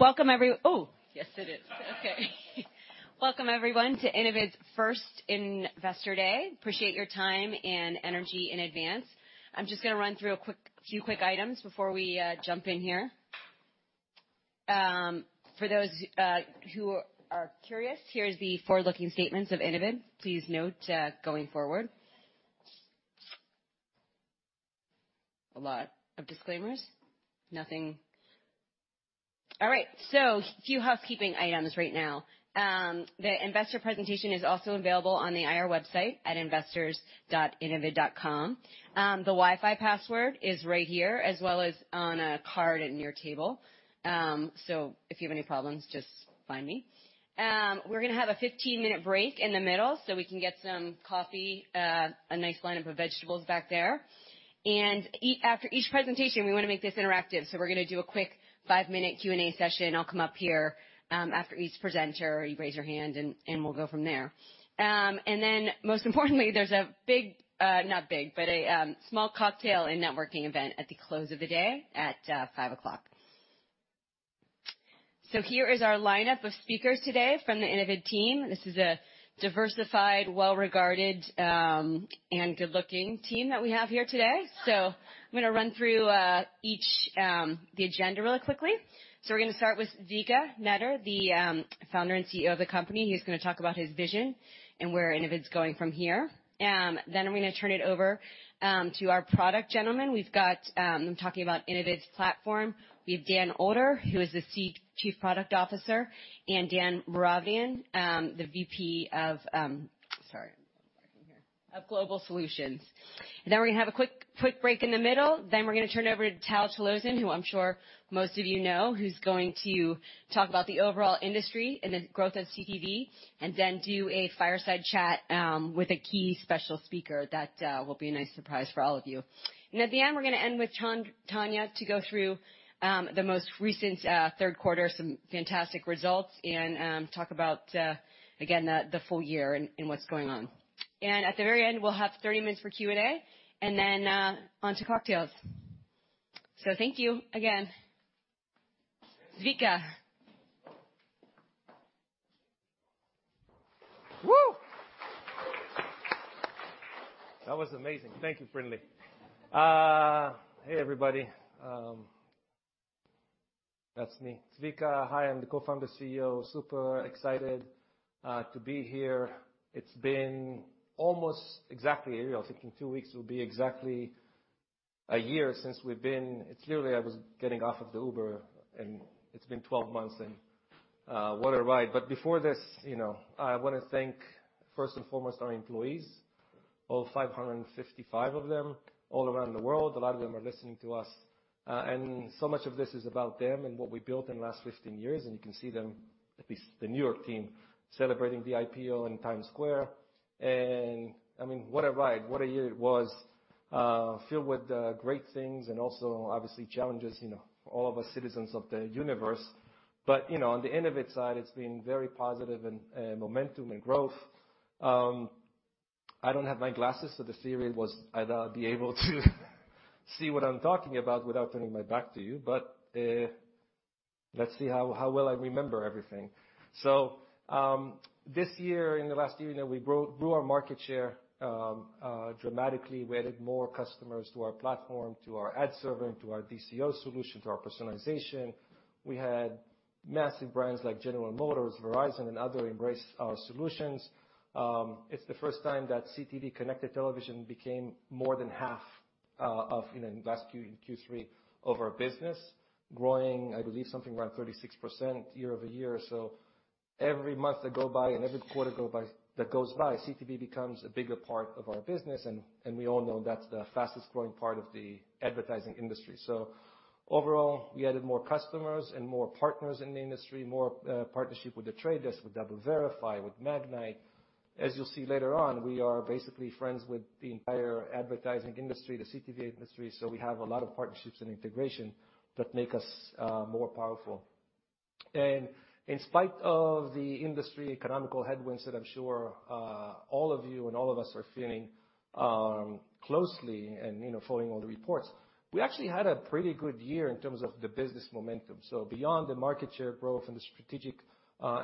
Welcome everyone to Innovid's first Investor Day. Appreciate your time and energy in advance. I'm just gonna run through a few quick items before we jump in here. For those who are curious, here's the forward-looking statements of Innovid. Please note going forward. A lot of disclaimers. All right. Few housekeeping items right now. The investor presentation is also available on the IR website at investors.innovid.com. The Wi-Fi password is right here, as well as on a card in your table. If you have any problems, just find me. We're gonna have a 15-minute break in the middle so we can get some coffee, a nice lineup of vegetables back there. After each presentation, we wanna make this interactive, so we're gonna do a quick five-minute Q&A session. I'll come up here after each presenter. You raise your hand and we'll go from there. Most importantly there's a small cocktail and networking event at the close of the day at 5:00 P.M. Here is our lineup of speakers today from the Innovid team. This is a diversified, well-regarded, and good-looking team that we have here today. I'm gonna run through the agenda really quickly. We're gonna start with Zvika Netter, the founder and CEO of the company. He's gonna talk about his vision and where Innovid's going from here. I'm gonna turn it over to our product gentleman. We've got talking about Innovid's platform. We have Dale Older, who is the Chief Product Officer, and Dan Mouradian, the VP of Global Client Solutions. We're gonna have a quick break in the middle. We're gonna turn it over to Tal Chalozin, who I'm sure most of you know, who's going to talk about the overall industry and the growth of CTV, and then do a fireside chat with a key special speaker that will be a nice surprise for all of you. At the end, we're gonna end with Tanya Andreev-Kaspin to go through the most recent third quarter, some fantastic results, and talk about again, the full year and what's going on. At the very end, we'll have 30 minutes for Q&A and then on to cocktails. Thank you again. Zvika Netter. Whoo. That was amazing. Thank you, Brinlea. Hey, everybody. That's me, Zvika. Hi, I'm the co-founder CEO. Super excited to be here. It's been almost exactly. I think in two weeks it will be exactly a year. It's literally I was getting off of the Uber, and it's been 12 months and what a ride. Before this, you know, I wanna thank first and foremost our employees, all 555 of them all around the world. A lot of them are listening to us. So much of this is about them and what we built in the last 15 years. You can see them, at least the New York team, celebrating the IPO in Times Square. I mean, what a ride, what a year it was. Filled with great things and also obviously challenges, you know, for all of us citizens of the universe. On the Innovid side, it's been very positive and momentum and growth. I don't have my glasses, so the theory was I'd be able to see what I'm talking about without turning my back to you. Let's see how well I remember everything. This year, in the last year, you know, we grew our market share dramatically. We added more customers to our platform, to our ad server, and to our DCO solution, to our Personalization. We had massive brands like General Motors, Verizon, and others embrace our solutions. It's the first time that CTV, connected television, became more than half of, you know, in Q3 of our business. Growing, I believe something around 36% year-over-year. Every month that goes by and every quarter that goes by, CTV becomes a bigger part of our business. We all know that's the fastest growing part of the advertising industry. Overall, we added more customers and more partners in the industry, more partnership with The Trade Desk, with DoubleVerify, with Magnite. As you'll see later on, we are basically friends with the entire advertising industry, the CTV industry, so we have a lot of partnerships and integration that make us more powerful. In spite of the industry economic headwinds that I'm sure all of you and all of us are feeling closely and you know following all the reports. We actually had a pretty good year in terms of the business momentum. Beyond the market share growth and the strategic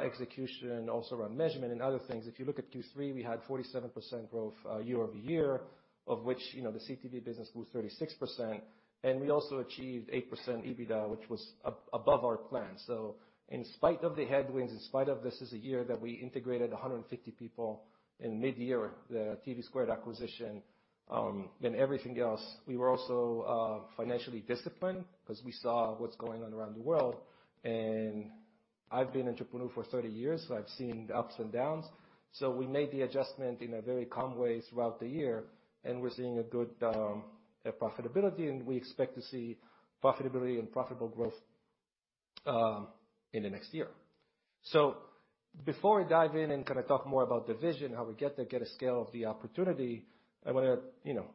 execution also around Measurement and other things, if you look at Q3, we had 47% growth year-over-year, of which, you know, the CTV business grew 36%. We also achieved 8% EBITDA, which was above our plan. In spite of the headwinds, in spite of this is a year that we integrated 150 people in midyear, the TVSquared acquisition, and everything else, we were also financially disciplined 'cause we saw what's going on around the world. I've been entrepreneur for 30 years, so I've seen the ups and downs. We made the adjustment in a very calm way throughout the year, and we're seeing a good profitability, and we expect to see profitability and profitable growth in the next year. Before I dive in and kinda talk more about the vision, how we get to get a scale of the opportunity, I wanna, you know,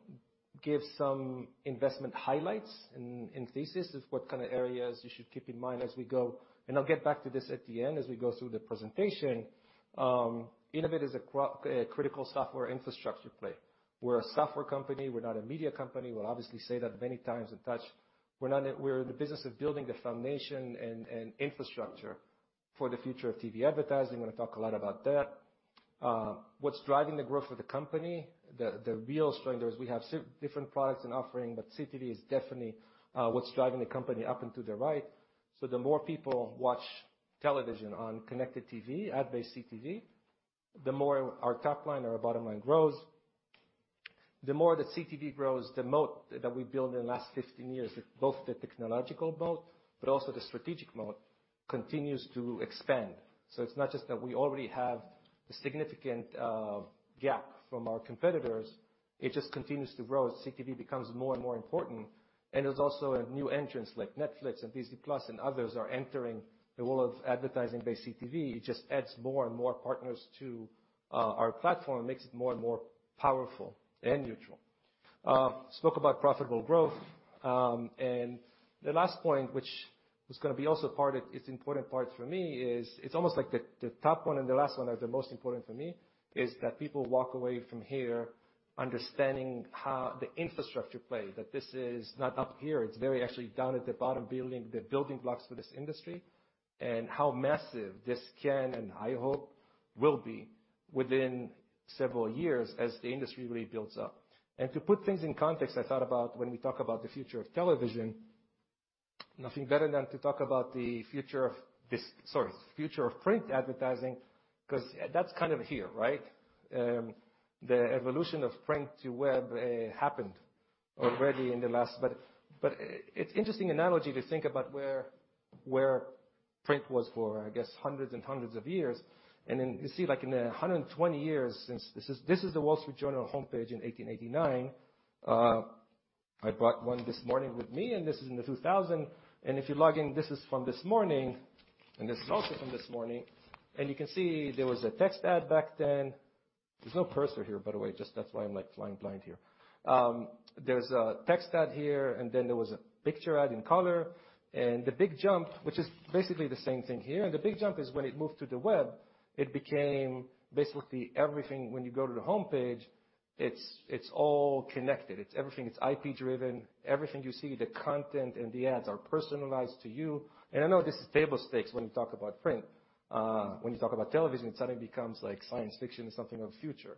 give some investment highlights and thesis of what kinda areas you should keep in mind as we go. I'll get back to this at the end as we go through the presentation. Innovid is a critical software infrastructure play. We're a software company. We're not a media company. We'll obviously say that many times and touch. We're in the business of building the foundation and infrastructure for the future of TV advertising. I'm gonna talk a lot about that. What's driving the growth of the company, the real strength is we have different products and offering, but CTV is definitely what's driving the company up and to the right. The more people watch television on connected TV, ad-based CTV, the more our top line or our bottom line grows. The more the CTV grows, the moat that we built in the last 15 years, both the technological moat but also the strategic moat, continues to expand. It's not just that we already have a significant gap from our competitors, it just continues to grow as CTV becomes more and more important. There's also new entrants like Netflix and Disney+ and others are entering the world of advertising by CTV. It just adds more and more partners to our platform. Makes it more and more powerful and neutral. Spoke about profitable growth. The last point, which was gonna be also part of. It's an important part for me. It's almost like the top one and the last one are the most important for me, that people walk away from here understanding how the infrastructure plays. That this is not up here. It's very actually down at the bottom building the building blocks for this industry. How massive this can, and I hope will be within several years as the industry really builds up. To put things in context, I thought about when we talk about the future of television. Nothing better than to talk about the future of print advertising, 'cause that's kind of here, right? The evolution of print to web happened already in the last. It's interesting analogy to think about where print was for, I guess, hundreds and hundreds of years. You see like in the 120 years since. This is The Wall Street Journal homepage in 1889. I brought one this morning with me. This is in the 2000s. If you log in, this is from this morning, and this is also from this morning. You can see there was a text ad back then. There's no cursor here, by the way. Just that's why I'm, like, flying blind here. There's a text ad here, and then there was a picture ad in color. The big jump, which is basically the same thing here. The big jump is when it moved to the web, it became basically everything. When you go to the homepage, it's all connected. It's everything. It's IP-driven. Everything you see, the content and the ads are personalized to you. I know this is table stakes when you talk about print. When you talk about television, it suddenly becomes like science fiction and something of the future.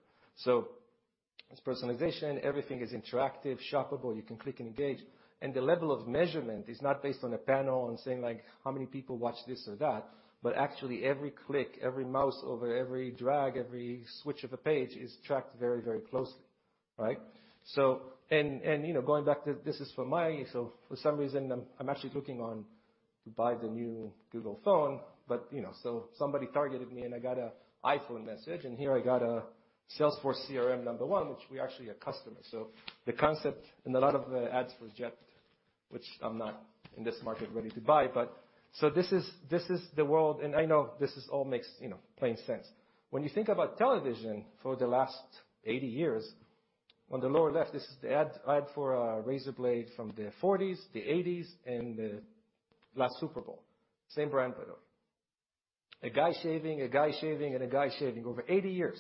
It's personalization. Everything is interactive, shoppable. You can click and engage. The level of Measurement is not based on a panel and saying, like, how many people watch this or that, but actually every click, every mouse over, every drag, every switch of a page is tracked very, very closely, right? You know, for some reason, I'm actually looking to buy the new Google phone. You know, somebody targeted me and I got an iPhone message, and here I got a Salesforce CRM number one, which we're actually a customer. The concept and a lot of the ads was for a jet, which I'm not in this market ready to buy but this is the world. I know this all makes, you know, plain sense. When you think about television for the last 80 years, on the lower left, this is the ad for a razor blade from the 1940s, the 1980s, and the last Super Bowl. Same brand by the way. A guy shaving, a guy shaving, and a guy shaving over 80 years.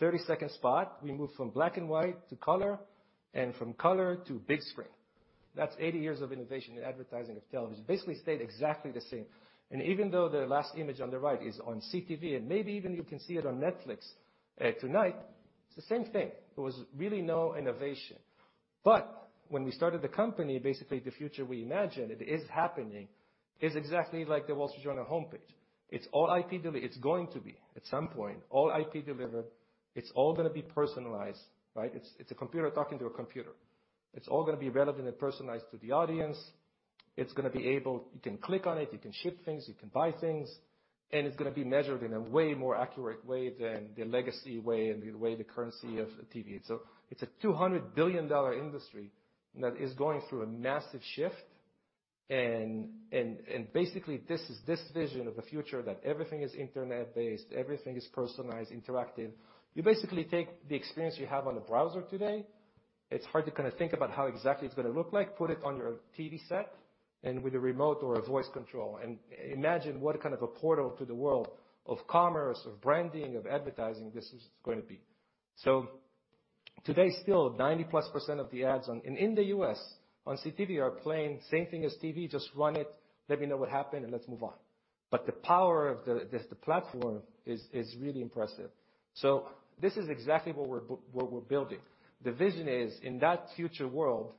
30-second spot, we moved from black and white to color, and from color to big screen. That's 80 years of innovation in advertising of television. Basically stayed exactly the same. Even though the last image on the right is on CTV, and maybe even you can see it on Netflix tonight, it's the same thing. There was really no innovation. When we started the company, basically the future we imagined, it is happening. It's exactly like The Wall Street Journal homepage. It's all IP. It's going to be at some point, all IP delivered. It's all gonna be personalized, right? It's a computer talking to a computer. It's all gonna be relevant and personalized to the audience. It's gonna be able. You can click on it, you can ship things, you can buy things. It's gonna be measured in a way more accurate way than the legacy way and the way the currency of TV. It's a $200 billion industry that is going through a massive shift. Basically this is this vision of the future that everything is internet-based, everything is personalized, interactive. You basically take the experience you have on a browser today. It's hard to kinda think about how exactly it's gonna look like. Put it on your TV set and with a remote or a voice control, and imagine what kind of a portal to the world of commerce, of branding, of advertising this is going to be. Today still, 90+% of the ads on and in the U.S. on CTV are playing same thing as TV. Just run it, let me know what happened, and let's move on. The power of the platform is really impressive. This is exactly what we're building. The vision is, in that future world,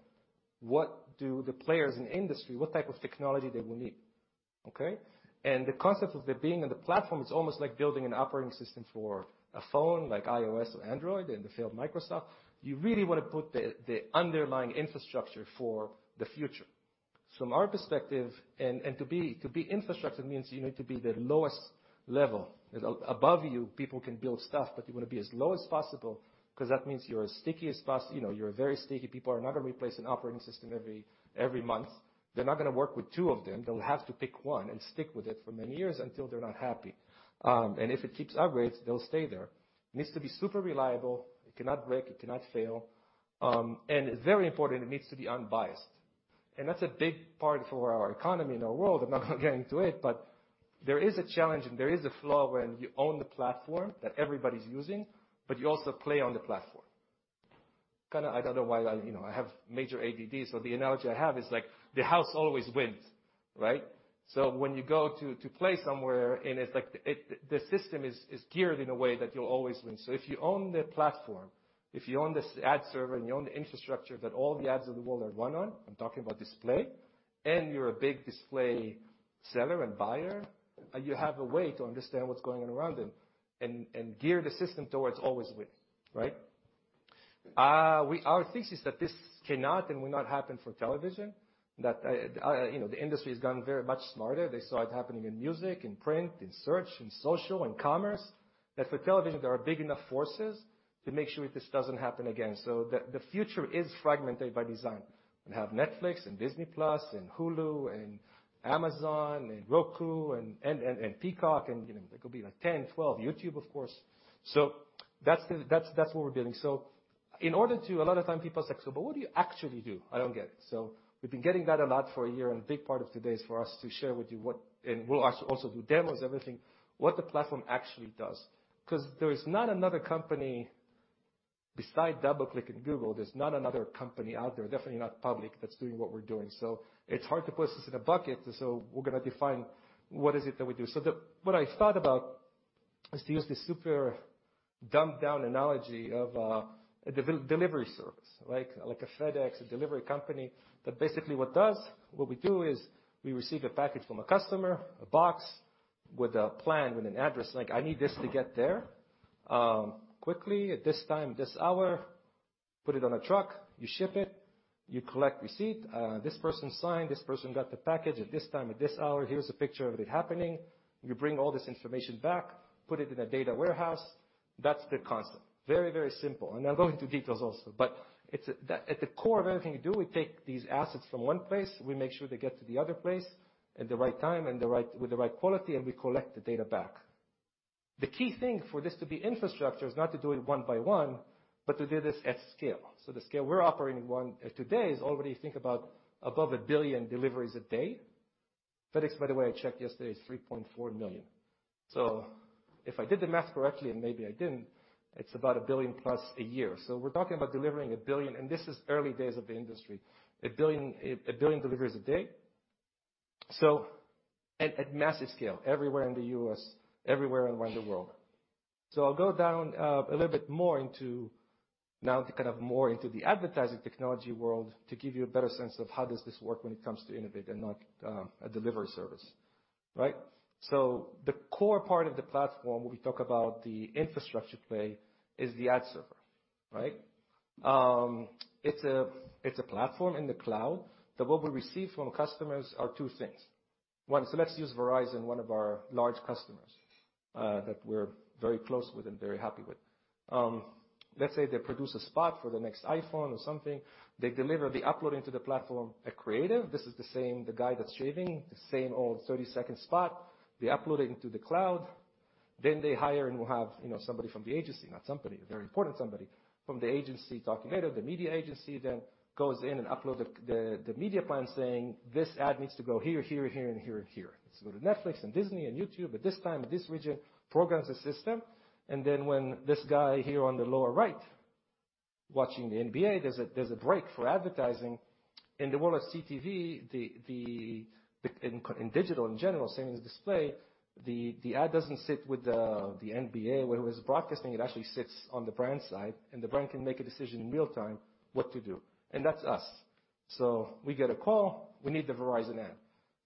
what do the players in the industry, what type of technology they will need, okay? The concept of being on the platform is almost like building an operating system for a phone like iOS or Android and the failed Microsoft. You really wanna put the underlying infrastructure for the future. From our perspective, to be infrastructure means you need to be the lowest level. Above you, people can build stuff, but you wanna be as low as possible 'cause that means you're as sticky as possible, you know, you're very sticky. People are not gonna replace an operating system every month. They're not gonna work with two of them. They'll have to pick one and stick with it for many years until they're not happy. If it keeps upgrading, they'll stay there. It needs to be super reliable. It cannot break, it cannot fail. It's very important, it needs to be unbiased. That's a big part for our economy and our world. I'm not gonna get into it, but there is a challenge and there is a flaw when you own the platform that everybody's using, but you also play on the platform. Kind of, I don't know why I you know, I have major ADD, so the analogy I have is, like, the house always wins, right? When you go to play somewhere, and it's like the system is geared in a way that you'll always win. If you own the platform, if you own the ad server, and you own the infrastructure that all the ads of the world are run on, I'm talking about display, and you're a big display seller and buyer, you have a way to understand what's going on around them and gear the system towards always winning, right? Our thesis that this cannot and will not happen for television. You know, the industry has gotten very much smarter. They saw it happening in music, in print, in search, in social, in commerce, that for television, there are big enough forces to make sure this doesn't happen again. The future is fragmented by design. We have Netflix and Disney+ and Hulu and Amazon and Roku and Peacock, and you know, there could be like 10, 12 platforms. YouTube, of course. That's what we're building. In order to a lot of time people say, "So but what do you actually do? I don't get it." We've been getting that a lot for a year, and a big part of today is for us to share with you what we'll also do demos, everything, what the platform actually does. 'Cause there is not another company beside DoubleClick and Google, there's not another company out there, definitely not public, that's doing what we're doing. It's hard to place us in a bucket, so we're gonna define what is it that we do. The What I thought about is to use the super dumbed-down analogy of a delivery service, like a FedEx, a delivery company, that basically what we do is we receive a package from a customer, a box with a plan, with an address. Like, I need this to get there, quickly at this time, this hour. Put it on a truck. You ship it. You collect receipt. This person signed. This person got the package at this time, at this hour. Here's a picture of it happening. You bring all this information back, put it in a data warehouse. That's the concept. Very, very simple. I'll go into details also. It's at the core of everything we do, we take these assets from one place, we make sure they get to the other place at the right time and the right. with the right quality, and we collect the data back. The key thing for this to be infrastructure is not to do it one by one, but to do this at scale. The scale we're operating on today is already, think about, above a billion deliveries a day. FedEx, by the way, I checked yesterday, is 3.4 million. If I did the math correctly, and maybe I didn't, it's about a billion plus a year. We're talking about delivering a billion, and this is early days of the industry, a billion deliveries a day. At massive scale, everywhere in the U.S., everywhere around the world. I'll go down a little bit more into now the kind of more into the advertising technology world to give you a better sense of how does this work when it comes to Innovid and not a delivery service, right? The core part of the platform, when we talk about the infrastructure play, is the ad server, right? It's a platform in the cloud that what we receive from customers are two things. One, so let's use Verizon, one of our large customers, that we're very close with and very happy with. Let's say they produce a spot for the next iPhone or something. They deliver the upload into the platform the creative. This is the same, the guy that's shaving, the same old 30-second spot. They upload it into the cloud. They hire and will have, you know, somebody from the agency. Not somebody, a very important somebody from the agency talk later. The media agency then goes in and upload the media plan saying, "This ad needs to go here, and here, and here, and here." Go to Netflix and Disney and YouTube at this time, at this region, programs the system, and then when this guy here on the lower right, watching the NBA, there's a break for advertising. In the world of CTV. In digital, in general, same as display, the ad doesn't sit with the NBA where it was broadcasting. It actually sits on the brand side, and the brand can make a decision in real-time what to do. That's us. We get a call. We need the Verizon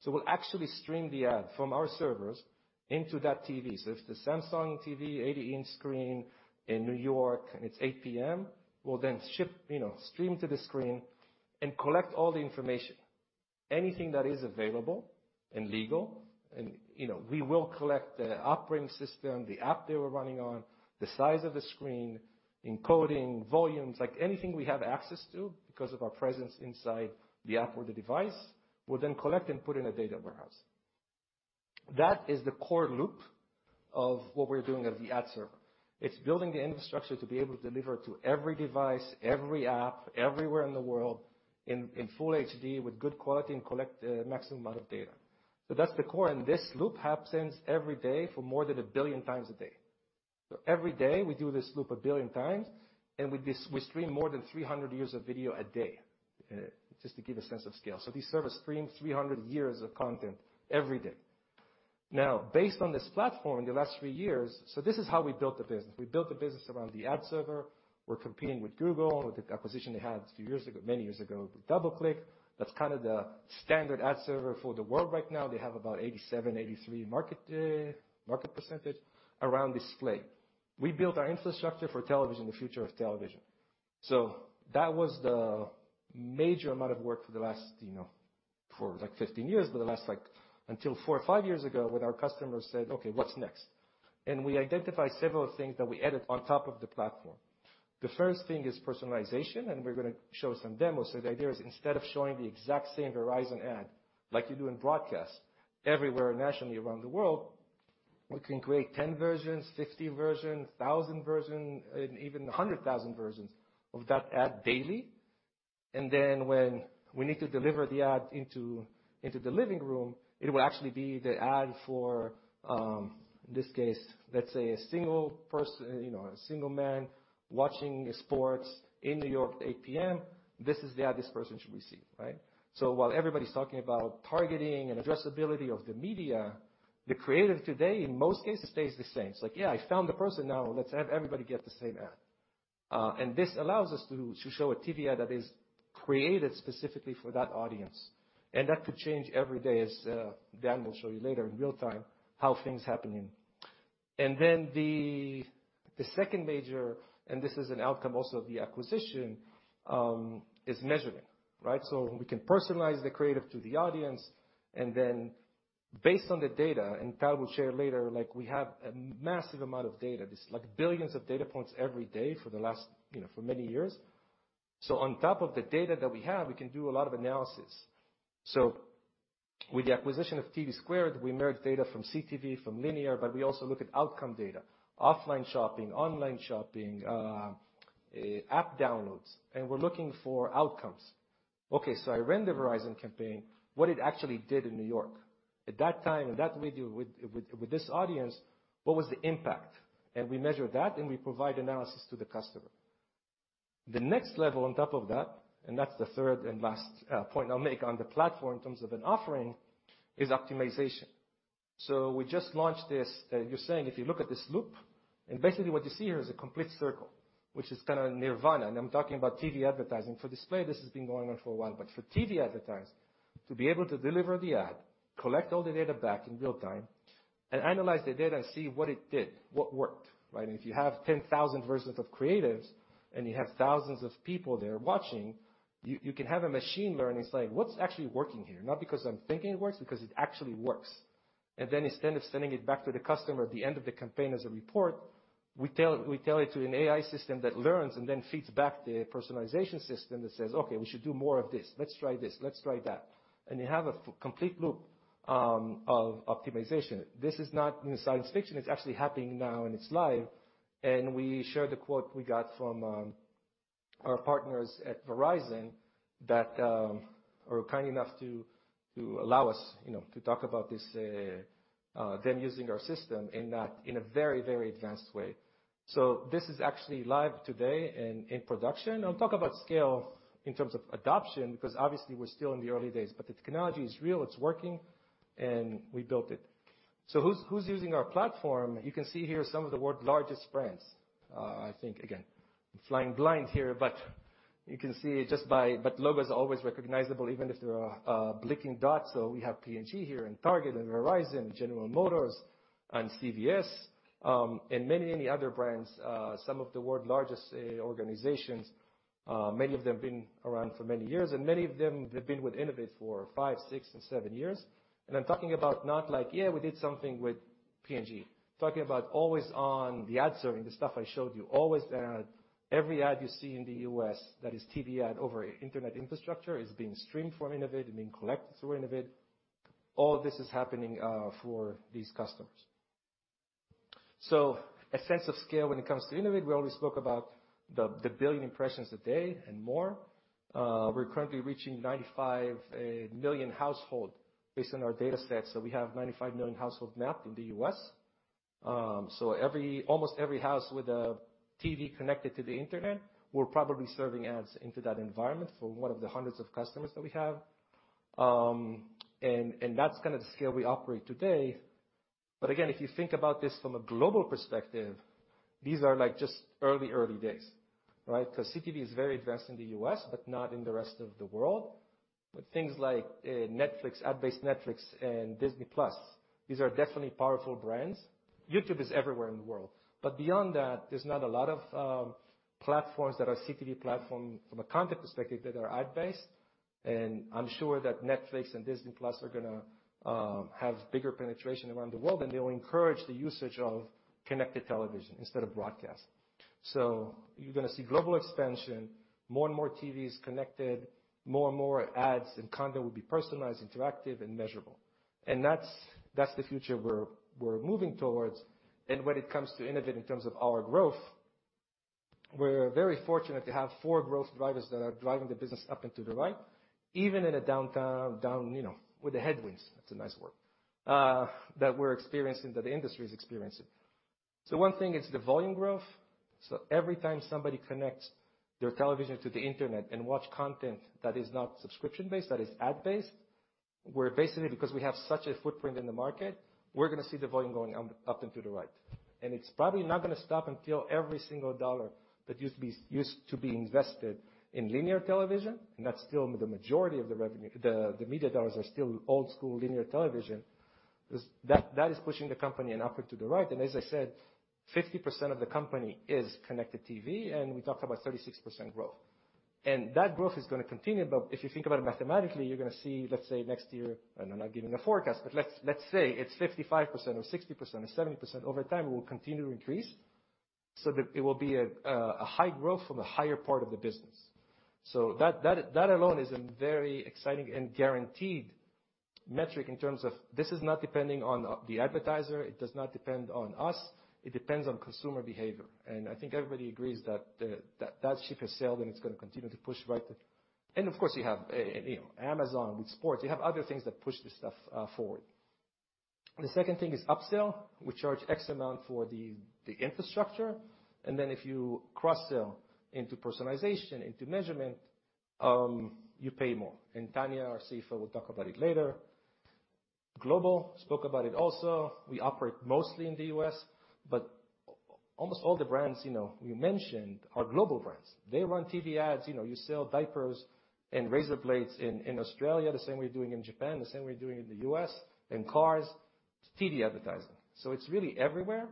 ad. We'll actually stream the ad from our servers into that TV. If the Samsung TV, 80-inch screen in New York and it's 8:00 P.M., we'll then stream to the screen and collect all the information. Anything that is available and legal and, you know, we will collect the operating system, the app they were running on, the size of the screen, encoding, volumes, like anything we have access to because of our presence inside the app or the device, we'll then collect and put in a data warehouse. That is the core loop of what we're doing at the ad server. It's building the infrastructure to be able to deliver to every device, every app, everywhere in the world in full HD with good quality and collect the maximum amount of data. That's the core, and this loop happens every day for more than 1 billion times a day. Every day we do this loop 1 billion times, and we stream more than 300 years of video a day, just to give a sense of scale. These servers stream 300 years of content every day. Now, based on this platform, the last three years. This is how we built the business. We built the business around the ad server. We're competing with Google with the acquisition they had a few years ago, many years ago, with DoubleClick. That's kind of the standard ad server for the world right now. They have about 87%, 83% market around display. We built our infrastructure for television, the future of television. That was the major amount of work for the last, you know, for like 15 years, but the last like until four or five years ago when our customers said, "Okay, what's next?" We identified several things that we added on top of the platform. The first thing is Personalization, and we're gonna show some demos. The idea is instead of showing the exact same Verizon ad like you do in broadcast everywhere nationally around the world, we can create 10 versions, 60 versions, 1,000 version, and even a 100,000 versions of that ad daily. Then when we need to deliver the ad into the living room, it will actually be the ad for, in this case, let's say a single person, you know, a single man watching sports in New York at 8:00 P.M. This is the ad this person should receive, right? While everybody's talking about targeting and addressability of the media, the creative today, in most cases, stays the same. It's like, yeah, I found the person, now let's have everybody get the same ad. This allows us to show a TV ad that is created specifically for that audience. That could change every day, as Dan will show you later in real time how things happening. The second major, and this is an outcome also of the acquisition, is measuring, right? We can personalize the creative to the audience, and then based on the data, and Tal will share later, like, we have a massive amount of data. This is like billions of data points every day for the last, you know, for many years. On top of the data that we have, we can do a lot of analysis. With the acquisition of TVSquared, we merge data from CTV, from linear, but we also look at outcome data, offline shopping, online shopping, app downloads, and we're looking for outcomes. I ran the Verizon campaign, what it actually did in New York. At that time, in that video, with this audience, what was the impact? We measure that, and we provide analysis to the customer. The next level on top of that, and that's the third and last point I'll make on the platform in terms of an offering, is optimization. We just launched this. You're seeing if you look at this loop, and basically what you see here is a complete circle, which is kind of nirvana. I'm talking about TV advertising. For display, this has been going on for a while. For TV advertisers to be able to deliver the ad, collect all the data back in real time, and analyze the data and see what it did, what worked, right? If you have 10,000 versions of creatives and you have thousands of people there watching, you can have a machine learning saying, "What's actually working here?" Not because I'm thinking it works, because it actually works. Then instead of sending it back to the customer at the end of the campaign as a report, we tell it to an AI system that learns and then feeds back the Personalization system that says, "Okay, we should do more of this. Let's try this. Let's try that." You have a feedback loop of optimization. This is not science fiction. It's actually happening now, and it's live. We share the quote we got from our partners at Verizon that are kind enough to, you know, to talk about this, them using our system in a very advanced way. This is actually live today and in production. I'll talk about scale in terms of adoption, because obviously we're still in the early days. The technology is real, it's working, and we built it. Who's using our platform? You can see here some of the world's largest brands. I think, again, I'm flying blind here, but you can see just by. Logos are always recognizable, even if there are blinking dots. We have P&G here, and Target, and Verizon, General Motors, and CVS, and many other brands. Some of the world's largest organizations, many of them been around for many years, and many of them, they've been with Innovid for five, six, and seven years. I'm talking about not like, "Yeah, we did something with P&G." Talking about always on the Ad Serving, the stuff I showed you, always there. Every ad you see in the U.S. that is TV ad over internet infrastructure is being streamed from Innovid and being collected through Innovid. All this is happening for these customers. A sense of scale when it comes to Innovid. We already spoke about the billion impressions a day and more. We're currently reaching 95 million household based on our data set. We have 95 million household mapped in the U.S. Almost every house with a TV connected to the internet, we're probably serving ads into that environment for one of the hundreds of customers that we have. And that's kind of the scale we operate today. But again, if you think about this from a global perspective, these are like just early days, right? 'Cause CTV is very advanced in the U.S., but not in the rest of the world. But things like Netflix, ad-based Netflix and Disney+, these are definitely powerful brands. YouTube is everywhere in the world. But beyond that, there's not a lot of platforms that are CTV platform from a content perspective that are ad-based. And I'm sure that Netflix and Disney+ are gonna have bigger penetration around the world, and they will encourage the usage of connected television instead of broadcast. You're gonna see global expansion, more and more TVs connected, more and more ads and content will be personalized, interactive, and measurable. That's the future we're moving towards. When it comes to Innovid in terms of our growth, we're very fortunate to have four growth drivers that are driving the business up and to the right, even in a downturn, you know, with the headwinds, that's a nice word, that we're experiencing, that the industry is experiencing. One thing is the volume growth. Every time somebody connects their television to the internet and watch content that is not subscription-based, that is ad-based, we're basically, because we have such a footprint in the market, we're gonna see the volume going up and to the right. It's probably not gonna stop until every single dollar that used to be invested in linear television, and that's still the majority of the revenue. The media dollars are still old-school linear television. That is pushing the company and upward to the right. As I said, 50% of the company is connected TV, and we talked about 36% growth. That growth is gonna continue, but if you think about it mathematically, you're gonna see, let's say next year, and I'm not giving a forecast, but let's say it's 55% or 60% or 70% over time, it will continue to increase, so that it will be a high growth from a higher part of the business. That alone is a very exciting and guaranteed metric in terms of this is not depending on the advertiser, it does not depend on us, it depends on consumer behavior. I think everybody agrees that ship has sailed, and it's gonna continue to push right. Of course, you have, you know, Amazon with sports. You have other things that push this stuff forward. The second thing is upsell. We charge X amount for the infrastructure, and then if you cross-sell into Personalization, into Measurement, you pay more. Tanya, our CFO, will talk about it later. Global spoke about it also. We operate mostly in the U.S., but almost all the brands, you know, we mentioned are global brands. They run TV ads. You know, you sell diapers and razor blades in Australia, the same way you're doing in Japan, the same way you're doing in the U.S., and cars, TV advertising. It's really everywhere.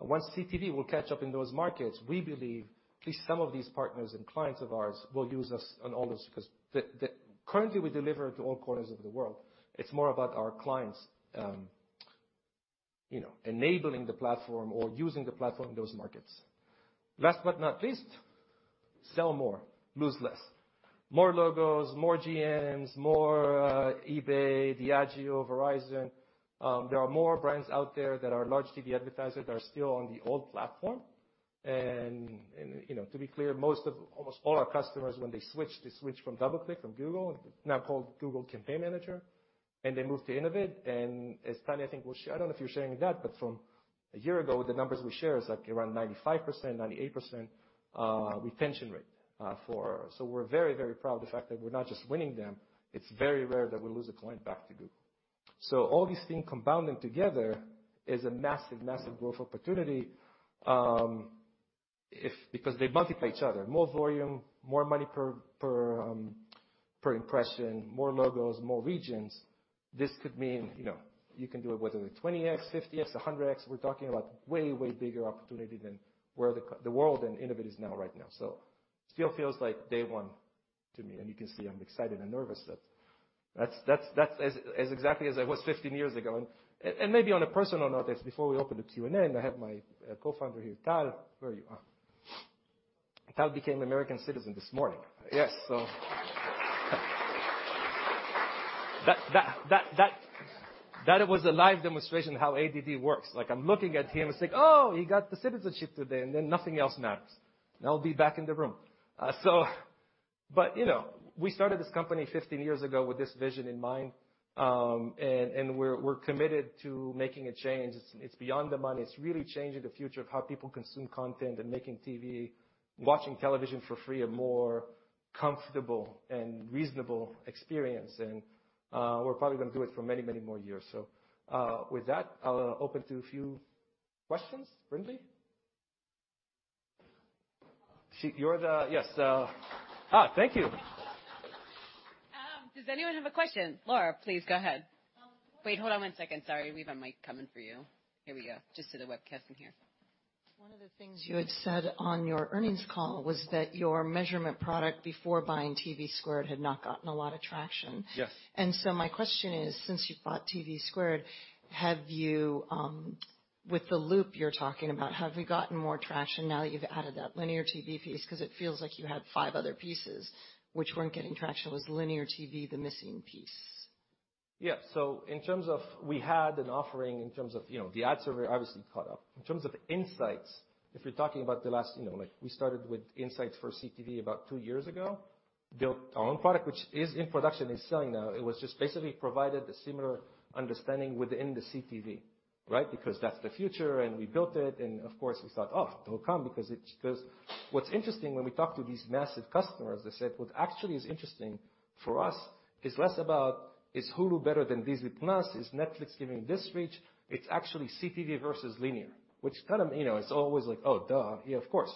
Once CTV will catch up in those markets, we believe at least some of these partners and clients of ours will use us on all those because. Currently we deliver to all corners of the world. It's more about our clients, you know, enabling the platform or using the platform in those markets. Last but not least, sell more, lose less. More logos, more GMs, more eBay, Diageo, Verizon. There are more brands out there that are large TV advertisers that are still on the old platform. You know, to be clear, most of almost all our customers when they switch from DoubleClick, from Google, now called Google Campaign Manager, and they move to Innovid. As Tanya, I think I don't know if you're sharing that, but from a year ago, the numbers we share is like around 95%, 98% retention rate. We're very, very proud of the fact that we're not just winning them. It's very rare that we lose a client back to Google. All these things compounding together is a massive growth opportunity, because they multiply each other. More volume, more money per impression, more logos, more regions. This could mean, you know, you can do it whether it be 20x, 50x, 100x. We're talking about way bigger opportunity than where the CTV world and Innovid is now right now. So still feels like day one to me, and you can see I'm excited and nervous that. That's as exactly as I was 15 years ago. Maybe on a personal note before we open to Q&A, and I have my co-founder here, Tal. Where are you? Tal became an American citizen this morning. Yes. So that was a live demonstration how ADD works. Like, I'm looking at him, it's like, "Oh, he got the citizenship today," and then nothing else matters. Now I'll be back in the room. But you know, we started this company 15 years ago with this vision in mind, and we're committed to making a change. It's beyond the money. It's really changing the future of how people consume content and making TV, watching television for free a more comfortable and reasonable experience. We're probably gonna do it for many, many more years. With that, I'll open to a few questions. Brinlea? Yes, thank you. Does anyone have a question? Laura, please go ahead. Um. Wait, hold on one second. Sorry. We have a mic coming for you. Here we go. Just to the webcast in here. One of the things you had said on your earnings call was that your Measurement product before buying TVSquared had not gotten a lot of traction. Yes. My question is, since you've bought TVSquared, have you, with the loop you're talking about, have you gotten more traction now that you've added that linear TV piece? 'Cause it feels like you had five other pieces which weren't getting traction. Was linear TV the missing piece? Yeah. In terms of we had an offering in terms of, you know, the ad server obviously caught up. In terms of insights, if you're talking about the last, you know, like we started with insights for CTV about two years ago, built our own product, which is in production, it's selling now. It was just basically provided a similar understanding within the CTV, right? Because that's the future, and we built it, and of course, we thought, "Oh, it'll come," because what's interesting when we talk to these massive customers, they said, "What actually is interesting for us is less about, is Hulu better than Disney+? Is Netflix giving this reach? It's actually CTV versus linear." Which kind of, you know, it's always like, "Oh, duh. Yeah, of course.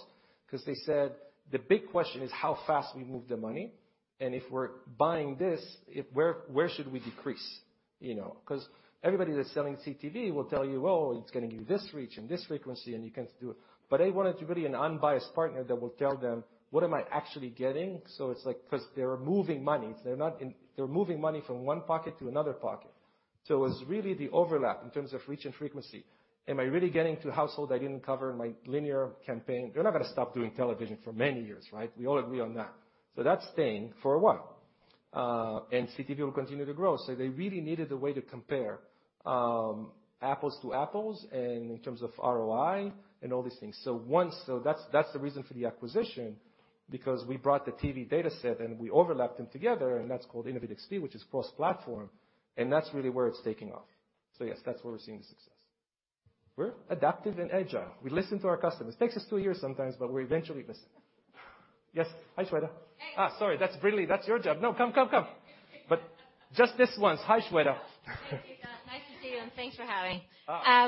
'Cause they said, "The big question is how fast we move the money, and if we're buying this, where should we decrease?" You know. 'Cause everybody that's selling CTV will tell you, "Oh, it's gonna give you this reach and this frequency, and you can do it." They wanted really an unbiased partner that will tell them, "What am I actually getting?" It's like, 'cause they're moving money. They're moving money from one pocket to another pocket. It was really the overlap in terms of reach and frequency. Am I really getting to a household I didn't cover in my linear campaign? They're not gonna stop doing television for many years, right? We all agree on that. That's staying for a while, and CTV will continue to grow. They really needed a way to compare Apples to Apples and in terms of ROI and all these things. That's the reason for the acquisition, because we brought the TV data set and we overlapped them together, and that's called InnovidXP, which is cross-platform, and that's really where it's taking off. Yes, that's where we're seeing the success. We're adaptive and agile. We listen to our customers. Takes us two years sometimes, but we eventually listen. Yes. Hi, Shweta. Hey. Sorry. That's Brinlea. That's your job. No, come. Just this once. Hi, Shweta. Thank you, Zvika. Nice to see you, and thanks for having. Ah.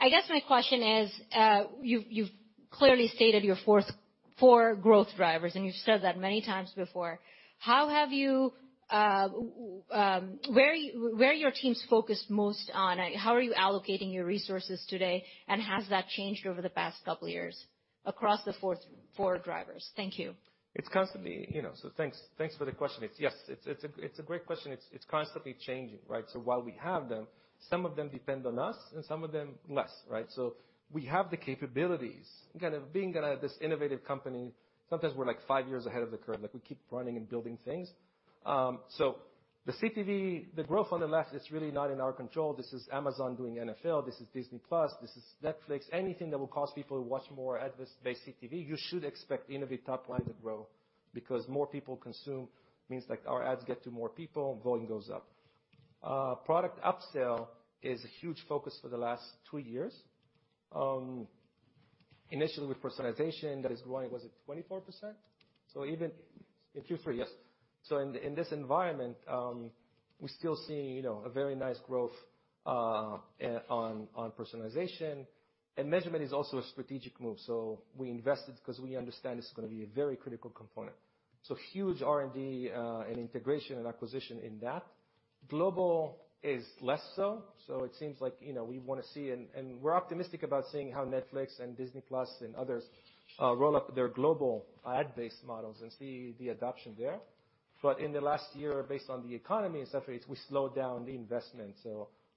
I guess my question is, you've clearly stated your four growth drivers, and you've said that many times before. Where are your teams focused most on? How are you allocating your resources today, and has that changed over the past couple of years across the four drivers? Thank you. It's constantly. Thanks for the question. It's a great question. It's constantly changing, right? While we have them, some of them depend on us and some of them less, right? We have the capabilities. Kind of being kinda this innovative company, sometimes we're like five years ahead of the curve. Like, we keep running and building things. The CTV, the growth on the left is really not in our control. This is Amazon doing NFL, this is Disney+, this is Netflix. Anything that will cause people to watch more ad-based CTV, you should expect Innovid top line to grow because more people consume means that our ads get to more people, volume goes up. Product upsell is a huge focus for the last two years. Initially with Personalization that is growing. Was it 24%? Even in Q3, yes. In this environment, we're still seeing, you know, a very nice growth on Personalization. Measurement is also a strategic move. We invested because we understand this is gonna be a very critical component. Huge R&D and integration and acquisition in that. Global is less so. It seems like, you know, we wanna see and we're optimistic about seeing how Netflix and Disney+ and others roll up their global ad-based models and see the adoption there. In the last year, based on the economy and such things, we slowed down the investment.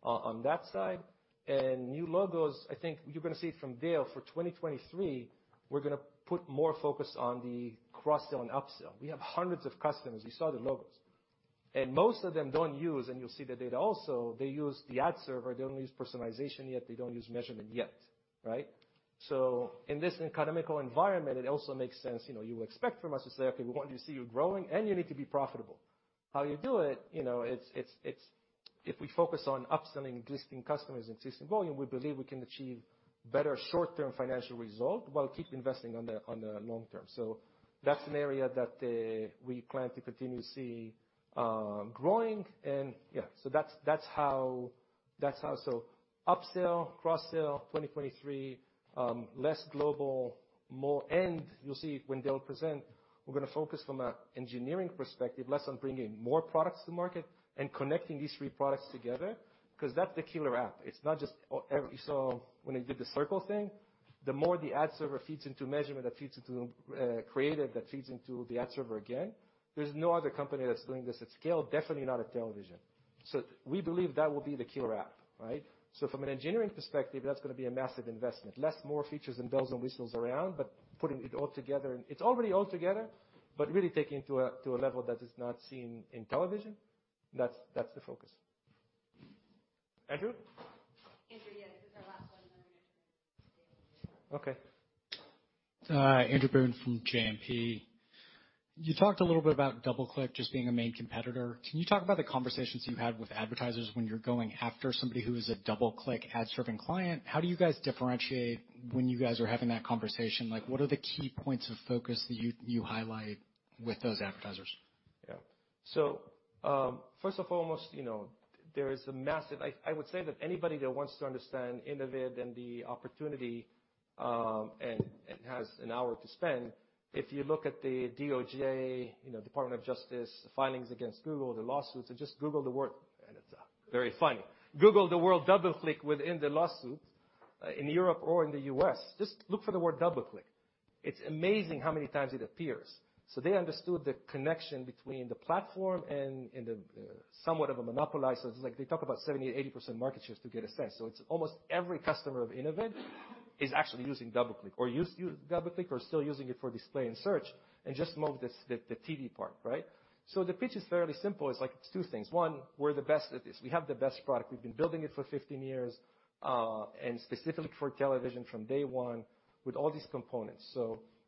On that side. New logos, I think you're gonna see it from Dale for 2023, we're gonna put more focus on the cross-sell and upsell. We have hundreds of customers. We saw the logos, and most of them don't use, and you'll see the data also. They use the ad server, they don't use Personalization yet, they don't use Measurement yet. Right? In this economic environment, it also makes sense. You know, you expect from us to say, "Okay, we want to see you growing and you need to be profitable." How you do it, you know, it's. If we focus on upselling existing customers and existing volume, we believe we can achieve better short-term financial result while keep investing on the long term. That's an area that we plan to continue to see growing. Yeah, that's how. Upsell, cross-sell 2023, less global, more end. You'll see when Dale present, we're gonna focus from an engineering perspective, less on bringing more products to market and connecting these three products together, 'cause that's the killer app. It's not just. When he did the circle thing, the more the ad server feeds into Measurement, that feeds into creative, that feeds into the ad server again. There's no other company that's doing this at scale, definitely not at television. We believe that will be the killer app, right? From an engineering perspective, that's gonna be a massive investment. Less, more features and bells and whistles around, but putting it all together and it's already all together, but really taking it to a level that is not seen in television. That's the focus. Andrew? Andrew, yeah. This is our last one, and then we're gonna Okay. Andrew Boone from JMP. You talked a little bit about DoubleClick just being a main competitor. Can you talk about the conversations you had with advertisers when you're going after somebody who is a DoubleClick Ad Serving client? How do you guys differentiate when you guys are having that conversation? Like, what are the key points of focus that you highlight with those advertisers? Yeah. First and foremost, you know, there is a massive. I would say that anybody that wants to understand Innovid and the opportunity, and has an hour to spend, if you look at the DOJ, you know, Department of Justice filings against Google, the lawsuits, and just Google the word. It's very funny. Google the word DoubleClick within the lawsuit, in Europe or in the US. Just look for the word DoubleClick. It's amazing how many times it appears. They understood the connection between the platform and the somewhat of a monopoly. It's like they talk about 70%-80% market shares to get a sense. It's almost every customer of Innovid is actually using DoubleClick or used DoubleClick or still using it for display and search, and just move the TV part, right? The pitch is fairly simple. It's like two things. One, we're the best at this. We have the best product. We've been building it for 15 years, and specifically for television from day one with all these components.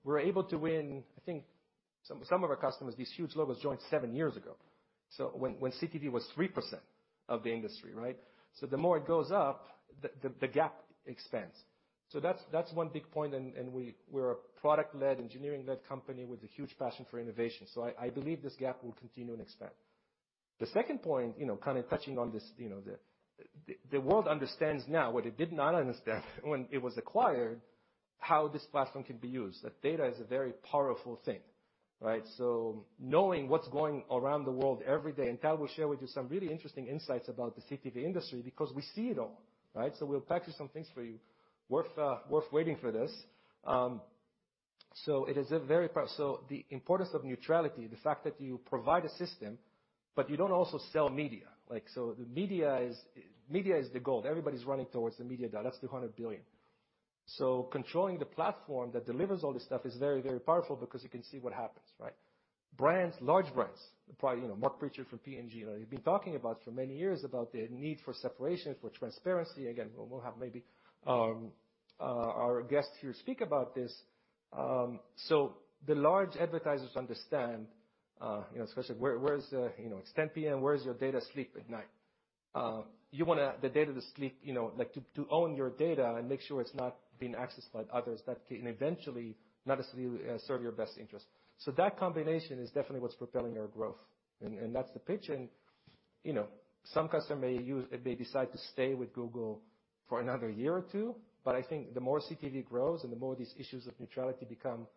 We're able to win. I think some of our customers, these huge logos, joined seven years ago. When CTV was 3% of the industry, right? The more it goes up, the gap expands. That's one big point, and we're a product-led, engineering-led company with a huge passion for innovation. I believe this gap will continue and expand. The second point, you know, kind of touching on this, you know, the world understands now what it did not understand when it was acquired, how this platform can be used. That data is a very powerful thing, right? Knowing what's going on around the world every day, and Tal will share with you some really interesting insights about the CTV industry because we see it all, right? We'll present some things for you. It's worth waiting for this. The importance of neutrality, the fact that you provide a system, but you don't also sell media. The media is the gold. Everybody's running towards the media dollar. That's $200 billion. Controlling the platform that delivers all this stuff is very, very powerful because you can see what happens, right? Brands, large brands, probably, you know, Marc Pritchard from P&G, you know, you've been talking about for many years about the need for separation, for transparency. Again, we'll have maybe our guests here speak about this. The large advertisers understand, you know, especially where is the, you know, it's 10:00 P.M., where is your data sleep at night. You wanna the data to sleep, you know, like to own your data and make sure it's not being accessed by others that can eventually not necessarily serve your best interest. That combination is definitely what's propelling our growth. That's the pitch. You know, some customer may use it, may decide to stay with Google for another year or two. I think the more CTV grows and the more these issues of neutrality become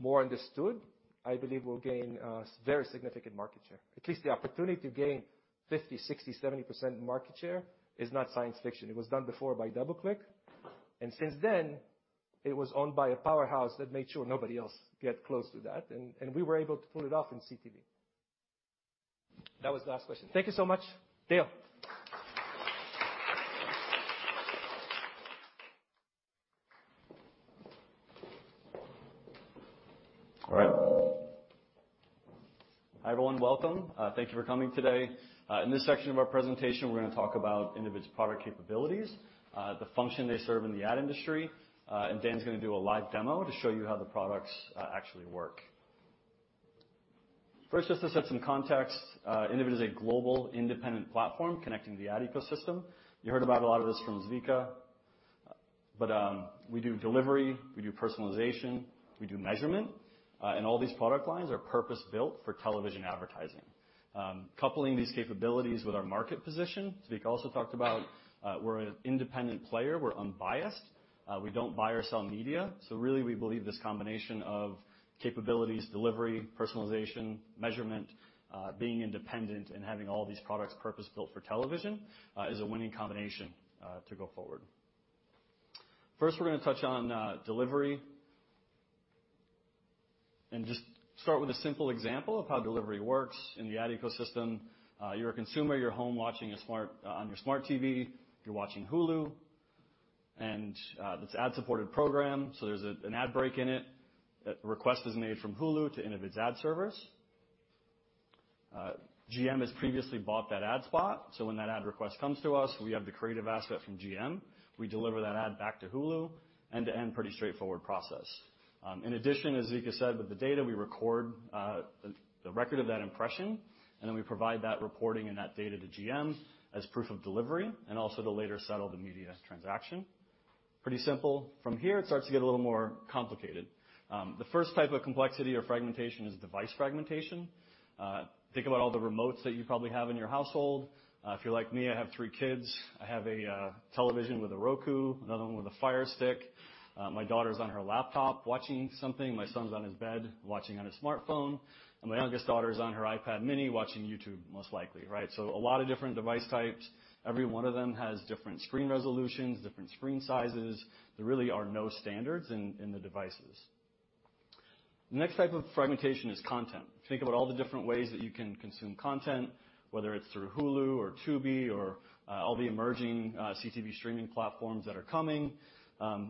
more understood, I believe we'll gain a very significant market share. At least the opportunity to gain 50, 60, 70% market share is not science fiction. It was done before by DoubleClick, and since then it was owned by a powerhouse that made sure nobody else get close to that. We were able to pull it off in CTV. That was the last question. Thank you so much. Dale. All right. Hi, everyone. Welcome. Thank you for coming today. In this section of our presentation, we're gonna talk about Innovid's product capabilities, the function they serve in the ad industry, and Dan's gonna do a live demo to show you how the products actually work. First, just to set some context, Innovid is a global independent platform connecting the ad ecosystem. You heard about a lot of this from Zvika. We do delivery, we do Personalization, we do Measurement. All these product lines are purpose-built for television advertising. Coupling these capabilities with our market position, Zvika also talked about, we're an independent player. We're unbiased. We don't buy or sell media. Really we believe this combination of capabilities, delivery, Personalization, Measurement, being independent and having all these products purpose-built for television, is a winning combination to go forward. First we're gonna touch on delivery. Just start with a simple example of how delivery works in the ad ecosystem. You're a consumer, you're home watching on your smart TV. You're watching Hulu, and this ad-supported program, so there's an ad break in it. A request is made from Hulu to Innovid's ad servers. GM has previously bought that ad spot, so when that ad request comes to us, we have the creative asset from GM. We deliver that ad back to Hulu, end to end, pretty straightforward process. In addition, as Zvika said, with the data we record, the record of that impression, and then we provide that reporting and that data to GM as proof of delivery and also to later settle the media transaction. Pretty simple. From here, it starts to get a little more complicated. The first type of complexity or fragmentation is device fragmentation. Think about all the remotes that you probably have in your household. If you're like me, I have three kids. I have a television with a Roku, another one with a Fire Stick. My daughter's on her laptop watching something, my son's on his bed watching on his smartphone, and my youngest daughter is on her iPad mini watching YouTube, most likely, right? So a lot of different device types. Every one of them has different screen resolutions, different screen sizes. There really are no standards in the devices. The next type of fragmentation is content. Think about all the different ways that you can consume content, whether it's through Hulu or Tubi or all the emerging CTV streaming platforms that are coming.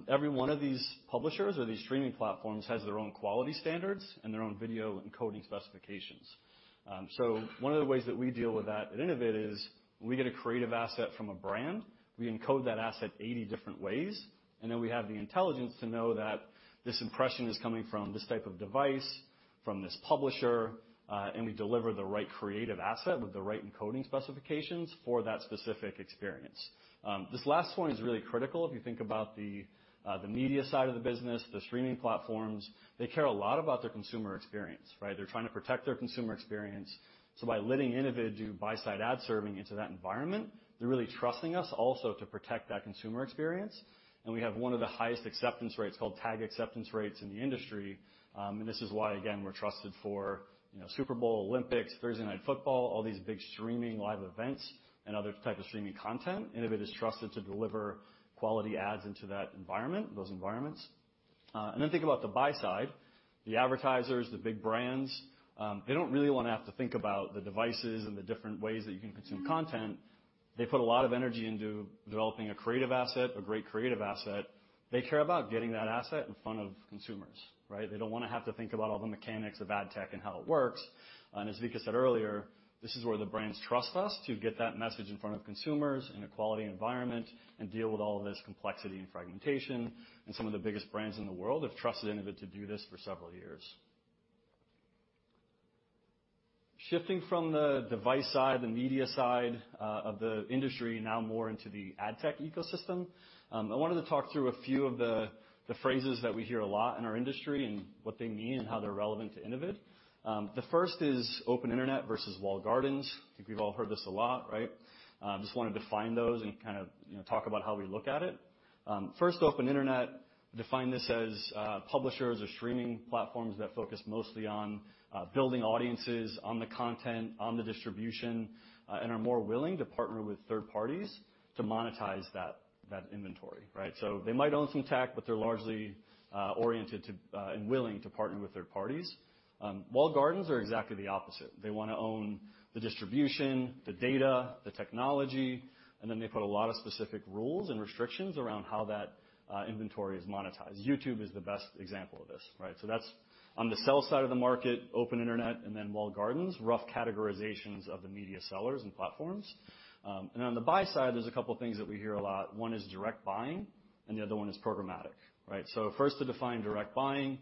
Every one of these publishers or these streaming platforms has their own quality standards and their own video encoding specifications. One of the ways that we deal with that at Innovid is we get a creative asset from a brand. We encode that asset 80 different ways, and then we have the intelligence to know that this impression is coming from this type of device, from this publisher, and we deliver the right creative asset with the right encoding specifications for that specific experience. This last point is really critical. If you think about the media side of the business, the streaming platforms, they care a lot about their consumer experience, right? They're trying to protect their consumer experience. By letting Innovid do buy side Ad Serving into that environment, they're really trusting us also to protect that consumer experience. We have one of the highest acceptance rates, called tag acceptance rates, in the industry. This is why, again, we're trusted for, you know, Super Bowl, Olympics, Thursday Night Football, all these big streaming live events and other type of streaming content. Innovid is trusted to deliver quality ads into that environment, those environments. Think about the buy side, the advertisers, the big brands. They don't really wanna have to think about the devices and the different ways that you can consume content. They put a lot of energy into developing a creative asset, a great creative asset. They care about getting that asset in front of consumers, right? They don't wanna have to think about all the mechanics of ad tech and how it works. As Zvika said earlier, this is where the brands trust us to get that message in front of consumers in a quality environment and deal with all of this complexity and fragmentation. Some of the biggest brands in the world have trusted Innovid to do this for several years. Shifting from the device side, the media side, of the industry, now more into the ad tech ecosystem, I wanted to talk through a few of the phrases that we hear a lot in our industry and what they mean and how they're relevant to Innovid. The first is open internet versus walled gardens. I think we've all heard this a lot, right? Just want to define those and kind of, you know, talk about how we look at it. First, open internet, define this as publishers or streaming platforms that focus mostly on building audiences on the content, on the distribution, and are more willing to partner with third parties to monetize that inventory, right? They might own some tech, but they're largely oriented to and willing to partner with third parties. Walled gardens are exactly the opposite. They wanna own the distribution, the data, the technology, and then they put a lot of specific rules and restrictions around how that inventory is monetized. YouTube is the best example of this, right? That's on the sell side of the market, open internet, and then walled gardens, rough categorizations of the media sellers and platforms. On the buy side, there's a couple things that we hear a lot. One is direct buying, and the other one is programmatic, right? First to define direct buying,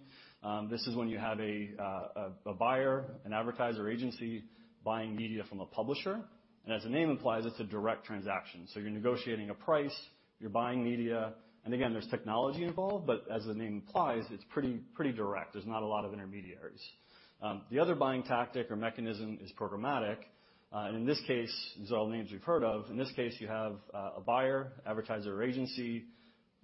this is when you have a buyer, an advertiser or agency buying media from a publisher. As the name implies, it's a direct transaction. You're negotiating a price, you're buying media, and again, there's technology involved, but as the name implies, it's pretty direct. There's not a lot of intermediaries. The other buying tactic or mechanism is programmatic. In this case, these are all names we've heard of. In this case, you have a buyer, advertiser or agency.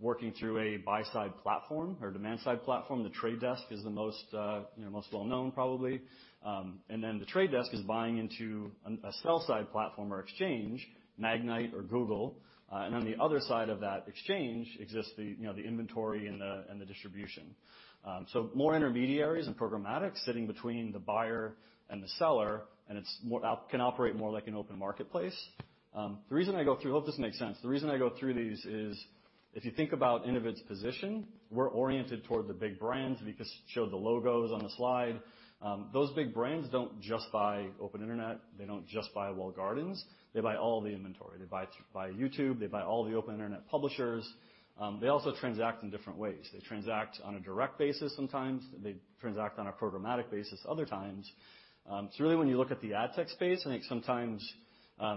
Working through a buy-side platform or demand-side platform, The Trade Desk is the most well-known probably. And then The Trade Desk is buying into a sell-side platform or exchange, Magnite or Google. And on the other side of that exchange exists the inventory and the distribution. So more intermediaries and programmatic sitting between the buyer and the seller, and it can operate more like an open marketplace. I hope this makes sense. The reason I go through these is if you think about Innovid's position, we're oriented toward the big brands. We just showed the logos on the slide. Those big brands don't just buy open Internet, they don't just buy walled gardens, they buy all the inventory. They buy YouTube. They buy all the open Internet publishers. They also transact in different ways. They transact on a direct basis sometimes, they transact on a programmatic basis other times. Really when you look at the ad tech space, I think sometimes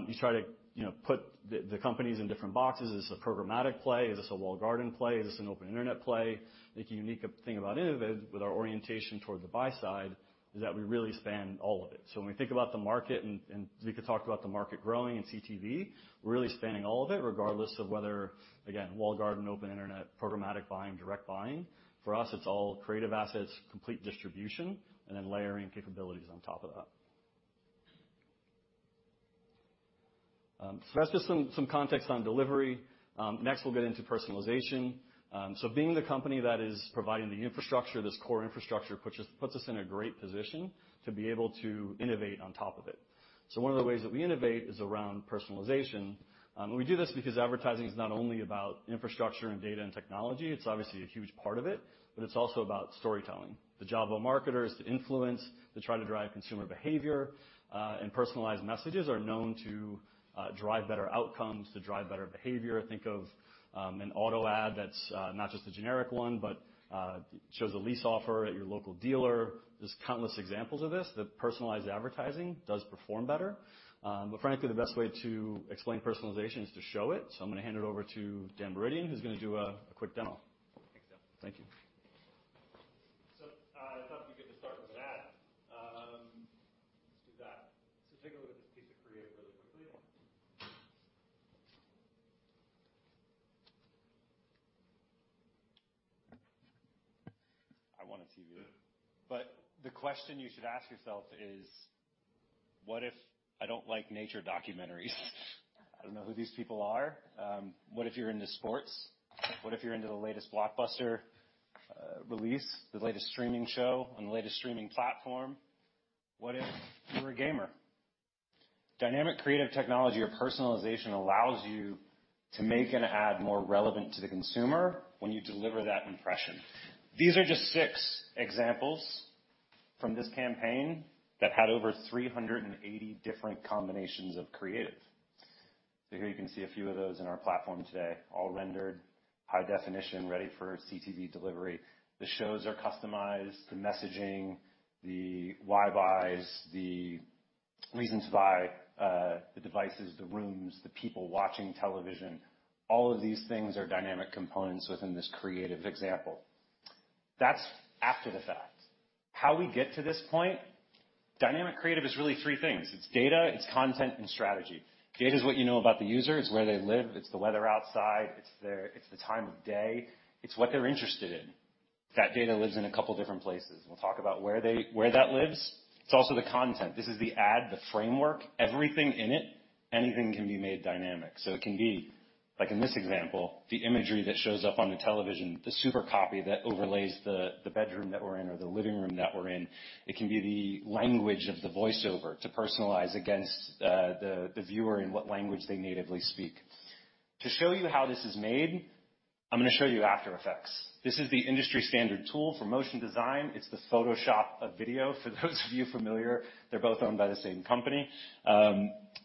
you try to, you know, put the companies in different boxes. Is this a programmatic play? Is this a walled garden play? Is this an open Internet play? I think a unique thing about Innovid with our orientation toward the buy side is that we really span all of it. When we think about the market, and Zvika talked about the market growing in CTV, we're really spanning all of it, regardless of whether, again, walled garden, open Internet, programmatic buying, direct buying. For us, it's all creative assets, complete distribution, and then layering capabilities on top of that. That's just some context on delivery. Next, we'll get into Personalization. Being the company that is providing the infrastructure, this core infrastructure, puts us in a great position to be able to innovate on top of it. One of the ways that we innovate is around Personalization. We do this because advertising is not only about infrastructure and data and technology, it's obviously a huge part of it, but it's also about storytelling. The job of a marketer is to influence, to try to drive consumer behavior, and personalized messages are known to drive better outcomes, to drive better behavior. Think of an auto ad that's not just a generic one, but shows a lease offer at your local dealer. There's countless examples of this, that personalized advertising does perform better. Frankly, the best way to explain Personalization is to show it. I'm gonna hand it over to Dan Mouradian, who's gonna do a quick demo. Thanks, Dan. Thank you. I thought we could just start with that. Let's do that. Take a look at this piece of creative really quickly. I want a TV. The question you should ask yourself is, what if I don't like nature documentaries? I don't know who these people are. What if you're into sports? What if you're into the latest blockbuster release, the latest streaming show on the latest streaming platform? What if you're a gamer? Dynamic creative technology or Personalization allows you to make an ad more relevant to the consumer when you deliver that impression. These are just six examples from this campaign that had over 380 different combinations of creative. Here you can see a few of those in our platform today, all rendered high definition, ready for CTV delivery. The shows are customized, the messaging, the why buys, the reasons why, the devices, the rooms, the people watching television, all of these things are dynamic components within this creative example. That's after the fact. How we get to this point, dynamic creative is really three things. It's data, it's content, and strategy. Data is what you know about the user. It's where they live, it's the weather outside, it's the time of day. It's what they're interested in. That data lives in a couple different places. We'll talk about where that lives. It's also the content. This is the ad, the framework, everything in it, anything can be made dynamic. It can be, like in this example, the imagery that shows up on the television, the super copy that overlays the bedroom that we're in or the living room that we're in. It can be the language of the voiceover to personalize against the viewer in what language they natively speak. To show you how this is made, I'm gonna show you After Effects. This is the industry-standard tool for motion design. It's the Photoshop of video. For those of you familiar, they're both owned by the same company.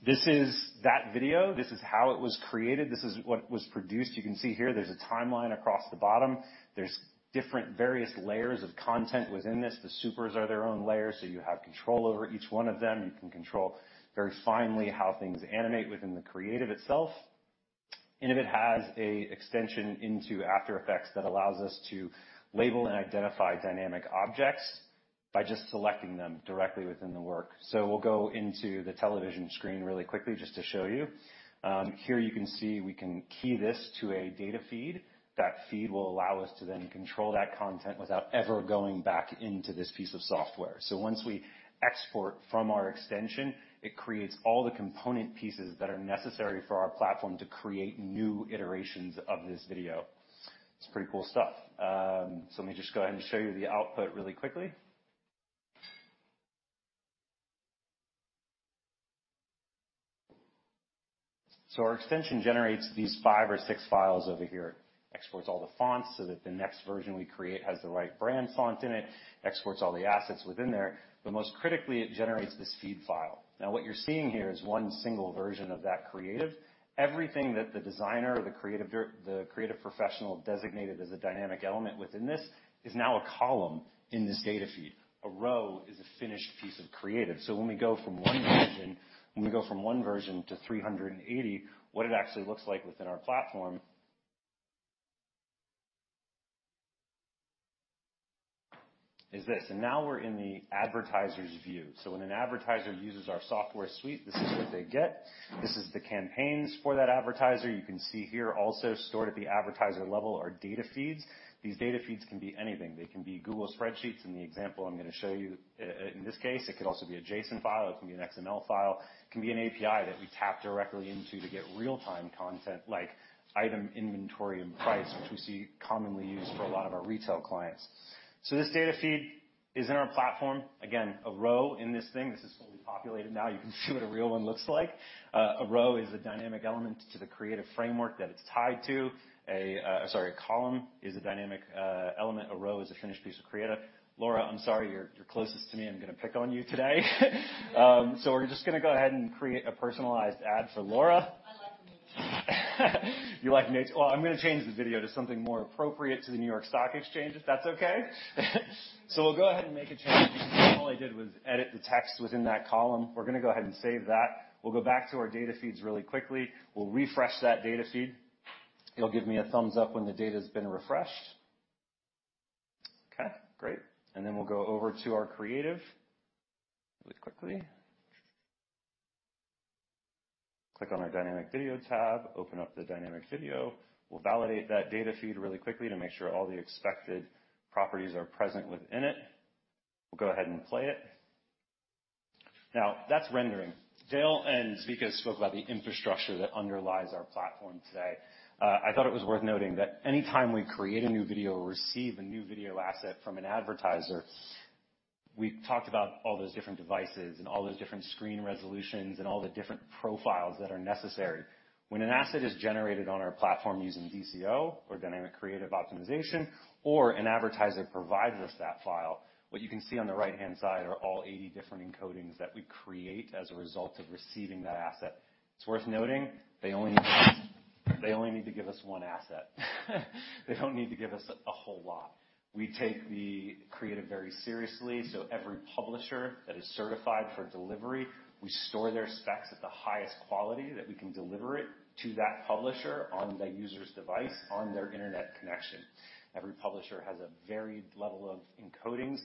This is that video. This is how it was created. This is what was produced. You can see here there's a timeline across the bottom. There's different various layers of content within this. The supers are their own layers, so you have control over each one of them. You can control very finely how things animate within the creative itself. Innovid has an extension into After Effects that allows us to label and identify dynamic objects by just selecting them directly within the work. So we'll go into the television screen really quickly just to show you. Here you can see we can key this to a data feed. That feed will allow us to then control that content without ever going back into this piece of software. Once we export from our extension, it creates all the component pieces that are necessary for our platform to create new iterations of this video. It's pretty cool stuff. Let me just go ahead and show you the output really quickly. Our extension generates these five or six files over here. Exports all the fonts so that the next version we create has the right brand font in it, exports all the assets within there, but most critically, it generates this feed file. Now, what you're seeing here is one single version of that creative. Everything that the designer or the creative professional designated as a dynamic element within this is now a column in this data feed. A row is a finished piece of creative. When we go from one version to 380, what it actually looks like within our platform. Is this. Now we're in the advertiser's view. When an advertiser uses our software suite, this is what they get. This is the campaigns for that advertiser. You can see here also stored at the advertiser level are data feeds. These data feeds can be anything. They can be Google spreadsheets in the example I'm gonna show you in this case. It could also be a JSON file, it can be an XML file. It can be an API that we tap directly into to get real-time content like item inventory and price, which we see commonly used for a lot of our retail clients. This data feed is in our platform. Again, a row in this thing. This is fully populated now. You can see what a real one looks like. A row is a dynamic element to the creative framework that it's tied to. A column is a dynamic element. A row is a finished piece of creative. Laura, I'm sorry, you're closest to me. I'm gonna pick on you today. We're just gonna go ahead and create a personalized ad for Laura. I like Nate. You like Nate? Well, I'm gonna change the video to something more appropriate to the New York Stock Exchange, if that's okay. We'll go ahead and make a change. All I did was edit the text within that column. We're gonna go ahead and save that. We'll go back to our data feeds really quickly. We'll refresh that data feed. You'll give me a thumbs up when the data's been refreshed. Okay, great. We'll go over to our creative really quickly. Click on our Dynamic Video tab, open up the dynamic video. We'll validate that data feed really quickly to make sure all the expected properties are present within it. We'll go ahead and play it. Now, that's rendering. Dale and Zvika spoke about the infrastructure that underlies our platform today. I thought it was worth noting that any time we create a new video or receive a new video asset from an advertiser, we've talked about all those different devices and all those different screen resolutions and all the different profiles that are necessary. When an asset is generated on our platform using DCO or Dynamic Creative Optimization, or an advertiser provides us that file, what you can see on the right-hand side are all 80 different encodings that we create as a result of receiving that asset. It's worth noting they only need to give us one asset. They don't need to give us a whole lot. We take the creative very seriously, so every publisher that is certified for delivery, we store their specs at the highest quality that we can deliver it to that publisher on the user's device on their internet connection. Every publisher has a varied level of encodings.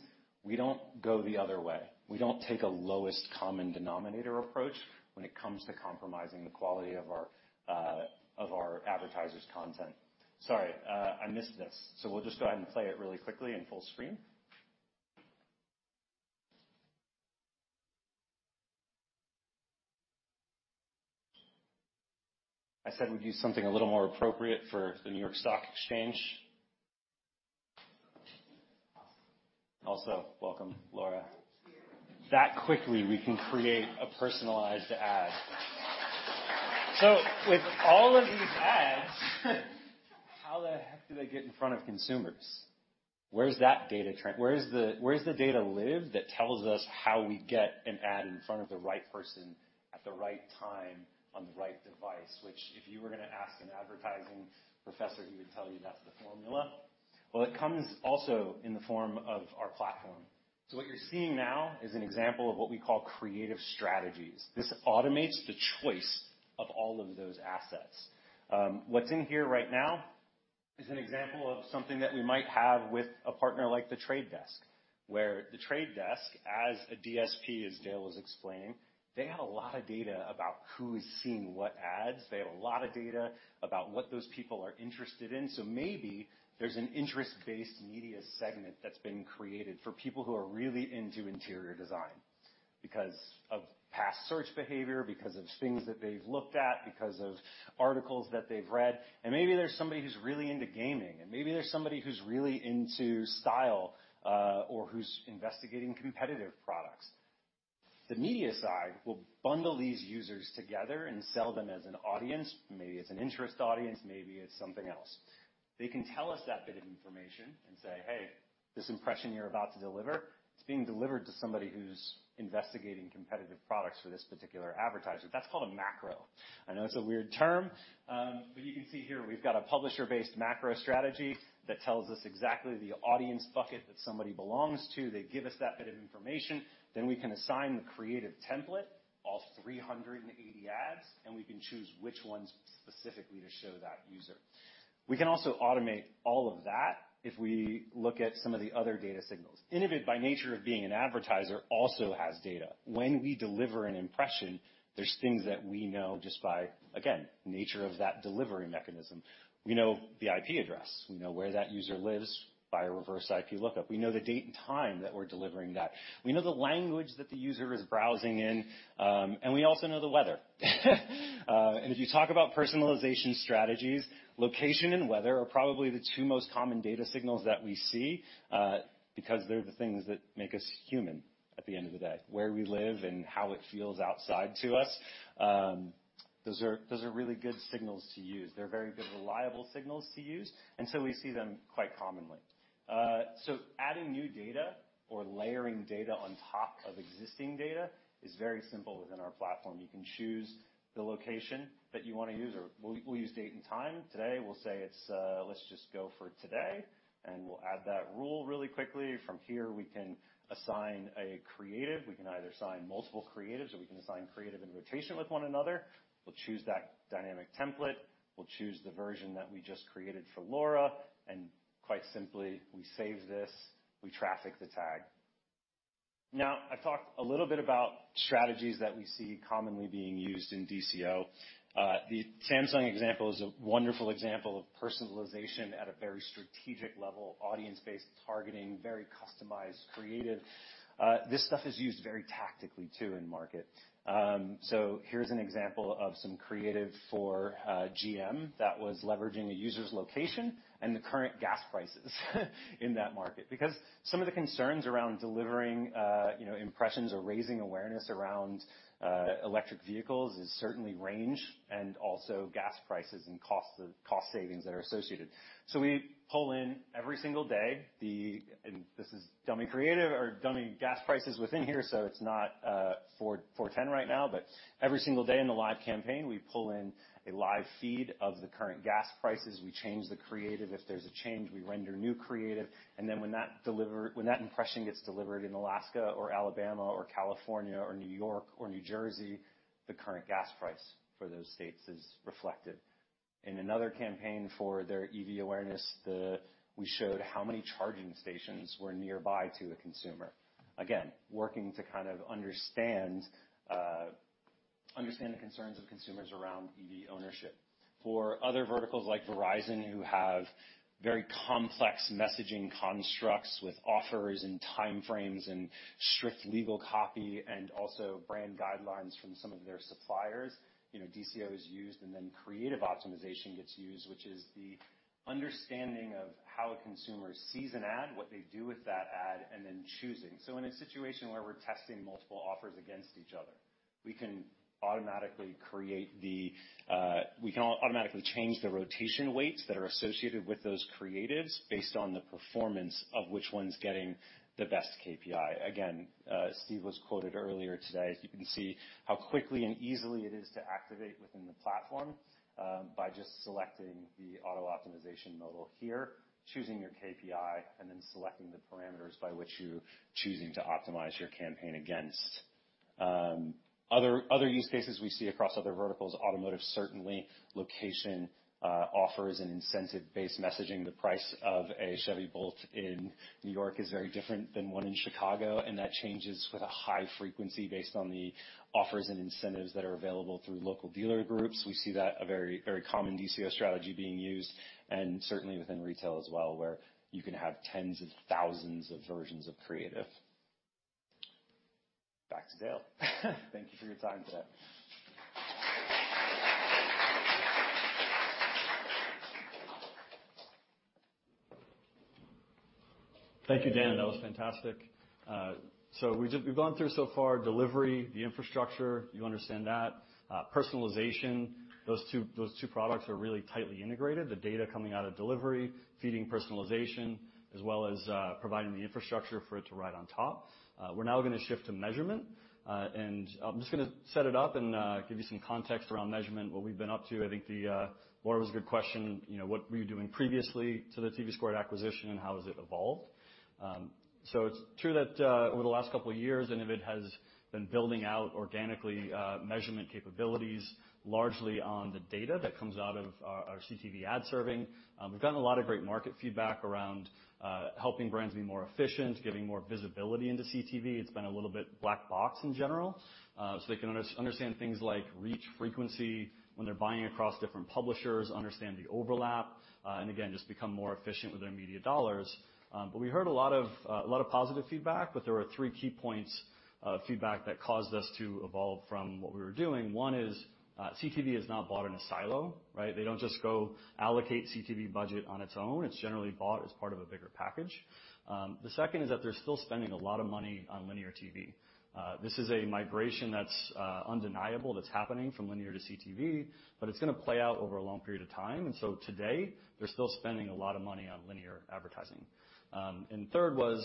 We don't go the other way. We don't take a lowest common denominator approach when it comes to compromising the quality of our advertisers' content. Sorry, I missed this. We'll just go ahead and play it really quickly in full screen. I said we'd do something a little more appropriate for the New York Stock Exchange. Also, welcome, Laura. Thank you. That quickly we can create a personalized ad. With all of these ads, how the heck do they get in front of consumers? Where does the data live that tells us how we get an ad in front of the right person at the right time on the right device? Which, if you were gonna ask an advertising professor, he would tell you that's the formula. Well, it comes also in the form of our platform. What you're seeing now is an example of what we call creative strategies. This automates the choice of all of those assets. What's in here right now is an example of something that we might have with a partner like The Trade Desk, where The Trade Desk, as a DSP, as Dale was explaining, they have a lot of data about who is seeing what ads. They have a lot of data about what those people are interested in. Maybe there's an interest-based media segment that's been created for people who are really into interior design because of past search behavior, because of things that they've looked at, because of articles that they've read, and maybe there's somebody who's really into gaming, and maybe there's somebody who's really into style, or who's investigating competitive products. The media side will bundle these users together and sell them as an audience. Maybe it's an interest audience, maybe it's something else. They can tell us that bit of information and say, "Hey, this impression you're about to deliver, it's being delivered to somebody who's investigating competitive products for this particular advertiser." That's called a macro. I know it's a weird term, but you can see here we've got a publisher-based macro strategy that tells us exactly the audience bucket that somebody belongs to. They give us that bit of information. Then we can assign the creative template, all 380 ads, and we can choose which ones specifically to show that user. We can also automate all of that if we look at some of the other data signals. Innovid, by nature of being an advertiser, also has data. When we deliver an impression, there's things that we know just by, again, nature of that delivery mechanism. We know the IP address. We know where that user lives by a reverse IP lookup. We know the date and time that we're delivering that. We know the language that the user is browsing in, and we also know the weather. If you talk about Personalization strategies, location and weather are probably the two most common data signals that we see, because they're the things that make us human at the end of the day. Where we live and how it feels outside to us, those are really good signals to use. They're very good reliable signals to use, and we see them quite commonly. Adding new data or layering data on top of existing data is very simple within our platform. You can choose the location that you wanna use or we'll use date and time. Today, we'll say it's, let's just go for today, and we'll add that rule really quickly. From here, we can assign a creative. We can either assign multiple creatives, or we can assign creative in rotation with one another. We'll choose that dynamic template. We'll choose the version that we just created for Laura, and quite simply, we save this, we traffic the tag. Now, I talked a little bit about strategies that we see commonly being used in DCO. The Samsung example is a wonderful example of Personalization at a very strategic level, audience-based targeting, very customized, creative. This stuff is used very tactically too in market. So here's an example of some creative for GM that was leveraging a user's location and the current gas prices in that market. Because some of the concerns around delivering, you know, impressions or raising awareness around electric vehicles is certainly range and also gas prices and cost savings that are associated. We pull in every single day the dummy creative or dummy gas prices within here, so it's not $4.10 right now. Every single day in the live campaign, we pull in a live feed of the current gas prices. We change the creative. If there's a change, we render new creative. When that impression gets delivered in Alaska or Alabama or California or New York or New Jersey, the current gas price for those states is reflected. In another campaign for their EV awareness, we showed how many charging stations were nearby to a consumer. Again, working to kind of understand the concerns of consumers around EV ownership. For other verticals like Verizon, who have very complex messaging constructs with offers and time frames and strict legal copy, and also brand guidelines from some of their suppliers, you know, DCO is used, and then creative optimization gets used, which is the understanding of how a consumer sees an ad, what they do with that ad, and then choosing. In a situation where we're testing multiple offers against each other, we can automatically change the rotation weights that are associated with those creatives based on the performance of which one's getting the best KPI. Again, Zvika Netter was quoted earlier today, as you can see how quickly and easily it is to activate within the platform, by just selecting the auto optimization modal here, choosing your KPI, and then selecting the parameters by which you're choosing to optimize your campaign against. Other use cases we see across other verticals, automotive certainly, location, offers and incentive-based messaging. The price of a Chevy Volt in New York is very different than one in Chicago, and that changes with a high frequency based on the offers and incentives that are available through local dealer groups. We see that a very common DCO strategy being used, and certainly within retail as well, where you can have tens of thousands of versions of creative. Back to Dale Older. Thank you for your time today. Thank you, Dan. That was fantastic. We've gone through so far delivery, the infrastructure. You understand that. Personalization, those two products are really tightly integrated, the data coming out of delivery, feeding Personalization, as well as providing the infrastructure for it to ride on top. We're now gonna shift to Measurement. I'm just gonna set it up and give you some context around Measurement, what we've been up to. I think Laura's good question, you know, what were you doing previously to the TVSquared acquisition and how has it evolved? It's true that over the last couple of years, Innovid has been building out organically Measurement capabilities, largely on the data that comes out of our CTV Ad Serving. We've gotten a lot of great market feedback around helping brands be more efficient, giving more visibility into CTV. It's been a little bit black box in general. So they can understand things like reach frequency when they're buying across different publishers, understand the overlap, and again, just become more efficient with their media dollars. But we heard a lot of positive feedback, but there are three key points of feedback that caused us to evolve from what we were doing. One is, CTV is not bought in a silo, right? They don't just go allocate CTV budget on its own. It's generally bought as part of a bigger package. The second is that they're still spending a lot of money on linear TV. This is a migration that's undeniable, that's happening from linear to CTV, but it's gonna play out over a long period of time. Today, they're still spending a lot of money on linear advertising. Third was,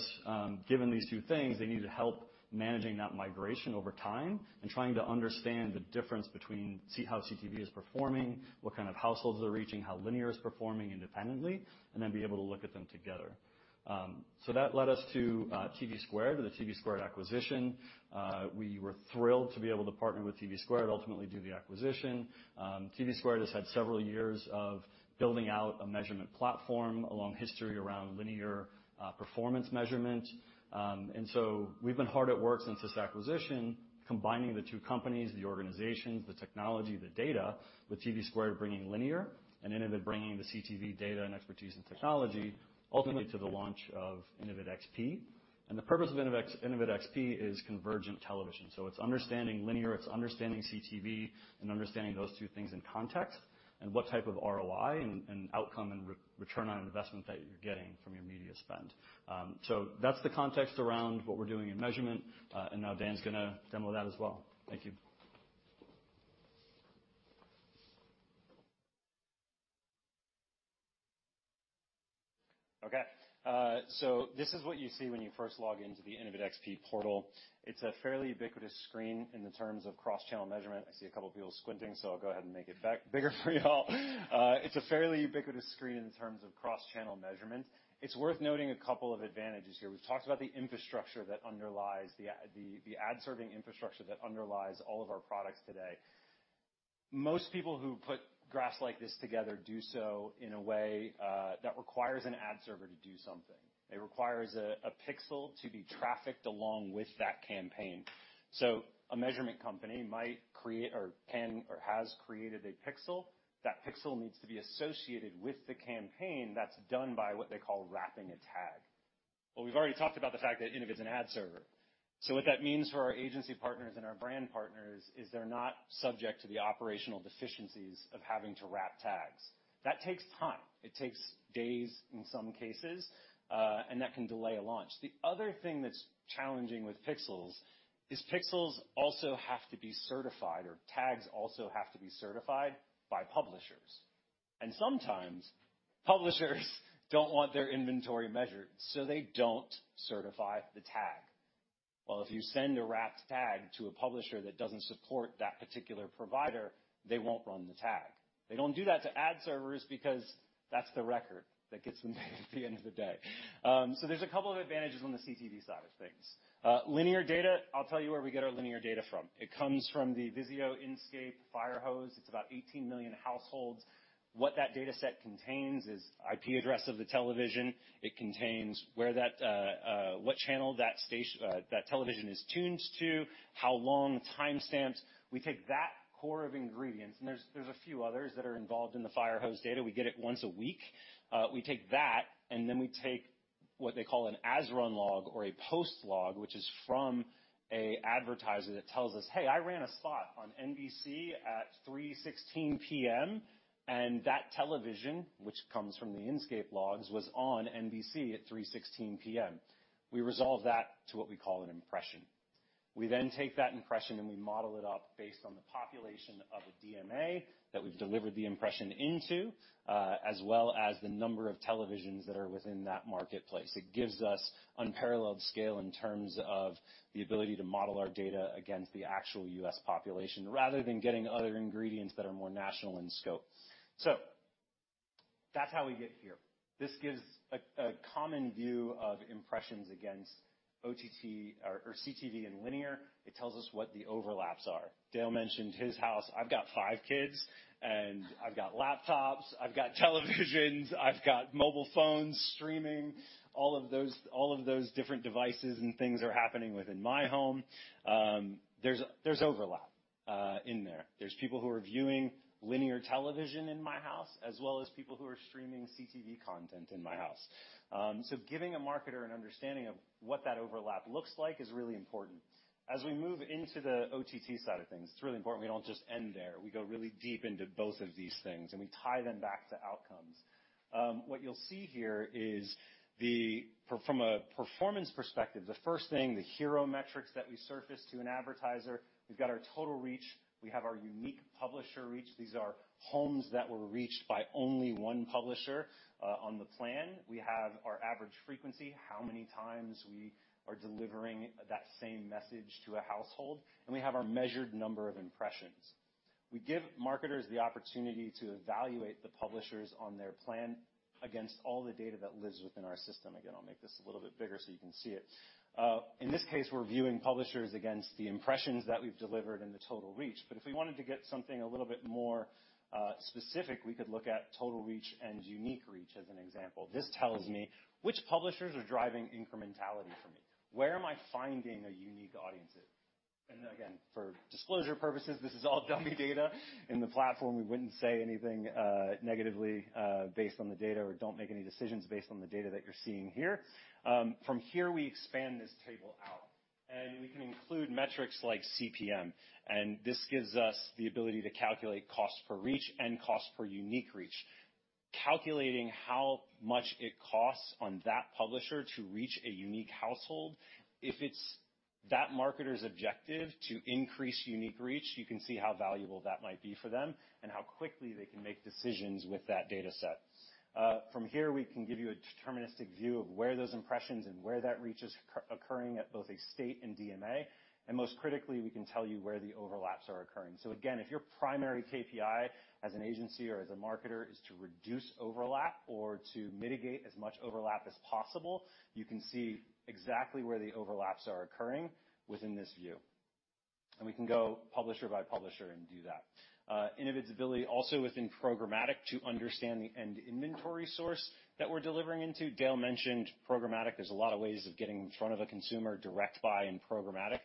given these two things, they need help managing that migration over time and trying to understand the difference between see how CTV is performing, what kind of households they're reaching, how linear is performing independently, and then be able to look at them together. That led us to TVSquared, with the TVSquared acquisition. We were thrilled to be able to partner with TVSquared, ultimately do the acquisition. TVSquared has had several years of building out a Measurement platform, a long history around linear performance Measurement. We've been hard at work since this acquisition, combining the two companies, the organizations, the technology, the data, with TVSquared bringing linear and Innovid bringing the CTV data and expertise and technology, ultimately to the launch of InnovidXP. The purpose of InnovidXP is convergent television. It's understanding linear, it's understanding CTV, and understanding those two things in context, and what type of ROI and outcome and return on investment that you're getting from your media spend. That's the context around what we're doing in Measurement. Now Dan's gonna demo that as well. Thank you. Okay. This is what you see when you first log into the InnovidXP portal. It's a fairly ubiquitous screen in terms of cross-channel Measurement. I see a couple of people squinting, so I'll go ahead and make it bigger for you all. It's a fairly ubiquitous screen in terms of cross-channel Measurement. It's worth noting a couple of advantages here. We've talked about the infrastructure that underlies the Ad Serving infrastructure that underlies all of our products today. Most people who put graphs like this together do so in a way that requires an ad server to do something. It requires a pixel to be trafficked along with that campaign. A Measurement company might create a pixel. That pixel needs to be associated with the campaign that's done by what they call wrapping a tag. We've already talked about the fact that Innovid's an ad server. What that means for our agency partners and our brand partners is they're not subject to the operational deficiencies of having to wrap tags. That takes time. It takes days in some cases, and that can delay a launch. The other thing that's challenging with pixels is pixels also have to be certified, or tags also have to be certified by publishers. Sometimes publishers don't want their inventory measured, so they don't certify the tag. If you send a wrapped tag to a publisher that doesn't support that particular provider, they won't run the tag. They don't do that to ad servers because that's the record that gets them paid at the end of the day. There's a couple of advantages on the CTV side of things. Linear data, I'll tell you where we get our linear data from. It comes from the VIZIO Inscape firehose. It's about 18 million households. What that dataset contains is the IP address of the television. It contains where that television is tuned to, what channel that television is tuned to, how long, timestamps. We take that core of ingredients, and there's a few others that are involved in the firehose data. We get it once a week. We take that, and then we take what they call an as-run log or a post log, which is from an advertiser that tells us, "Hey, I ran a spot on NBC at 3:16 P.M.," and that television, which comes from the Inscape logs, was on NBC at 3:16 P.M. We resolve that to what we call an impression. We then take that impression, and we model it up based on the population of a DMA that we've delivered the impression into, as well as the number of televisions that are within that marketplace. It gives us unparalleled scale in terms of the ability to model our data against the actual US population rather than getting other ingredients that are more national in scope. That's how we get here. This gives a common view of impressions against OTT or CTV and linear. It tells us what the overlaps are. Dale mentioned his house. I've got five kids, and I've got laptops, I've got televisions, I've got mobile phones, streaming, all of those, all of those different devices and things are happening within my home. There's overlap in there. There's people who are viewing linear television in my house as well as people who are streaming CTV content in my house. Giving a marketer an understanding of what that overlap looks like is really important. As we move into the OTT side of things, it's really important we don't just end there. We go really deep into both of these things, and we tie them back to outcomes. What you'll see here is, from a performance perspective, the first thing, the hero metrics that we surface to an advertiser. We've got our total reach. We have our unique publisher reach. These are homes that were reached by only one publisher on the plan. We have our average frequency, how many times we are delivering that same message to a household. We have our measured number of impressions. We give marketers the opportunity to evaluate the publishers on their plan against all the data that lives within our system. Again, I'll make this a little bit bigger so you can see it. In this case, we're viewing publishers against the impressions that we've delivered and the total reach. If we wanted to get something a little bit more specific, we could look at total reach and unique reach as an example. This tells me which publishers are driving incrementality for me. Where am I finding a unique audience? Again, for disclosure purposes, this is all dummy data in the platform. We wouldn't say anything negatively based on the data, or don't make any decisions based on the data that you're seeing here. From here, we expand this table out, and we can include metrics like CPM, and this gives us the ability to calculate cost per reach and cost per unique reach. Calculating how much it costs on that publisher to reach a unique household, if it's that marketer's objective to increase unique reach, you can see how valuable that might be for them and how quickly they can make decisions with that dataset. From here, we can give you a deterministic view of where those impressions and where that reach is occurring at both a state and DMA. Most critically, we can tell you where the overlaps are occurring. Again, if your primary KPI as an agency or as a marketer is to reduce overlap or to mitigate as much overlap as possible, you can see exactly where the overlaps are occurring within this view. We can go publisher by publisher and do that. Innovid's ability also within programmatic to understand the end inventory source that we're delivering into. Dale mentioned programmatic. There's a lot of ways of getting in front of a consumer, direct buy and programmatic,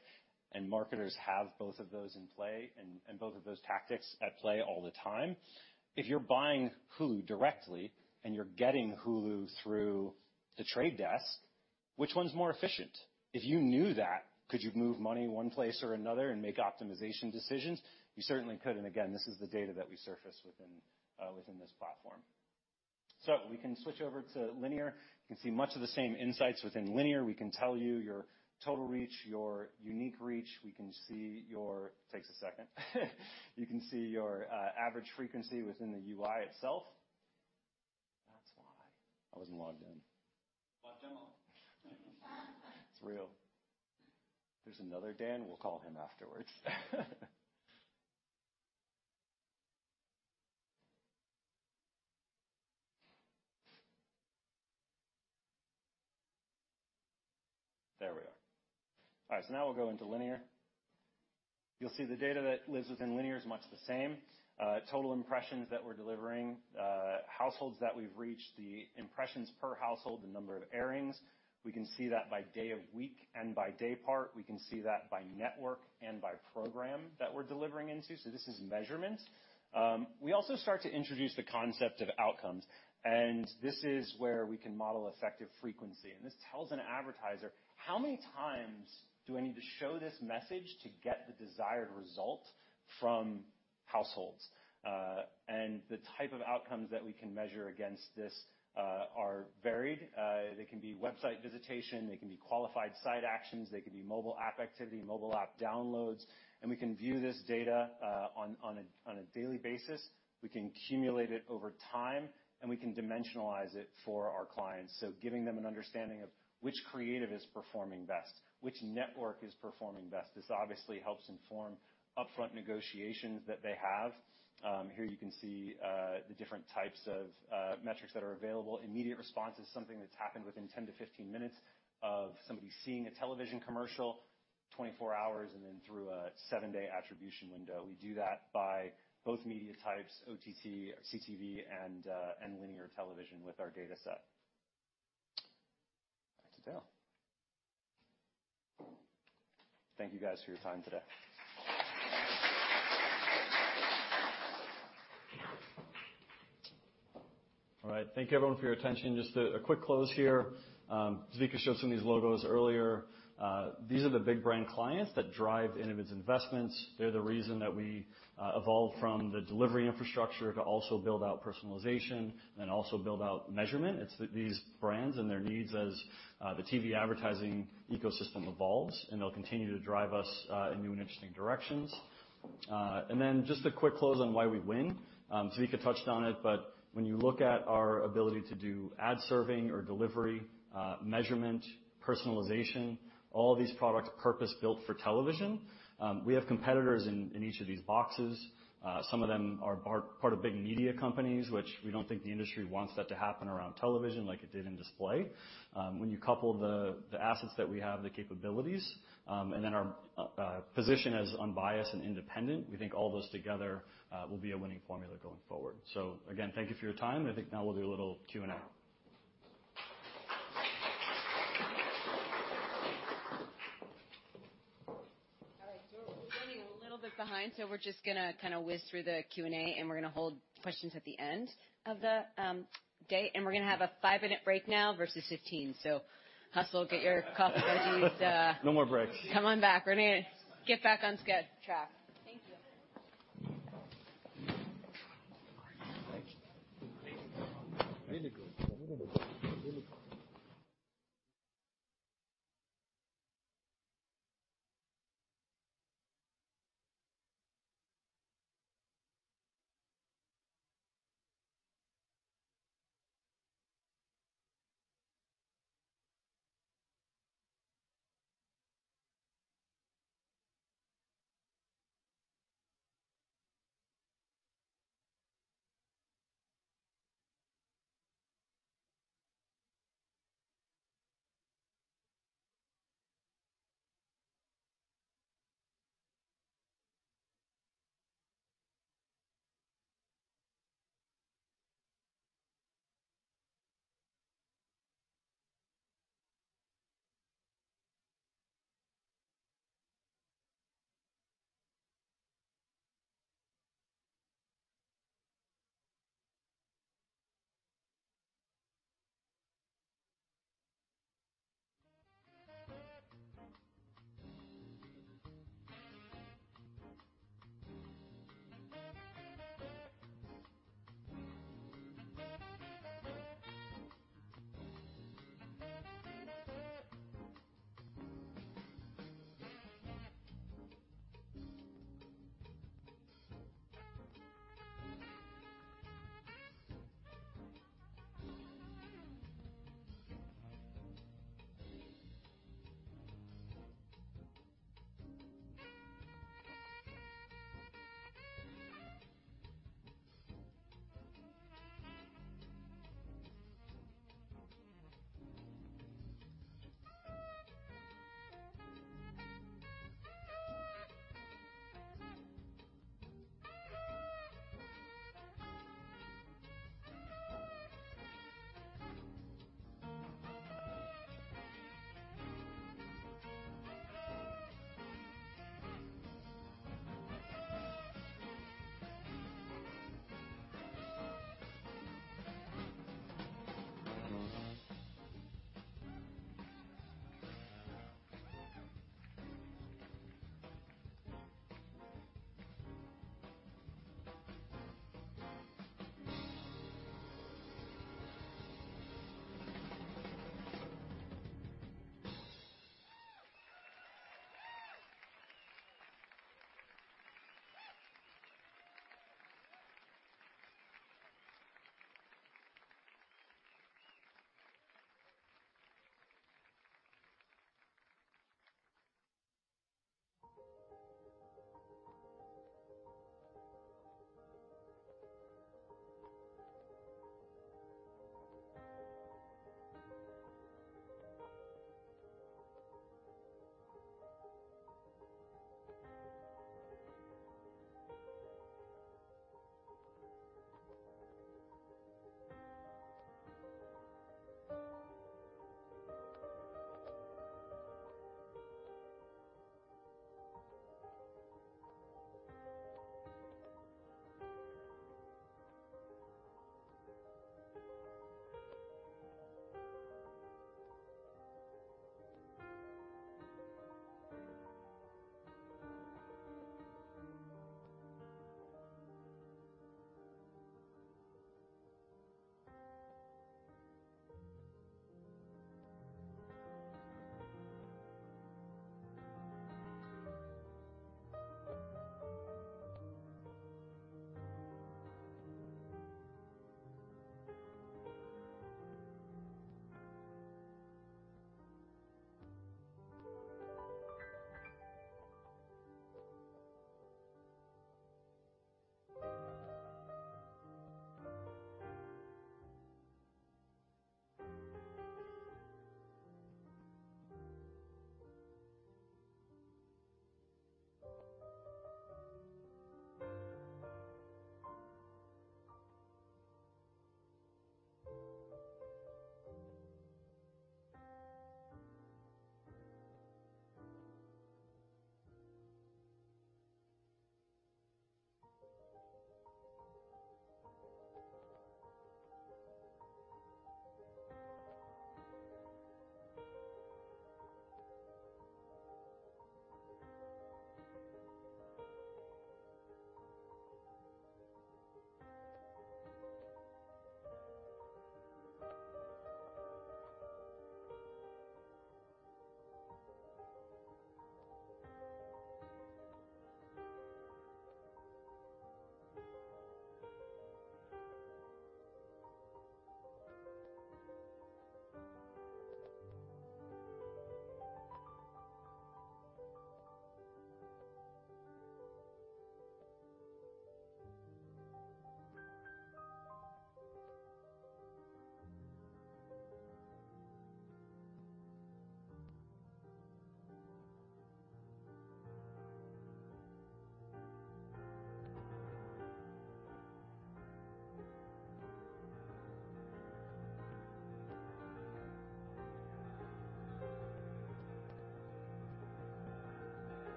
and marketers have both of those in play and both of those tactics at play all the time. If you're buying Hulu directly, and you're getting Hulu through The Trade Desk, which one's more efficient? If you knew that, could you move money one place or another and make optimization decisions? You certainly could, and again, this is the data that we surface within this platform. We can switch over to linear. You can see much of the same insights within linear. We can tell you your total reach, your unique reach. Takes a second. You can see your average frequency within the UI itself. That's why. I wasn't logged in. Log demo. It's real. There's another Dan, we'll call him afterwards. There we are. All right. Now we'll go into linear. You'll see the data that lives within linear is much the same. Total impressions that we're delivering, households that we've reached, the impressions per household, the number of airings. We can see that by day of week and by day part. We can see that by network and by program that we're delivering into. This is Measurement. We also start to introduce the concept of outcomes, and this is where we can model effective frequency. This tells an advertiser, how many times do I need to show this message to get the desired result from households? The type of outcomes that we can measure against this are varied. They can be website visitation, they can be qualified site actions, they can be mobile app activity, mobile app downloads. We can view this data on a daily basis. We can accumulate it over time, and we can dimensionalize it for our clients. Giving them an understanding of which creative is performing best, which network is performing best. This obviously helps inform upfront negotiations that they have. Here you can see the different types of metrics that are available. Immediate response is something that's happened within 10-15 minutes of somebody seeing a television commercial, 24 hours, and then through a seven-day attribution window. We do that by both media types, OTT, CTV, and linear television with our data set. Back to Dale. Thank you guys for your time today. All right. Thank you everyone for your attention. Just a quick close here. Zvika showed some of these logos earlier. These are the big brand clients that drive Innovid's investments. They're the reason that we evolved from the delivery infrastructure to also build out Personalization and also build out Measurement. It's these brands and their needs as the TV advertising ecosystem evolves, and they'll continue to drive us in new and interesting directions. Just a quick close on why we win. Zvika touched on it, but when you look at our ability to do Ad Serving or delivery, Measurement, Personalization, all of these products purpose-built for television. We have competitors in each of these boxes. Some of them are part of big media companies, which we don't think the industry wants that to happen around television like it did in display. When you couple the assets that we have, the capabilities, and then our position as unbiased and independent, we think all those together will be a winning formula going forward. Again, thank you for your time. I think now we'll do a little Q&A. All right. We're running a little bit behind, so we're just gonna kinda whiz through the Q&A, and we're gonna hold questions at the end of the day, and we're gonna have a five-minute break now versus 15 minutes. Hustle, get your coffee, cookies. No more breaks. Come on back. We're gonna get back on schedule. Thank you.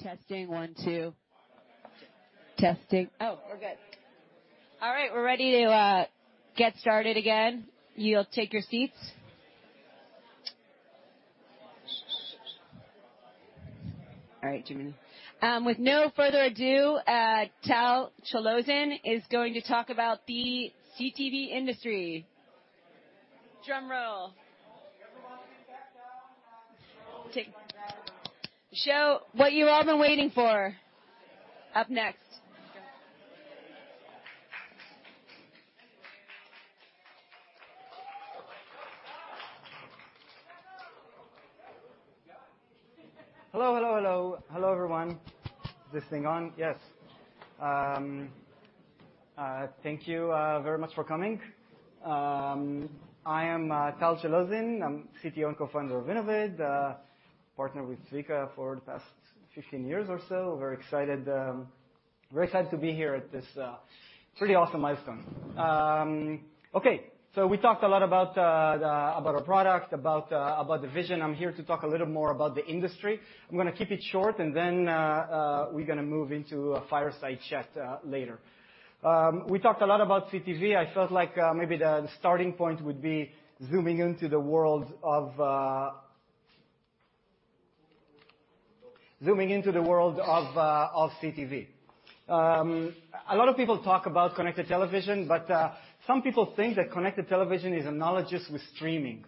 Testing one, two. Oh, we're good. All right, we're ready to get started again. You'll take your seats. All right, Jim. With no further ado, Tal Chalozin is going to talk about the CTV industry. Drum roll. Everyone sit back down. The show, what you all been waiting for. Up next. Hello, hello. Hello everyone. Is this thing on? Yes. Thank you very much for coming. I am Tal Chalozin. I'm CTO and co-founder of Innovid. Partnered with Zvika for the past 15 years or so. Very excited to be here at this pretty awesome milestone. Okay, we talked a lot about our product, about the vision. I'm here to talk a little more about the industry. I'm gonna keep it short, and then we're gonna move into a fireside chat later. We talked a lot about CTV. I felt like maybe the starting point would be zooming into the world of CTV. A lot of people talk about connected television, but some people think that connected television is analogous with streaming.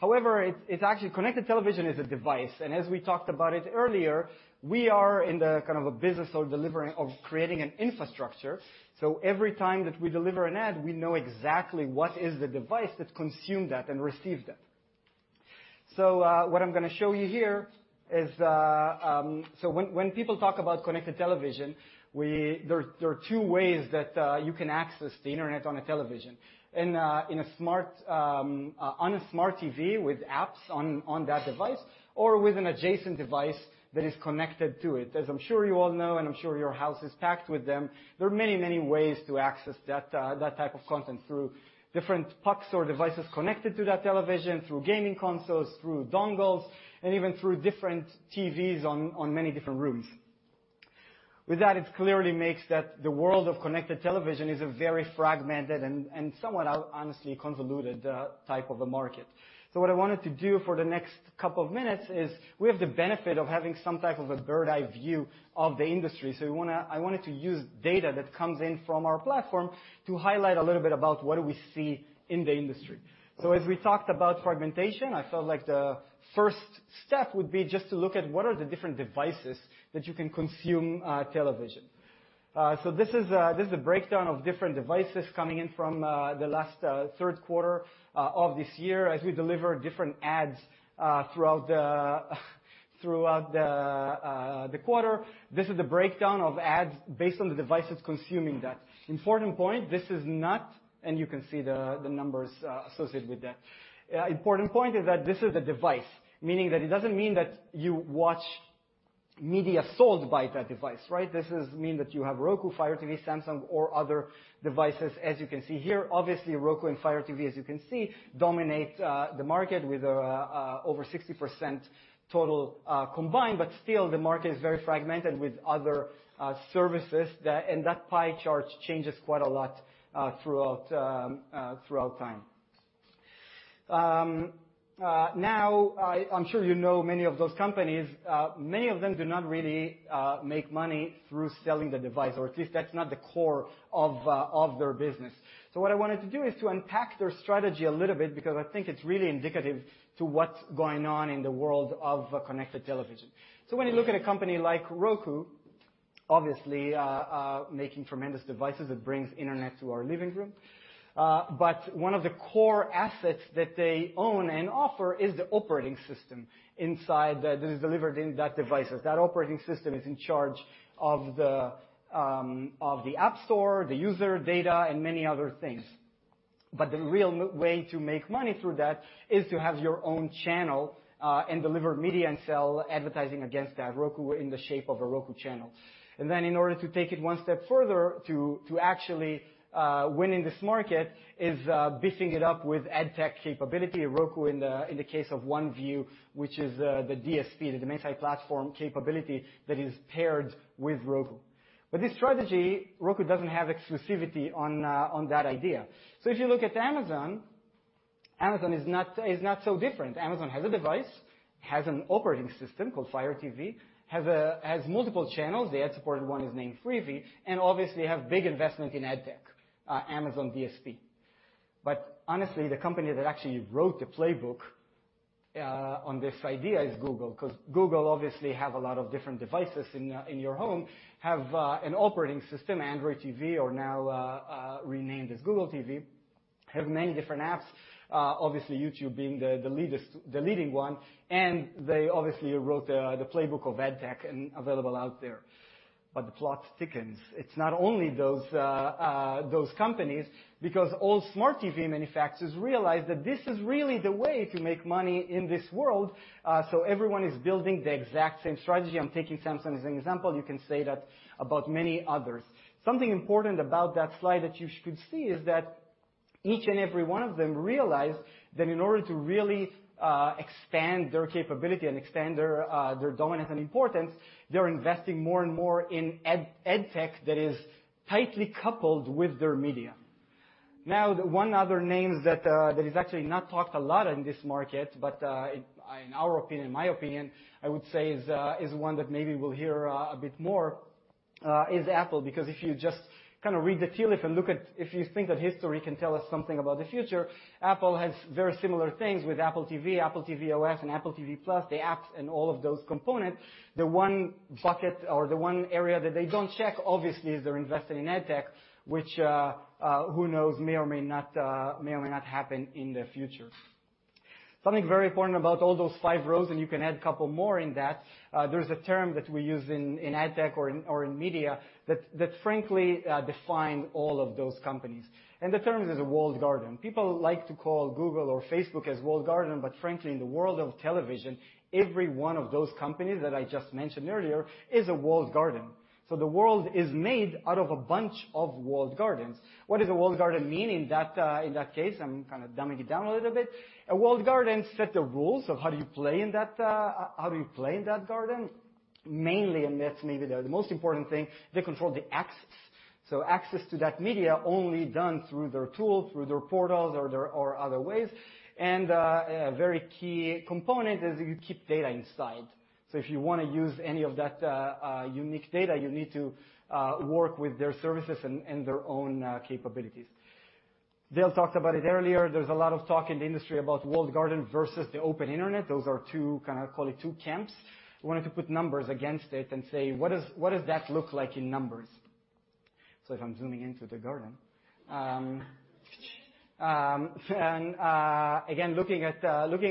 However, it's actually connected television is a device, and as we talked about it earlier, we are in the kind of a business of delivering or creating an infrastructure. Every time that we deliver an ad, we know exactly what is the device that consumed that and received that. What I'm gonna show you here is when people talk about connected television, there are two ways that you can access the Internet on a television. In a smart TV with apps on that device or with an adjacent device that is connected to it. As I'm sure you all know and I'm sure your house is packed with them, there are many, many ways to access that type of content through different pucks or devices connected to that television, through gaming consoles, through dongles, and even through different TVs in many different rooms. With that, it clearly makes that the world of connected television a very fragmented and somewhat honestly convoluted type of a market. What I wanted to do for the next couple of minutes is we have the benefit of having some type of a bird's-eye view of the industry. I wanted to use data that comes in from our platform to highlight a little bit about what do we see in the industry. As we talked about fragmentation, I felt like the first step would be just to look at what are the different devices that you can consume television. This is a breakdown of different devices coming in from the last third quarter of this year as we deliver different ads throughout the quarter. This is the breakdown of ads based on the devices consuming that. Important point, this is not. You can see the numbers associated with that. Important point is that this is the device, meaning that it doesn't mean that you watch media sold by that device, right? This means that you have Roku, Fire TV, Samsung or other devices. As you can see here, obviously Roku and Fire TV, as you can see, dominate the market with over 60% total combined. Still, the market is very fragmented with other services. That pie chart changes quite a lot throughout time. I'm sure you know many of those companies. Many of them do not really make money through selling the device or at least that's not the core of their business. What I wanted to do is to unpack their strategy a little bit because I think it's really indicative to what's going on in the world of connected television. When you look at a company like Roku, obviously making tremendous devices that brings internet to our living room. One of the core assets that they own and offer is the operating system inside that that is delivered in that devices. That operating system is in charge of the app store, the user data, and many other things. The real way to make money through that is to have your own channel, and deliver media and sell advertising against that Roku in the shape of a Roku channel. In order to take it one step further to actually winning this market is beefing it up with ad tech capability. Roku, in the case of OneView, which is the DSP, the demand side platform capability that is paired with Roku. This strategy, Roku doesn't have exclusivity on that idea. If you look at Amazon is not so different. Amazon has a device, has an operating system called Fire TV, has multiple channels. The ad-supported one is named Freevee, and obviously have big investment in ad tech, Amazon DSP. Honestly, the company that actually wrote the playbook on this idea is Google, 'cause Google obviously have a lot of different devices in your home, have an operating system, Android TV or now renamed as Google TV, have many different apps, obviously YouTube being the leading one, and they obviously wrote the playbook of ad tech and available out there. The plot thickens. It's not only those companies because all smart TV manufacturers realize that this is really the way to make money in this world, so everyone is building the exact same strategy. I'm taking Samsung as an example. You can say that about many others. Something important about that slide that you should see is that each and every one of them realize that in order to really expand their capability and expand their dominance and importance, they're investing more and more in ad tech that is tightly coupled with their media. Now, one other name that is actually not talked a lot in this market but in our opinion, my opinion, I would say is one that maybe we'll hear a bit more is Apple. Because if you just kinda read the tea leaves and look at If you think that history can tell us something about the future, Apple has very similar things with Apple TV, tvOS, and Apple TV+, the apps and all of those components. The one bucket or the one area that they don't check, obviously, is they're investing in ad tech, which, who knows, may or may not happen in the future. Something very important about all those five rows, and you can add a couple more in that. There's a term that we use in ad tech or in media that frankly define all of those companies. The term is a walled garden. People like to call Google or Facebook as walled garden, but frankly, in the world of television, every one of those companies that I just mentioned earlier is a walled garden. The world is made out of a bunch of walled gardens. What does a walled garden mean in that case? I'm kinda dumbing it down a little bit. A walled garden set the rules of how do you play in that garden. Mainly, and that's maybe the most important thing, they control the access. Access to that media only done through their tool, through their portals or other ways. A very key component is you keep data inside. If you wanna use any of that unique data, you need to work with their services and their own capabilities. Dale talked about it earlier. There's a lot of talk in the industry about walled garden versus the open internet. Those are two, kinda call it two camps. Wanted to put numbers against it and say, what does that look like in numbers? If I'm zooming into the garden, looking at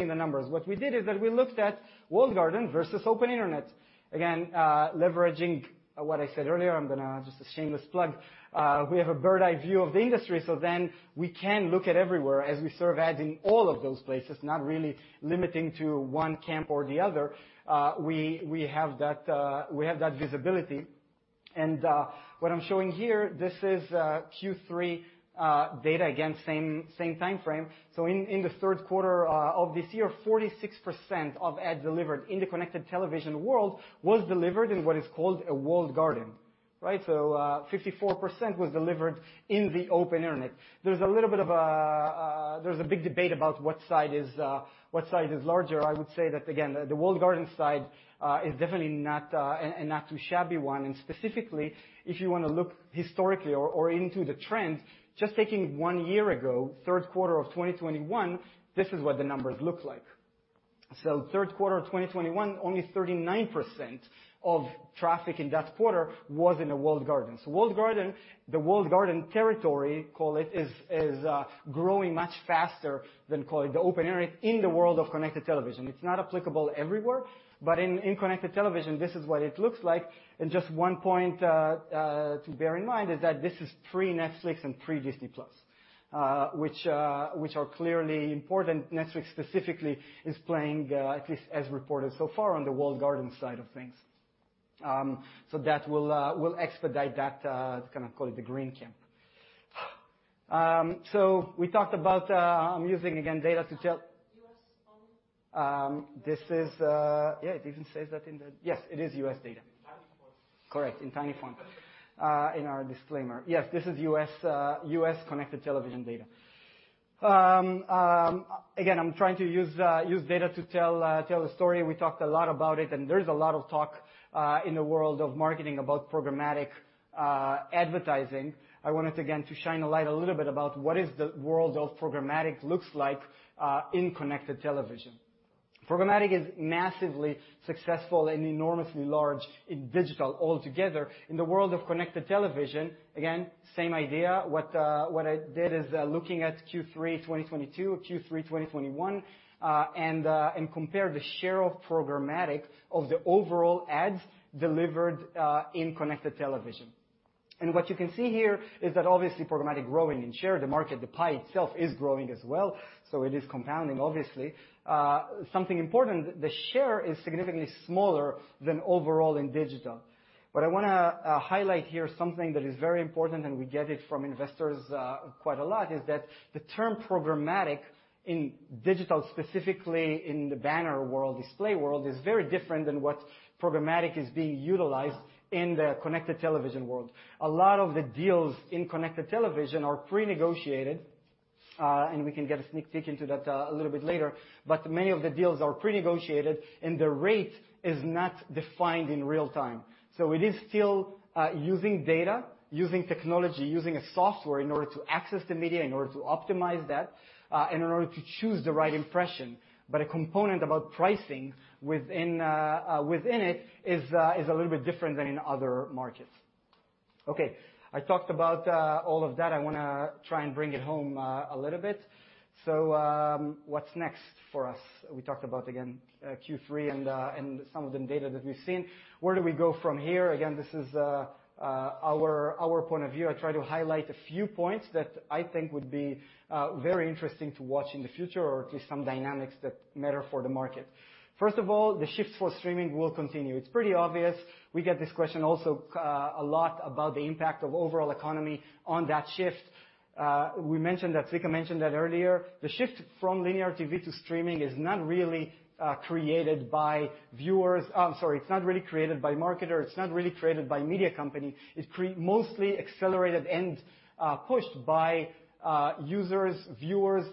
the numbers. What we did is that we looked at walled garden versus open internet. Again, leveraging what I said earlier, I'm gonna just a shameless plug. We have a bird's-eye view of the industry, so we can look at everywhere as we serve ads in all of those places, not really limiting to one camp or the other. We have that visibility. What I'm showing here, this is Q3 data. Again, same timeframe. In the third quarter of this year, 46% of ads delivered in the connected television world was delivered in what is called a walled garden, right? 54% was delivered in the open internet. There's a little bit of a big debate about what side is larger. I would say that again, the walled garden side is definitely not a not too shabby one. Specifically, if you wanna look historically or into the trends, just taking one year ago, third quarter of 2021, this is what the numbers look like. Third quarter of 2021, only 39% of traffic in that quarter was in a walled garden. Walled garden territory, call it, is growing much faster than, call it, the open internet in the world of connected television. It's not applicable everywhere, but in connected television, this is what it looks like. Just one point to bear in mind is that this is pre-Netflix and pre-Disney+, which are clearly important. Netflix specifically is playing, at least as reported so far, on the walled garden side of things. That will expedite that, kinda call it the green camp. We talked about, I'm using again data to tell- U.S. only? Yes, it is U.S. data. In tiny font. Correct, in tiny font. In our disclaimer. Yes, this is U.S. connected television data. Again, I'm trying to use data to tell the story. We talked a lot about it, and there is a lot of talk in the world of marketing about programmatic advertising. I wanted again to shine a light a little bit about what is the world of programmatic looks like in connected television. Programmatic is massively successful and enormously large in digital altogether. In the world of connected television, again, same idea. What I did is looking at Q3 2022, Q3 2021, and compare the share of programmatic of the overall ads delivered in connected television. What you can see here is that obviously programmatic growing in share. The market, the pie itself is growing as well, so it is compounding obviously. Something important, the share is significantly smaller than overall in digital. I wanna highlight here something that is very important, and we get it from investors, quite a lot, is that the term programmatic in digital, specifically in the banner world, display world, is very different than what programmatic is being utilized in the connected television world. A lot of the deals in connected television are pre-negotiated, and we can get a sneak peek into that, a little bit later. Many of the deals are pre--negotiated, and the rate is not defined in real time. It is still using data, using technology, using a software in order to access the media, in order to optimize that, and in order to choose the right impression. A component about pricing within it is a little bit different than in other markets. Okay, I talked about all of that. I wanna try and bring it home, a little bit. What's next for us? We talked about again Q3 and some of the data that we've seen. Where do we go from here? Again, this is our point of view. I try to highlight a few points that I think would be very interesting to watch in the future or at least some dynamics that matter for the market. First of all, the shift for streaming will continue. It's pretty obvious. We get this question also a lot about the impact of overall economy on that shift. We mentioned that Zvika mentioned that earlier. The shift from linear TV to streaming is not really created by viewers. Oh, I'm sorry. It's not really created by marketer. It's not really created by media company. It's mostly accelerated and pushed by users, viewers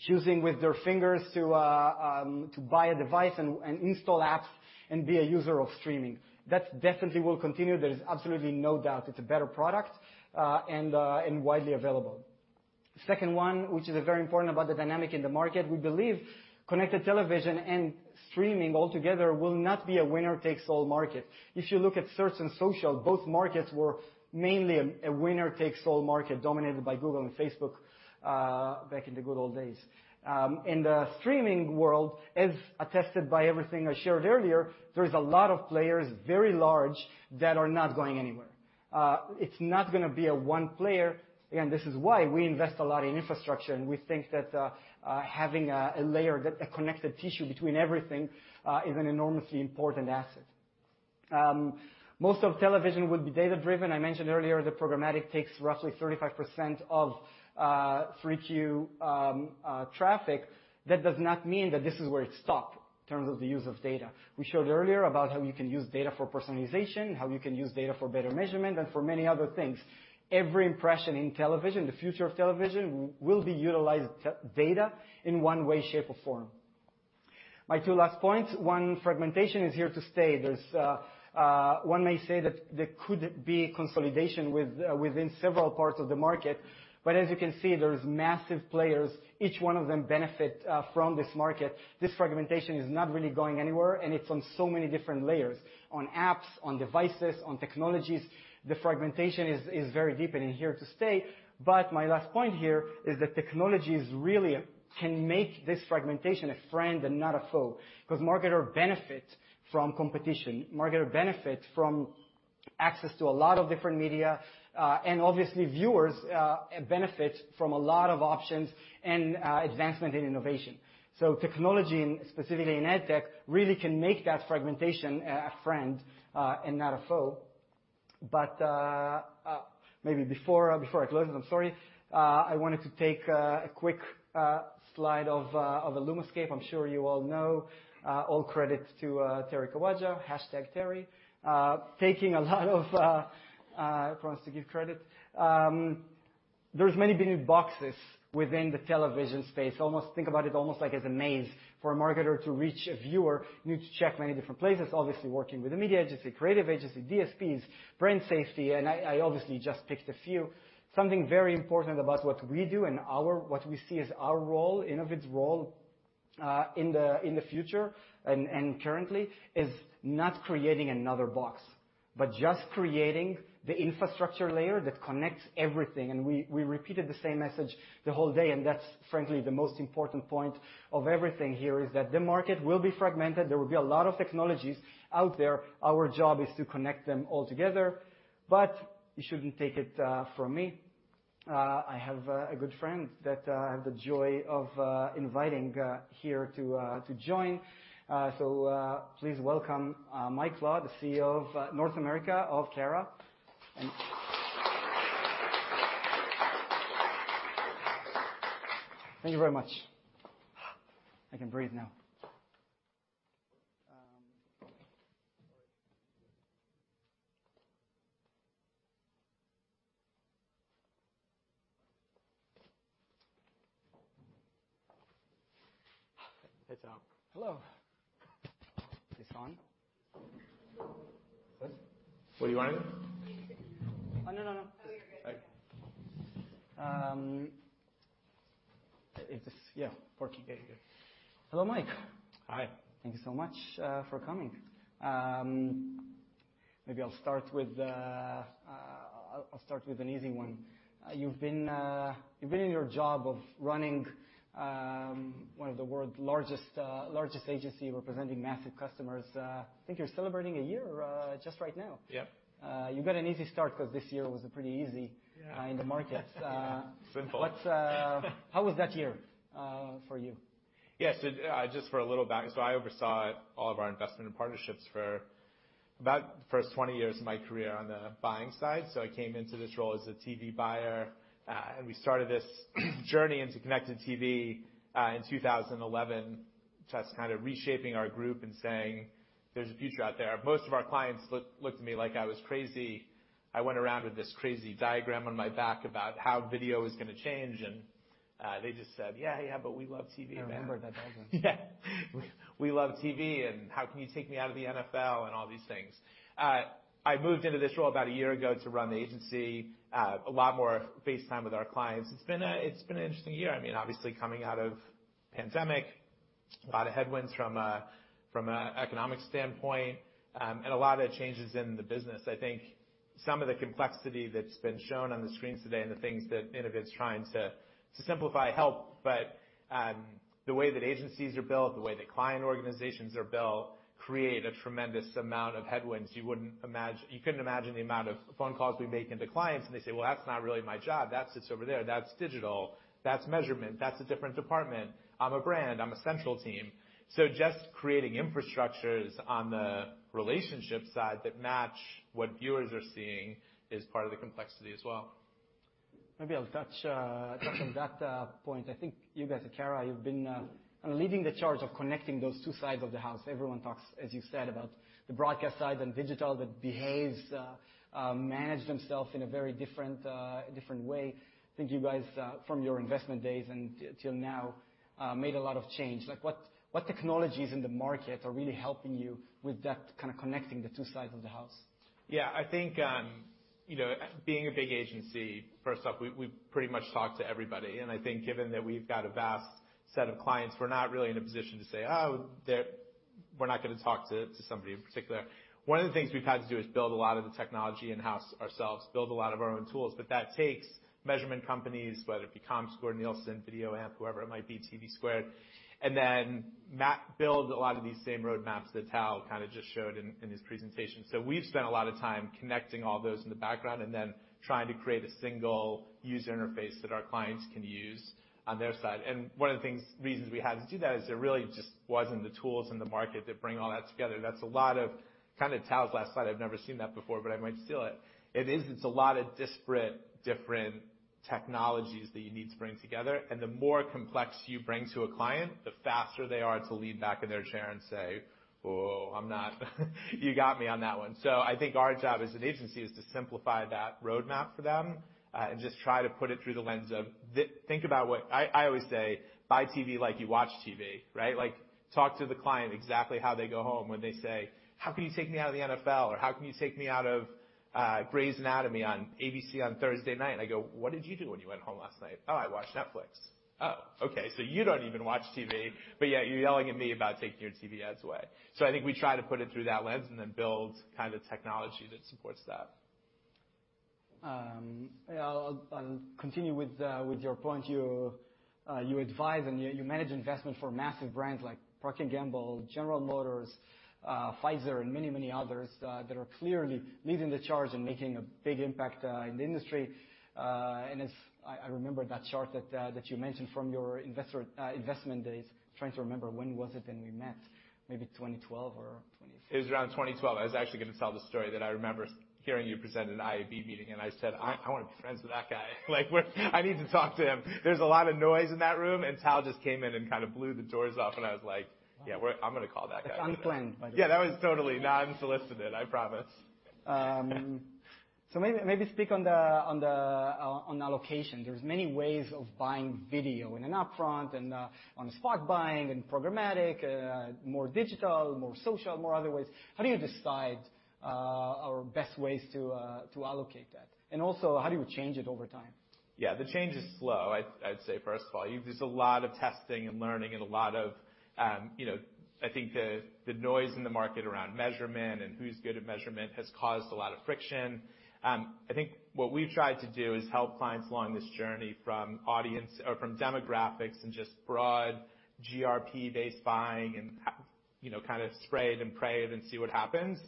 choosing with their fingers to buy a device and install apps and be a user of streaming. That definitely will continue. There is absolutely no doubt it's a better product and widely available. Second one, which is a very important about the dynamic in the market, we believe connected television and streaming altogether will not be a winner-takes-all market. If you look at search and social, both markets were mainly a winner-takes-all market dominated by Google and Facebook back in the good old days. In the streaming world, as attested by everything I shared earlier, there is a lot of players, very large, that are not going anywhere. It's not gonna be a one player. Again, this is why we invest a lot in infrastructure, and we think that having a connected tissue between everything is an enormously important asset. Most of television will be data-driven. I mentioned earlier that programmatic takes roughly 35% of free TV traffic. That does not mean that this is where it stops in terms of the use of data. We showed earlier about how you can use data for Personalization, how you can use data for better Measurement and for many other things. Every impression in television, the future of television will utilize data in one way, shape, or form. My two last points. One, fragmentation is here to stay. There's one may say that there could be consolidation with within several parts of the market. As you can see, there's massive players. Each one of them benefit from this market. This fragmentation is not really going anywhere, and it's on so many different layers. On apps, on devices, on technologies. The fragmentation is very deep and it's here to stay. My last point here is that technologies really can make this fragmentation a friend and not a foe, 'cause marketer benefit from competition. Marketer benefit from access to a lot of different media, and obviously viewers benefit from a lot of options and advancement in innovation. Technology, and specifically in ad tech, really can make that fragmentation a friend and not a foe. Maybe before I close this, I'm sorry. I wanted to take a quick slide of a LUMAscape. I'm sure you all know, all credit to Terry Kawaja, #Terry, taking a lot of time. I promise to give credit. There's many big new boxes within the television space. Think about it almost like as a maze. For a marketer to reach a viewer, you need to check many different places, obviously working with a media agency, creative agency, DSPs, brand safety, and I obviously just picked a few. Something very important about what we do and what we see as our role, Innovid's role, in the future and currently is not creating another box, but just creating the infrastructure layer that connects everything. We repeated the same message the whole day, and that's frankly the most important point of everything here, is that the market will be fragmented. There will be a lot of technologies out there. Our job is to connect them all together. You shouldn't take it from me. I have a good friend that I have the joy of inviting here to join. Please welcome Mike Law, the CEO of Carat North America. Thank you very much. I can breathe now. It's on. Hello. Is this on? What? What do you want to do? Oh, no, no. All right. Yeah, working. Yeah. You're good. Hello, Mike. Hi. Thank you so much for coming. Maybe I'll start with an easy one. You've been in your job of running one of the world's largest agency representing massive customers. I think you're celebrating a year just right now. Yep. You got an easy start 'cause this year was a pretty easy. Yeah. in the markets. Simple. How was that year for you? Yes. I oversaw all of our investment and partnerships for about the first 20 years of my career on the buying side. I came into this role as a TV buyer. We started this journey into connected TV in 2011, just kind of reshaping our group and saying, "There's a future out there." Most of our clients looked at me like I was crazy. I went around with this crazy diagram on my back about how video was gonna change, and they just said, "Yeah, yeah, but we love TV. I remember that. That was. Yeah. We love TV, and how can you take me out of the NFL and all these things. I moved into this role about a year ago to run the agency. A lot more face time with our clients. It's been an interesting year. I mean, obviously, coming out of pandemic. A lot of headwinds from an economic standpoint, and a lot of changes in the business. I think some of the complexity that's been shown on the screens today and the things that Innovid's trying to simplify help. The way that agencies are built, the way that client organizations are built, create a tremendous amount of headwinds you wouldn't imagine. You couldn't imagine the amount of phone calls we make into clients, and they say, "Well, that's not really my job. That sits over there. That's digital. That's Measurement. That's a different department. I'm a brand. I'm a central team. Just creating infrastructures on the relationship side that match what viewers are seeing is part of the complexity as well. Maybe I'll touch on that point. I think you guys at Carat, you've been kind of leading the charge of connecting those two sides of the house. Everyone talks, as you said, about the broadcast side and digital that behaves and manage themselves in a very different way. I think you guys from your investment days and until now made a lot of change. Like what technologies in the market are really helping you with that kind of connecting the two sides of the house? Yeah. I think, you know, being a big agency, first off, we pretty much talk to everybody. I think given that we've got a vast set of clients, we're not really in a position to say, "Oh, we're not gonna talk to somebody in particular." One of the things we've had to do is build a lot of the technology in-house ourselves, build a lot of our own tools, but that takes Measurement companies, whether it be Comscore, Nielsen, VideoAmp, whoever it might be, TVSquared, and then build a lot of these same roadmaps that Tal kind of just showed in his presentation. We've spent a lot of time connecting all those in the background and then trying to create a single user interface that our clients can use on their side. One of the reasons we had to do that is there really just wasn't the tools in the market that bring all that together. That's a lot of kind of Tal's last slide, I've never seen that before, but I might steal it. It is, it's a lot of disparate, different technologies that you need to bring together, and the more complex you bring to a client, the faster they are to lean back in their chair and say, "Whoa, I'm not. You got me on that one." I think our job as an agency is to simplify that roadmap for them, and just try to put it through the lens of think about what I always say, buy TV like you watch TV, right? Like, talk to the client exactly how they go home when they say, "How can you take me out of the NFL?" Or, "How can you take me out of Grey's Anatomy on ABC on Thursday night?" I go, "What did you do when you went home last night?" "Oh, I watched Netflix." "Oh, okay. So you don't even watch TV, but yet you're yelling at me about taking your TV ads away." I think we try to put it through that lens and then build kind of technology that supports that. I'll continue with your point. You advise and you manage investment for massive brands like Procter & Gamble, General Motors, Pfizer and many others that are clearly leading the charge and making a big impact in the industry. As I remember that chart that you mentioned from your investment days. Trying to remember when was it then we met, maybe 2012 or 2015. It was around 2012. I was actually gonna tell the story that I remember hearing you present at an IAB meeting, and I said, "I wanna be friends with that guy." Like, "I need to talk to him." There was a lot of noise in that room, and Tal just came in and kind of blew the doors off, and I was like. Wow. Yeah, I'm gonna call that guy up. It's unplanned by the way. Yeah, that was totally unsolicited, I promise. Maybe speak on the allocation. There's many ways of buying video in an upfront and on a spot buying and programmatic, more digital, more social, more other ways. How do you decide or best ways to allocate that? Also, how do you change it over time? The change is slow, I'd say, first of all. There's a lot of testing and learning and a lot of, you know. I think the noise in the market around Measurement and who's good at Measurement has caused a lot of friction. I think what we've tried to do is help clients along this journey from audience or from demographics and just broad GRP-based buying and you know, kind of spray it and pray it and see what happens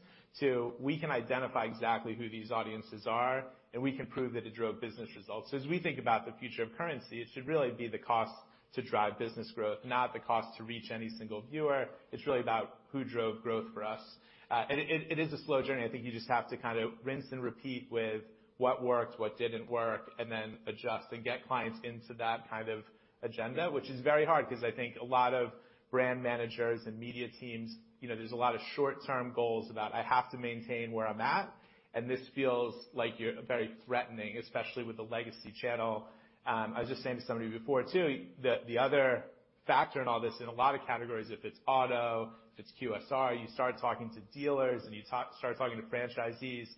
to we can identify exactly who these audiences are, and we can prove that it drove business results. As we think about the future of currency, it should really be the cost to drive business growth, not the cost to reach any single viewer. It's really about who drove growth for us. It is a slow journey. I think you just have to kind of rinse and repeat with what worked, what didn't work, and then adjust and get clients into that kind of agenda, which is very hard, because I think a lot of brand managers and media teams, you know, there's a lot of short-term goals about I have to maintain where I'm at, and this feels like you're very threatening, especially with the legacy channel. I was just saying to somebody before, too, the other factor in all this in a lot of categories, if it's auto, if it's QSR, you start talking to dealers and you start talking to franchisees.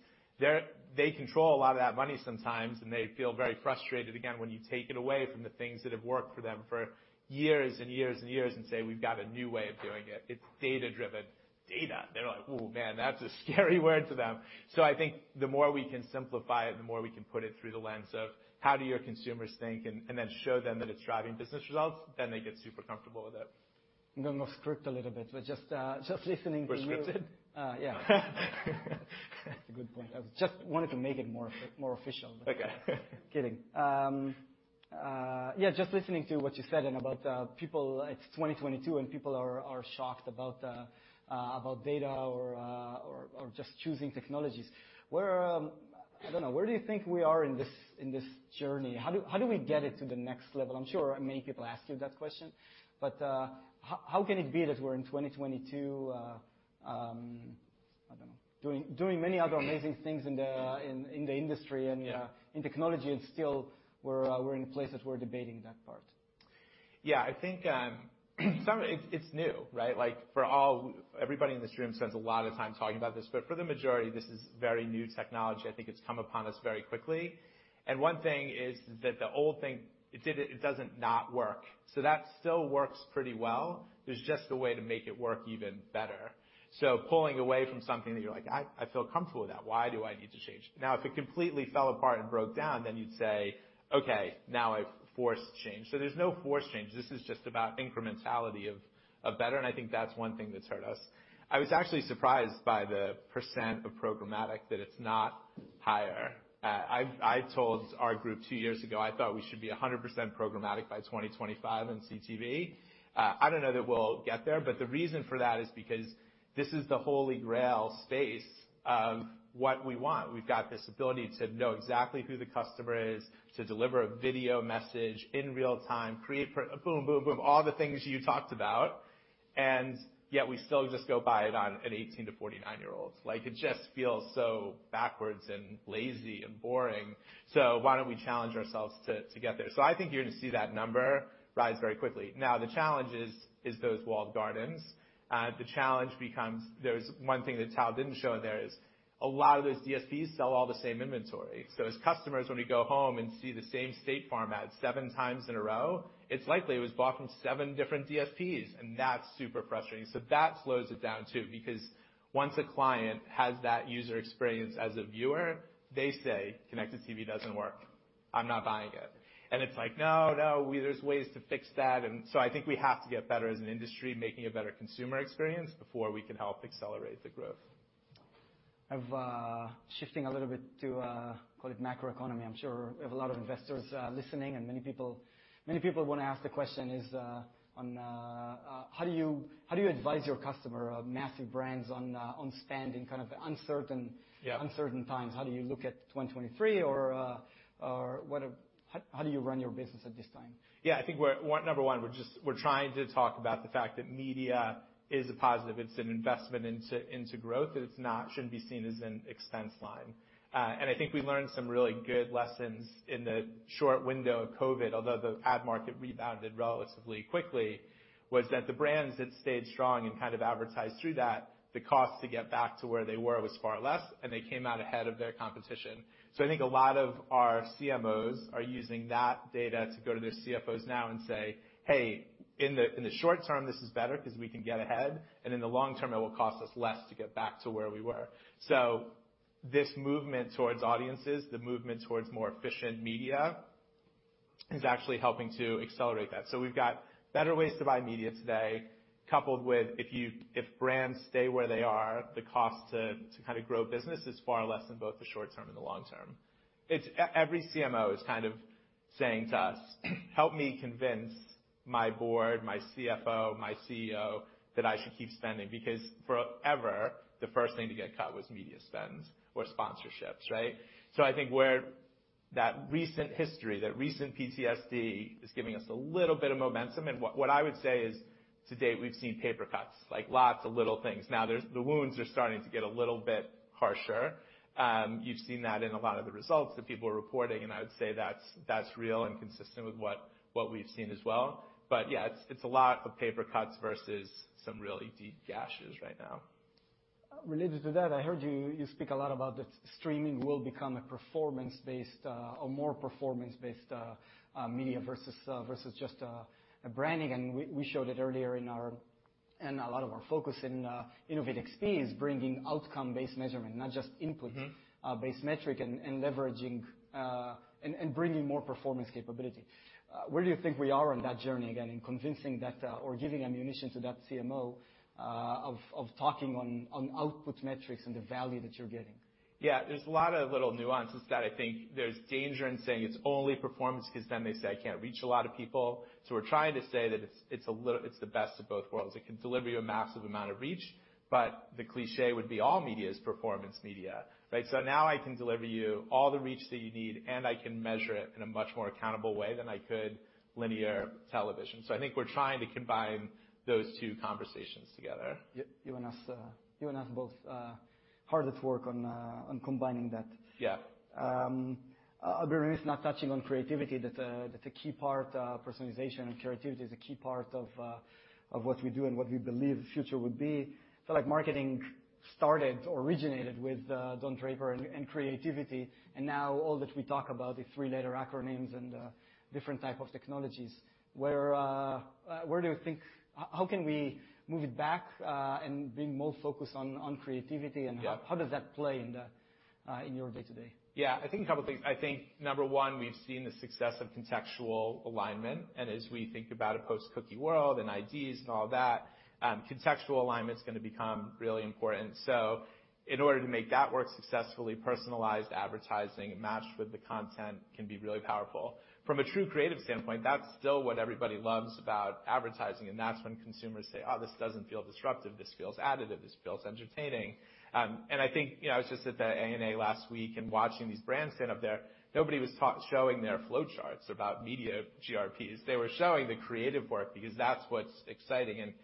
They control a lot of that money sometimes, and they feel very frustrated, again, when you take it away from the things that have worked for them for years and years and years and say, "We've got a new way of doing it. It's data-driven." Data? They're like, "Ooh, man, that's a scary word to them." So I think the more we can simplify it, the more we can put it through the lens of how do your consumers think and then show them that it's driving business results, then they get super comfortable with it. I'm gonna script a little bit, but just listening to. We're scripted? Yeah. That's a good point. I just wanted to make it more official. Okay. Kidding. Yeah, just listening to what you said and about people, it's 2022 and people are shocked about data or just choosing technologies. Where, I don't know, where do you think we are in this journey? How do we get it to the next level? I'm sure many people ask you that question, but how can it be that we're in 2022, I don't know, doing many other amazing things in the industry and. Yeah In technology and still we're in places we're debating that part? Yeah, I think it's new, right? Like, Everybody in this room spends a lot of time talking about this, but for the majority, this is very new technology. I think it's come upon us very quickly. One thing is that the old thing, it doesn't not work. That still works pretty well. There's just a way to make it work even better. Pulling away from something that you're like, "I feel comfortable with that. Why do I need to change?" Now, if it completely fell apart and broke down, then you'd say, "Okay, now I've forced change." There's no forced change. This is just about incrementality of better, and I think that's one thing that's hurt us. I was actually surprised by the percent of programmatic that it's not higher. I told our group two years ago, I thought we should be 100% programmatic by 2025 on CTV. I don't know that we'll get there, but the reason for that is because this is the holy grail space of what we want. We've got this ability to know exactly who the customer is, to deliver a video message in real time, create for... boom, boom, all the things you talked about. Yet we still just go buy it on an 18- to 49-year-olds. Like, it just feels so backwards and lazy and boring. Why don't we challenge ourselves to get there? I think you're gonna see that number rise very quickly. Now, the challenge is those walled gardens. The challenge becomes there's one thing that Tal didn't show there is a lot of those DSPs sell all the same inventory. So as customers, when we go home and see the same State Farm ad seven times in a row, it's likely it was bought from seven different DSPs, and that's super frustrating. So that slows it down, too, because once a client has that user experience as a viewer, they say, "Connected TV doesn't work. I'm not buying it." It's like, "No, no, there's ways to fix that." I think we have to get better as an industry, making a better consumer experience before we can help accelerate the growth. Shifting a little bit to call it macroeconomy. I'm sure we have a lot of investors listening and many people wanna ask the question is on how do you advise your customer of massive brands on spend in kind of uncertain- Yeah. In uncertain times? How do you look at 2023? How do you run your business at this time? Yeah. I think, well, number one, we're trying to talk about the fact that media is a positive. It's an investment into growth, and it shouldn't be seen as an expense line. I think we learned some really good lessons in the short window of COVID, although the ad market rebounded relatively quickly, was that the brands that stayed strong and kind of advertised through that, the cost to get back to where they were was far less, and they came out ahead of their competition. I think a lot of our CMOs are using that data to go to their CFOs now and say, "Hey, in the short term, this is better 'cause we can get ahead. In the long term, it will cost us less to get back to where we were." This movement towards audiences, the movement towards more efficient media is actually helping to accelerate that. We've got better ways to buy media today, coupled with if brands stay where they are, the cost to kind of grow business is far less than both the short term and the long term. Every CMO is kind of saying to us, "Help me convince my board, my CFO, my CEO, that I should keep spending," because forever the first thing to get cut was media spends or sponsorships, right? I think that recent history, that recent PTSD is giving us a little bit of momentum. What I would say is, to date, we've seen paper cuts, like, lots of little things. Now there's the wounds are starting to get a little bit harsher. You've seen that in a lot of the results that people are reporting, and I would say that's real and consistent with what we've seen as well. Yeah, it's a lot of paper cuts versus some really deep gashes right now. Related to that, I heard you speak a lot about the streaming will become a performance-based or more performance-based media versus just a branding. We showed it earlier in a lot of our focus in InnovidXP is bringing outcome-based Measurement, not just input- Mm-hmm. based metric and leveraging and bringing more performance capability. Where do you think we are on that journey, again, in convincing that, or giving ammunition to that CMO, of talking on output metrics and the value that you're getting? Yeah. There's a lot of little nuances that I think there's danger in saying it's only performance 'cause then they say, "I can't reach a lot of people." We're trying to say that it's a little, it's the best of both worlds. It can deliver you a massive amount of reach, but the cliché would be all media is performance media, right? Now I can deliver you all the reach that you need, and I can measure it in a much more accountable way than I could linear television. I think we're trying to combine those two conversations together. You and us both hardest work on combining that. Yeah. I'll be remiss not touching on creativity. That's a key part, Personalization and creativity is a key part of what we do and what we believe the future would be. Feel like marketing started or originated with Don Draper and creativity, and now all that we talk about is three-letter acronyms and different type of technologies. Where do you think? How can we move it back and be more focused on creativity? Yeah. How does that play in your day to day? Yeah. I think a couple things. I think, number one, we've seen the success of contextual alignment. As we think about a post-cookie world and IDs and all that, contextual alignment's gonna become really important. In order to make that work successfully, personalized advertising matched with the content can be really powerful. From a true creative standpoint, that's still what everybody loves about advertising, and that's when consumers say, "Oh, this doesn't feel disruptive. This feels additive, this feels entertaining." I think, you know, I was just at the ANA last week and watching these brands stand up there. Nobody was showing their flowcharts about media GRPs. They were showing the creative work because that's what's exciting.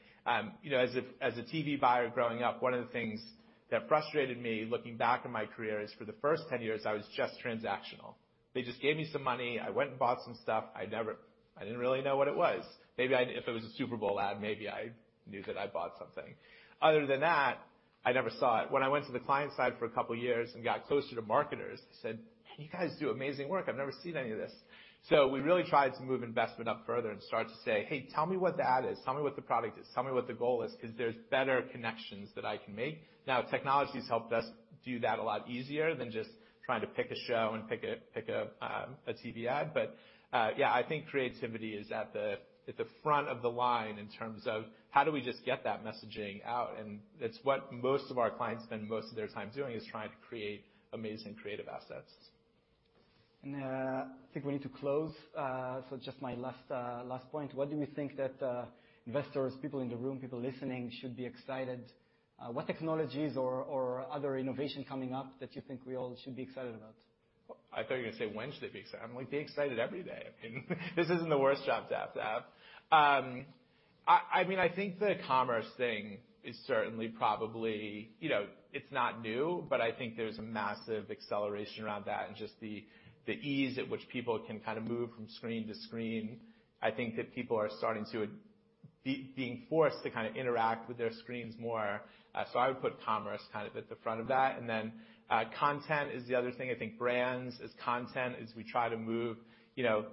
You know, as a TV buyer growing up, one of the things that frustrated me, looking back on my career, is for the first 10 years, I was just transactional. They just gave me some money, I went and bought some stuff. I didn't really know what it was. Maybe if it was a Super Bowl ad, maybe I knew that I bought something. Other than that, I never saw it. When I went to the client side for a couple years and got closer to marketers, I said, "You guys do amazing work. I've never seen any of this." We really tried to move investment up further and start to say, "Hey, tell me what the ad is. Tell me what the product is. Tell me what the goal is, 'cause there's better connections that I can make. Now, technology's helped us do that a lot easier than just trying to pick a show and pick a TV ad. But, yeah, I think creativity is at the front of the line in terms of how do we just get that messaging out? It's what most of our clients spend most of their time doing, is trying to create amazing creative assets. I think we need to close. Just my last point. What technologies or other innovation coming up that you think we all should be excited about? I thought you were gonna say, when should they be excited? I'm like, be excited every day. I mean, this isn't the worst job to have. I mean, I think the commerce thing is certainly probably. You know, it's not new, but I think there's a massive acceleration around that, and just the ease at which people can kind of move from screen to screen. I think that people are being forced to kind of interact with their screens more. So I would put commerce kind of at the front of that. Then, content is the other thing. I think brands as content as we try to move, you know.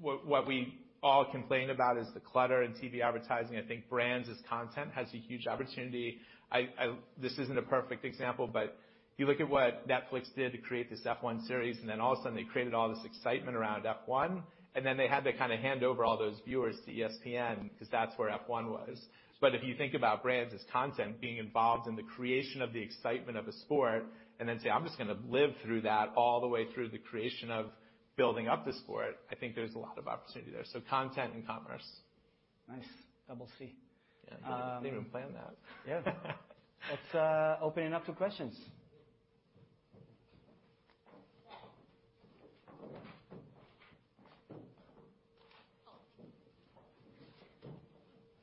What we all complain about is the clutter in TV advertising. This isn't a perfect example, but if you look at what Netflix did to create this F1 series, and then all of a sudden they created all this excitement around F1. Then they had to kind of hand over all those viewers to ESPN, 'cause that's where F1 was. If you think about brands as content, being involved in the creation of the excitement of a sport and then say, "I'm just gonna live through that all the way through the creation of building up the sport," I think there's a lot of opportunity there. Content and commerce. Nice. Double C. Yeah. I didn't even plan that. Yeah. Let's open it up to questions.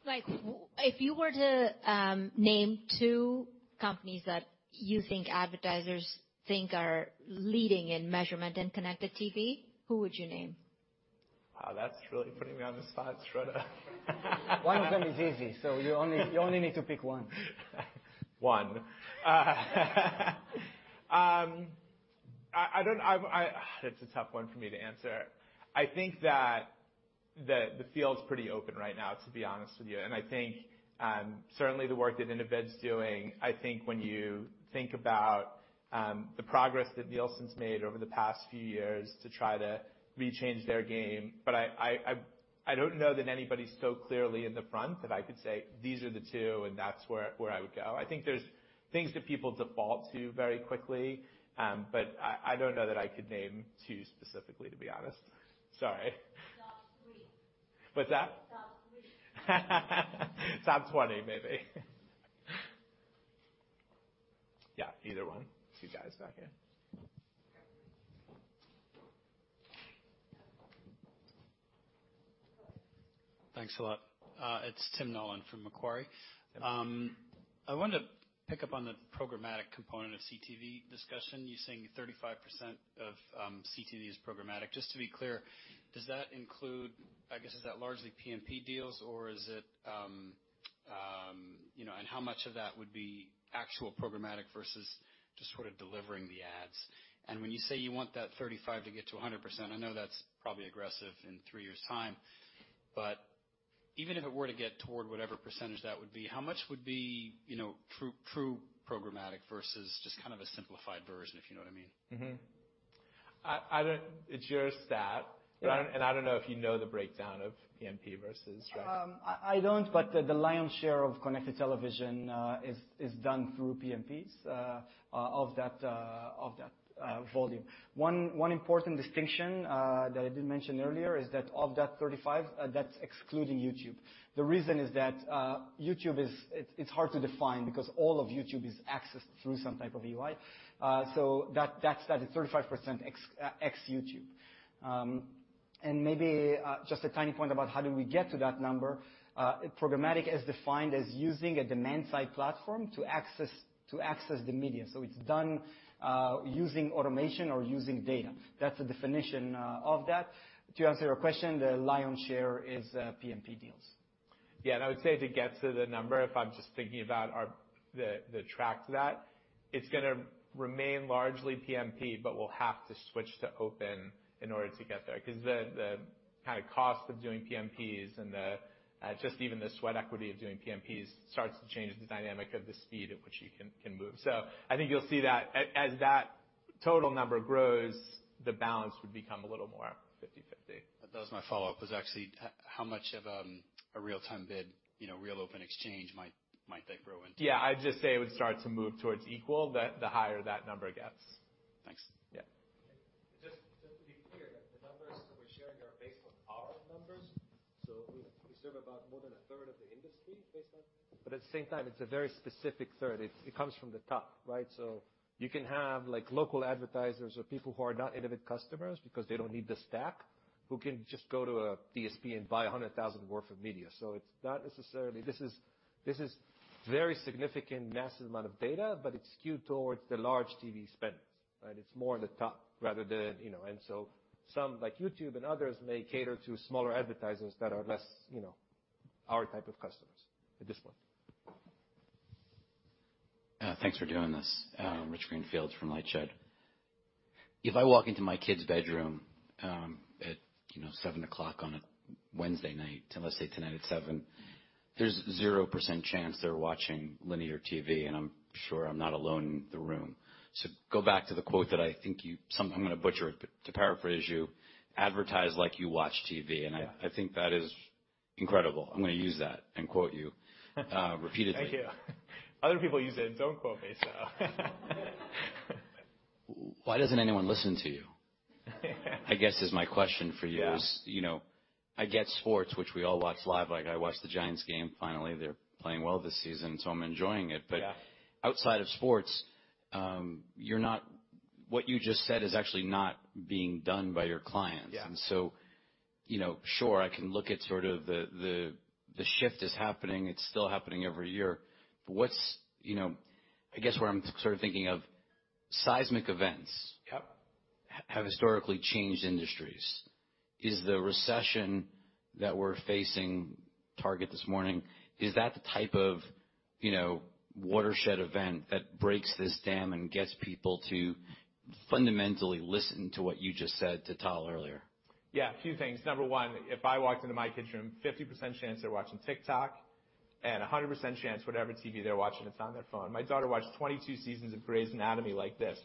Like, if you were to name two companies that you think advertisers think are leading in Measurement in connected TV, who would you name? Oh, that's really putting me on the spot, Shraddha. One of them is easy, so you only need to pick one. That's a tough one for me to answer. I think that the field's pretty open right now, to be honest with you. I think certainly the work that Innovid's doing. I think when you think about the progress that Nielsen's made over the past few years to try to rechange their game. I don't know that anybody's so clearly in the front that I could say, "These are the two, and that's where I would go." I think there's things that people default to very quickly. I don't know that I could name two specifically, to be honest. Sorry. Top three. What's that? Top three. Top 20 maybe. Yeah, either one. You guys down here. Thanks a lot. It's Tim Nollen from Macquarie. I wanted to pick up on the programmatic component of CTV discussion. You're saying 35% of CTV is programmatic. Just to be clear, does that include? I guess, is that largely PMP deals, or is it? You know, and how much of that would be actual programmatic versus just sort of delivering the ads? And when you say you want that 35% to get to 100%, I know that's probably aggressive in three years' time. But even if it were to get toward whatever percentage that would be, how much would be, you know, true programmatic versus just kind of a simplified version, if you know what I mean? I don't. It's your stat. Yeah. I don't know if you know the breakdown of PMP versus I don't, but the lion's share of connected television is done through PMPs of that volume. One important distinction that I did mention earlier is that of that 35%, that's excluding YouTube. The reason is that YouTube is. It's hard to define because all of YouTube is accessed through some type of UI. That study, 35% ex-YouTube. Maybe just a tiny point about how we get to that number. Programmatic is defined as using a demand-side platform to access the media. It's done using automation or using data. That's the definition of that. To answer your question, the lion's share is PMP deals. Yeah, I would say to get to the number, if I'm just thinking about the track to that, it's gonna remain largely PMP, but we'll have to switch to open in order to get there. 'Cause the kind of cost of doing PMPs and just even the sweat equity of doing PMPs starts to change the dynamic of the speed at which you can move. I think you'll see that as that total number grows, the balance would become a little more 50/50. That was my follow-up, was actually how much of a real-time bid, you know, real open exchange might that grow into? Yeah. I'd just say it would start to move towards equality, the higher that number gets. Thanks. Yeah. Just to be clear, the numbers that we're sharing are based on our numbers, so we serve more than one-third of the industry based on our numbers. At the same time, it's a very specific third. It comes from the top, right? You can have, like, local advertisers or people who are not Innovid customers because they don't need the stack. Who can just go to a DSP and buy $100,000 worth of media? It's not necessarily. This is very significant, massive amount of data, but it's skewed towards the large TV spenders, right? It's more the top rather than, you know. Some like YouTube and others may cater to smaller advertisers that are less, you know, our type of customers at this point. Thanks for doing this. Rich Greenfield from LightShed. If I walk into my kid's bedroom, at, you know, 7:00 P.M on a Wednesday night, let's say tonight at 7:00 P.M, there's 0% chance they're watching linear TV, and I'm sure I'm not alone in the room. Go back to the quote that I think you, I'm gonna butcher it, but to paraphrase you, "Advertise like you watch TV. Yeah. I think that is incredible. I'm gonna use that and quote you repeatedly. Thank you. Other people use it, don't quote me, so Why doesn't anyone listen to you? I guess is my question for you. Yeah. You know, I get sports, which we all watch live. Like, I watch the Giants game finally. They're playing well this season, so I'm enjoying it. Yeah. Outside of sports, what you just said is actually not being done by your clients. Yeah. You know, sure, I can look at sort of the shift is happening. It's still happening every year. What's, you know, I guess where I'm sort of thinking of seismic events. Yep Have historically changed industries. Is the recession that we're facing, Target this morning, is that the type of, you know, watershed event that breaks this dam and gets people to fundamentally listen to what you just said to Tal earlier? Yeah, a few things. Number one, if I walked into my kid's room, 50% chance they're watching TikTok and 100% chance whatever TV they're watching, it's on their phone. My daughter watched 22 seasons of Grey's Anatomy like this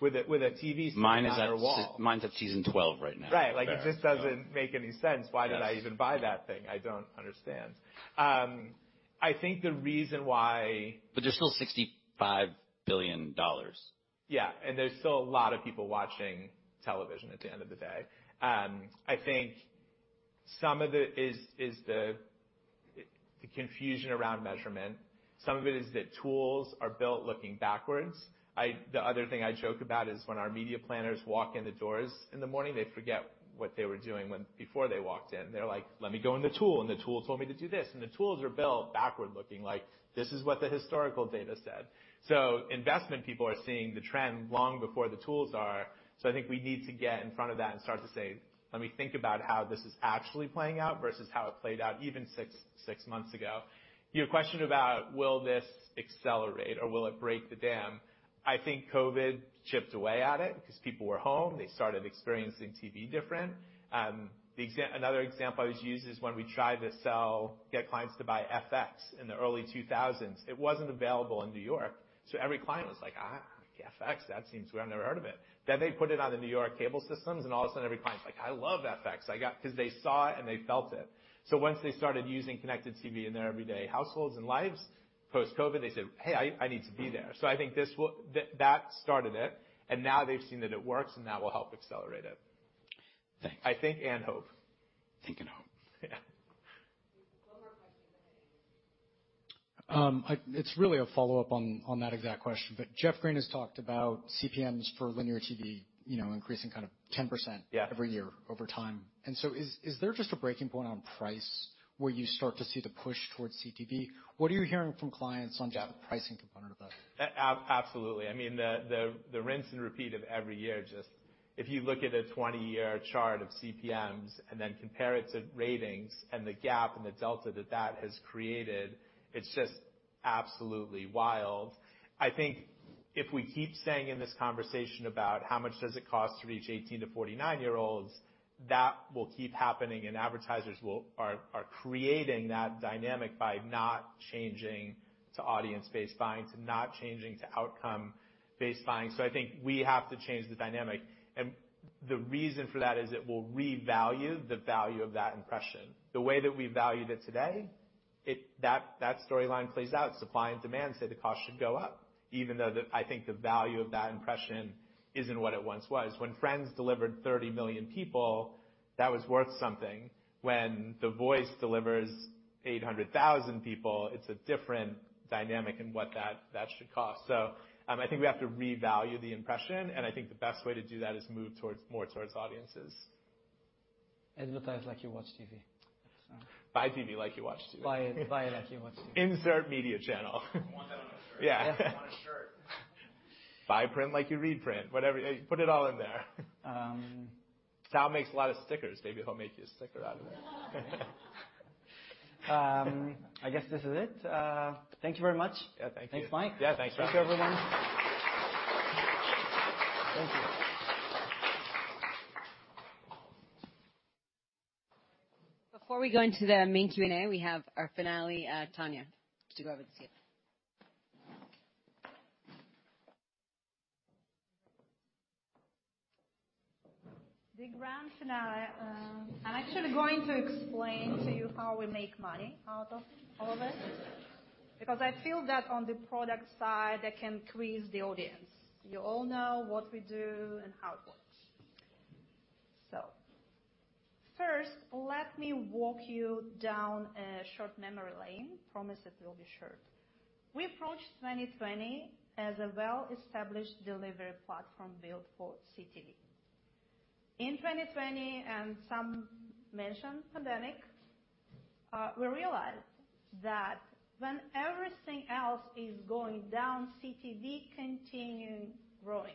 with a TV sitting on her wall. Mine's at season 12 right now. Right. Yeah. Like, it just doesn't make any sense. Yes. Why did I even buy that thing? I don't understand. I think the reason why- There's still $65 billion. Yeah. There's still a lot of people watching television at the end of the day. I think some of it is the confusion around Measurement. Some of it is that tools are built looking backwards. The other thing I joke about is when our media planners walk in the doors in the morning, they forget what they were doing before they walked in. They're like, "Let me go in the tool, and the tool told me to do this." The tools are built backward looking, like this is what the historical data said. Investment people are seeing the trend long before the tools are. I think we need to get in front of that and start to say, "Let me think about how this is actually playing out versus how it played out even six months ago." Your question about will this accelerate or will it break the dam? I think COVID chipped away at it because people were home. They started experiencing TV different. Another example I always use is when we tried to get clients to buy FX in the early 2000s. It wasn't available in New York, so every client was like, "Ah, FX, that seems I've never heard of it." Then they put it on the New York cable systems, and all of a sudden every client's like, "I love FX. I got" 'Cause they saw it, and they felt it. Once they started using connected TV in their everyday households and lives, post-COVID, they said, "Hey, I need to be there." That started it, and now they've seen that it works, and that will help accelerate it. Thanks. I think and hope. Think and hope. Yeah. One more question. Go ahead. It's really a follow-up on that exact question. Jeff Green has talked about CPMs for linear TV, you know, increasing kind of 10%. Yeah ...every year over time. Is there just a breaking point on price where you start to see the push towards CTV? What are you hearing from clients on- Yeah ...the pricing component of that? Absolutely. I mean, the rinse and repeat of every year just. If you look at a 20-year chart of CPMs and then compare it to ratings and the gap and the delta that that has created, it's just absolutely wild. I think if we keep saying in this conversation about how much does it cost to reach 18-49-year-olds, that will keep happening, and advertisers are creating that dynamic by not changing to audience-based buying, to not changing to outcome-based buying. I think we have to change the dynamic. The reason for that is it will revalue the value of that impression. The way that we value it today, that storyline plays out. Supply and demand say the cost should go up even though I think the value of that impression isn't what it once was. When Friends delivered 30 million people, that was worth something. When The Voice delivers 800,000 people, it's a different dynamic in what that should cost. I think we have to revalue the impression, and I think the best way to do that is move more towards audiences. Advertise like you watch TV. Buy TV like you watch TV. Buy it. Buy it like you watch TV. Insert media channel. I want that on a shirt. Yeah. I want a shirt. Buy print like you read print, whatever. Put it all in there. Um. Tal makes a lot of stickers. Maybe he'll make you a sticker out of that. I guess this is it. Thank you very much. Yeah. Thank you. Thanks, Mike. Yeah. Thanks. Thank you, everyone. Thank you. Before we go into the main Q&A, we have our final, Tanya to go over the CFO. The grand finale. I'm actually going to explain to you how we make money out of all of this. I feel that on the product side, that can increase the audience. You all know what we do and how it works. First, let me walk you down a short memory lane. Promise it will be short. We approached 2020 as a well-established delivery platform built for CTV. In 2020, and as mentioned, pandemic, we realized that when everything else is going down, CTV continued growing.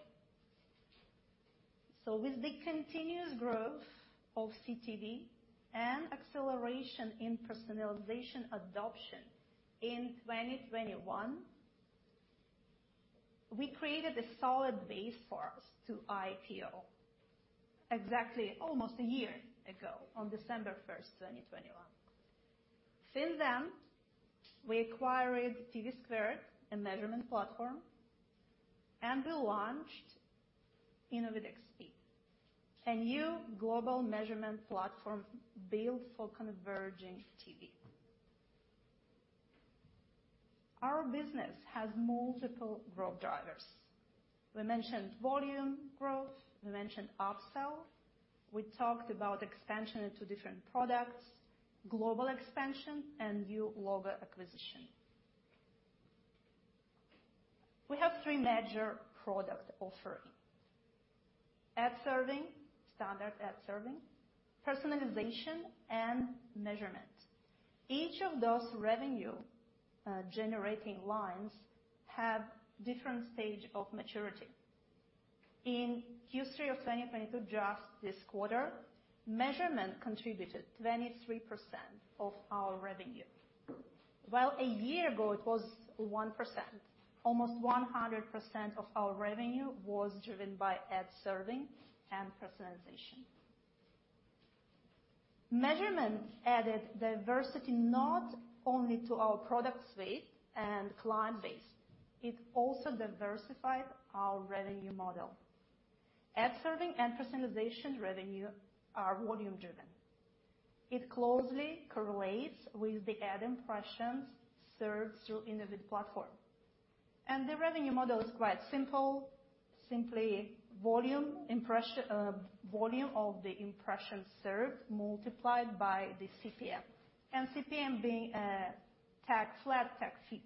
With the continuous growth of CTV and acceleration in Personalization adoption in 2021, we created a solid base for us to IPO exactly almost a year ago on December 1st, 2021. Since then, we acquired TVSquared, a Measurement platform, and we launched InnovidXP, a new global Measurement platform built for converging TV. Our business has multiple growth drivers. We mentioned volume growth, we mentioned upsell, we talked about expansion into different products, global expansion and new logo acquisition. We have three major product offerings. Ad Serving, standard Ad Serving, Personalization and Measurement. Each of those revenue generating lines have different stage of maturity. In Q3 of 2022, just this quarter, Measurement contributed 23% of our revenue. While a year ago it was 1%, almost 100% of our revenue was driven by Ad Serving and Personalization. Measurement added diversity not only to our product suite and client base, it also diversified our revenue model. Ad Serving and Personalization revenue are volume-driven. It closely correlates with the ad impressions served through Innovid platform. The revenue model is quite simple. Simply volume of the impressions served multiplied by the CPM, and CPM being a flat fee.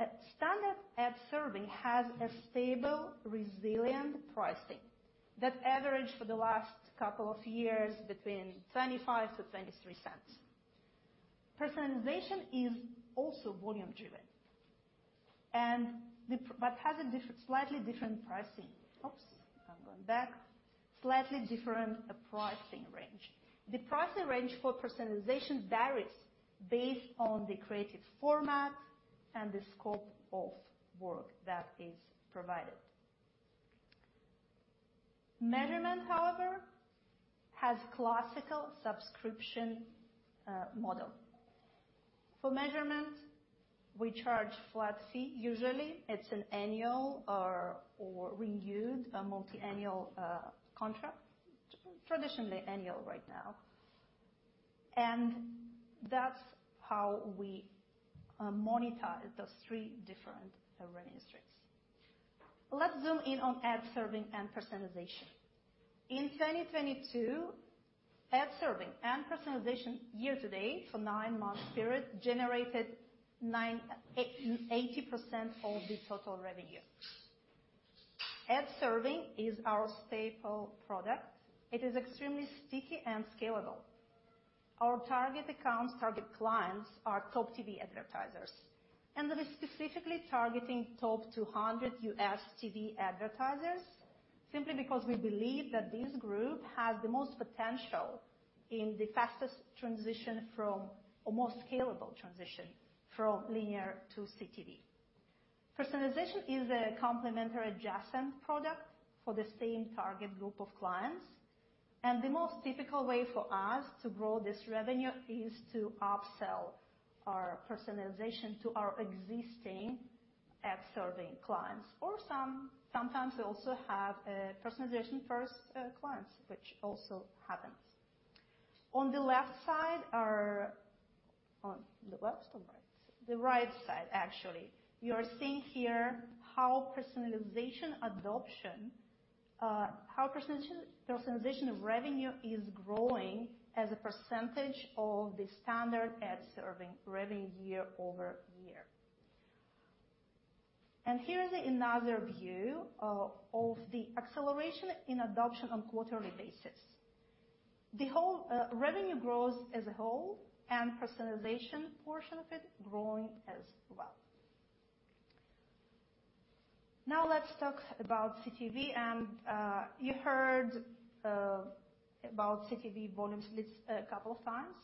A standard Ad Serving has a stable, resilient pricing that averaged for the last couple of years between $0.25-$0.23. Personalization is also volume-driven but has a slightly different pricing range. The pricing range for Personalization varies based on the creative format and the scope of work that is provided. Measurement, however, has classic subscription model. For Measurement, we charge flat fee. Usually, it's an annual or a multi-annual contract. Traditionally annual right now. That's how we monetize those three different revenue streams. Let's zoom in on Ad Serving and Personalization. In 2022, Ad Serving and Personalization year-to-date for nine-month period generated 80% of the total revenue. Ad Serving is our staple product. It is extremely sticky and scalable. Our target accounts, target clients are top TV advertisers. That is specifically targeting top 200 U.S. TV advertisers, simply because we believe that this group has the most potential in the most scalable transition from linear to CTV. Personalization is a complementary adjacent product for the same target group of clients, and the most typical way for us to grow this revenue is to upsell our Personalization to our existing Ad Serving clients, or sometimes we also have Personalization first clients, which also happens. The right side, actually. You are seeing here how Personalization adoption, how Personalization revenue is growing as a percentage of the standard Ad Serving revenue year-over-year. Here is another view of the acceleration in adoption on quarterly basis. The whole revenue grows as a whole and Personalization portion of it growing as well. Now let's talk about CTV and you heard about CTV volume splits a couple of times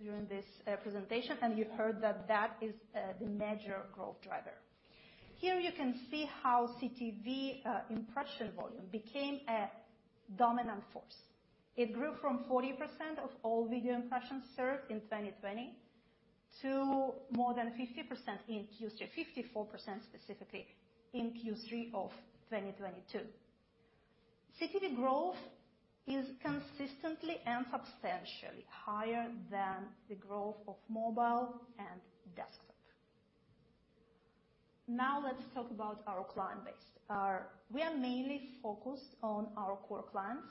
during this presentation, and you heard that that is the major growth driver. Here you can see how CTV impression volume became a dominant force. It grew from 40% of all video impressions served in 2020 to more than 50% in Q3, 54% specifically in Q3 of 2022. CTV growth is consistently and substantially higher than the growth of mobile and desktop. Now let's talk about our client base. We are mainly focused on our core clients.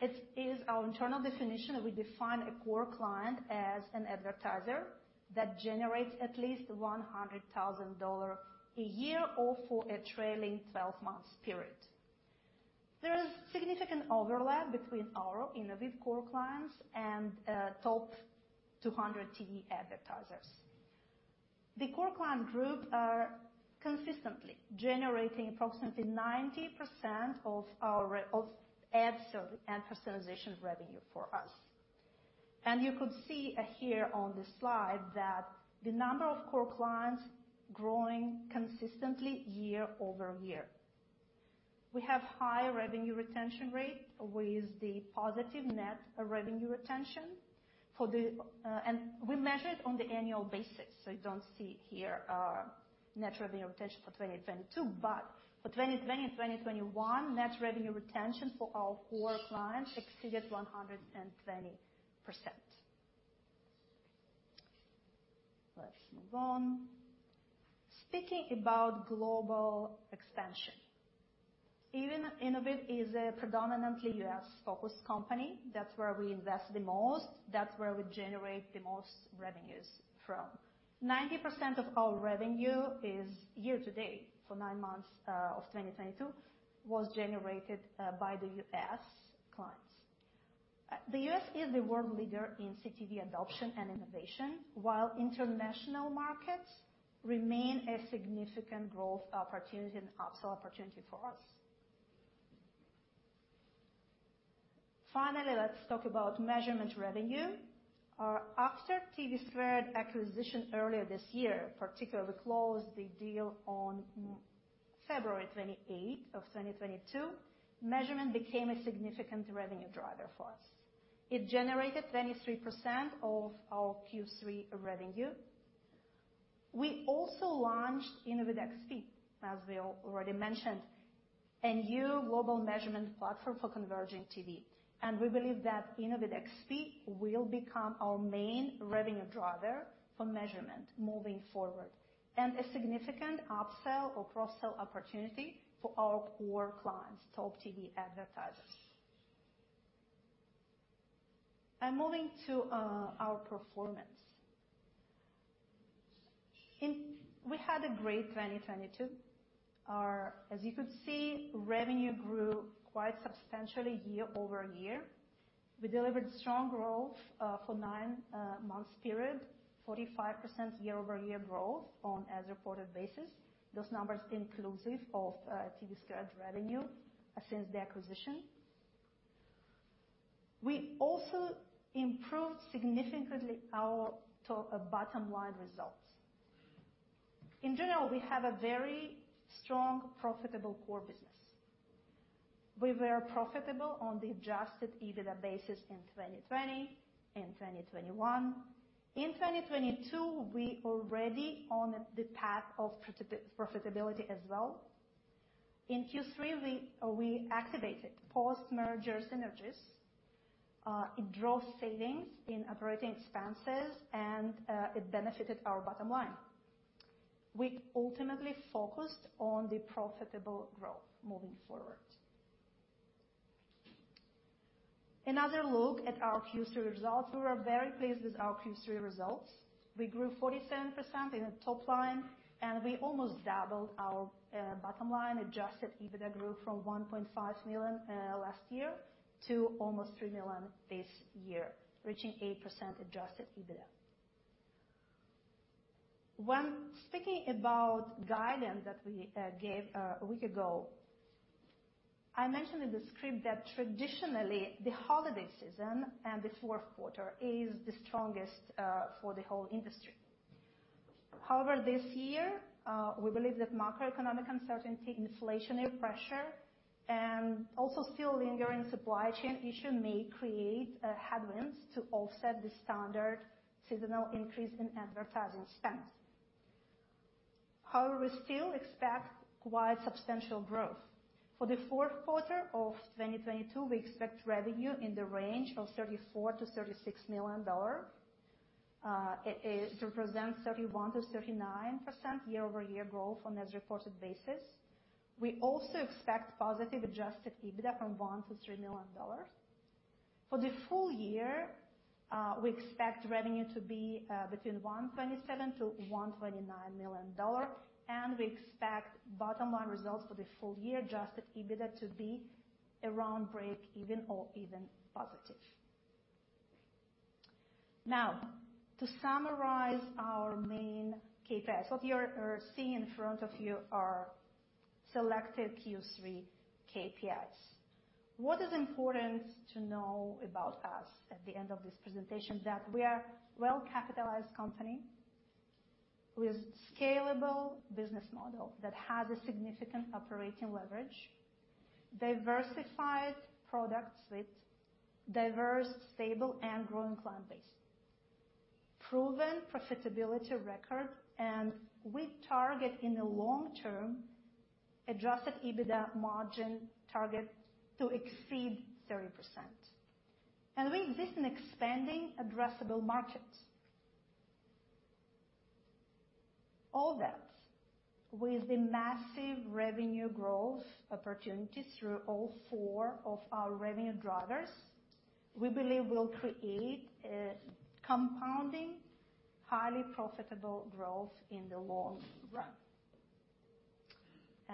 It is our internal definition that we define a core client as an advertiser that generates at least $100,000 a year or for a trailing twelve months period. There is significant overlap between our Innovid core clients and top 200 TV advertisers. The core client group are consistently generating approximately 90% of our Ads and Personalization revenue for us. You could see here on the slide that the number of core clients growing consistently year-over-year. We have high revenue retention rate with the positive net revenue retention for the. We measure it on the annual basis, so you don't see here our net revenue retention for 2022. For 2020 and 2021, net revenue retention for our core clients exceeded 120%. Let's move on. Speaking about global expansion. Even Innovid is a predominantly U.S.-focused company, that's where we invest the most, that's where we generate the most revenues from. 90% of our revenue year to date for nine months of 2022 was generated by the U.S. clients. The U.S. is the world leader in CTV adoption and innovation, while international markets remain a significant growth opportunity and upsell opportunity for us. Finally, let's talk about Measurement revenue. After TVSquared acquisition earlier this year, particularly closed the deal on February 28th of 2022, Measurement became a significant revenue driver for us. It generated 23% of our Q3 revenue. We also launched InnovidXP, as we already mentioned, a new global Measurement platform for converging TV. We believe that InnovidXP will become our main revenue driver for Measurement moving forward, and a significant upsell or cross-sell opportunity for our core clients, top TV advertisers. Moving to our performance. We had a great 2022. As you could see, revenue grew quite substantially year-over-year. We delivered strong growth for nine months period, 45% year-over-year growth on as reported basis. Those numbers inclusive of TVSquared revenue since the acquisition. We also improved significantly our bottom line results. In general, we have a very strong, profitable core business. We were profitable on the adjusted EBITDA basis in 2020, in 2021. In 2022, we already on the path of profitability as well. In Q3, we activated post-merger synergies. It drove savings in operating expenses, and it benefited our bottom line. We ultimately focused on the profitable growth moving forward. Another look at our Q3 results. We were very pleased with our Q3 results. We grew 47% in the top line, and we almost doubled our bottom line. Adjusted EBITDA grew from $1.5 million last year to almost $3 million this year, reaching 8% adjusted EBITDA. When speaking about guidance that we gave a week ago, I mentioned in the script that traditionally the holiday season and the fourth quarter is the strongest for the whole industry. However, this year we believe that macroeconomic uncertainty, inflationary pressure, and also still lingering supply chain issue may create headwinds to offset the standard seasonal increase in advertising spend. However, we still expect quite substantial growth. For the fourth quarter of 2022, we expect revenue in the range of $34 million-$36 million. It represents 31%-39% year-over-year growth on as reported basis. We also expect positive adjusted EBITDA from $1 million-$3 million. For the full year, we expect revenue to be between $127 million-$129 million, and we expect bottom line results for the full year adjusted EBITDA to be around break even or even positive. Now, to summarize our main KPIs. What you are seeing in front of you are selected Q3 KPIs. What is important to know about us at the end of this presentation, that we are well-capitalized company with scalable business model that has a significant operating leverage, diversified product suite, diverse, stable and growing client base, proven profitability record, and we target, in the long term, adjusted EBITDA margin target to exceed 30%. We exist in expanding addressable markets. All that with the massive revenue growth opportunities through all four of our revenue drivers, we believe will create a compounding, highly profitable growth in the long run.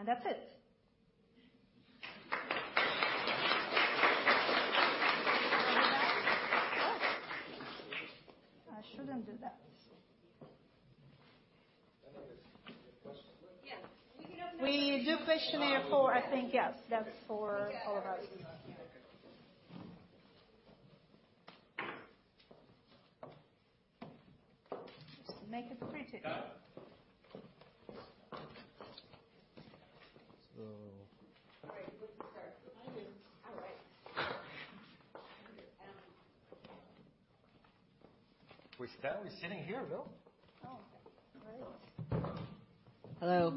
That's it. I shouldn't do that. I think there's questions there. Yeah. We can have We do questionnaire for, I think, yes, that's for all of us. Just make it pretty. So. All right. Who starts? I do. All right. We stand. We're sitting here. Oh, great. Hello.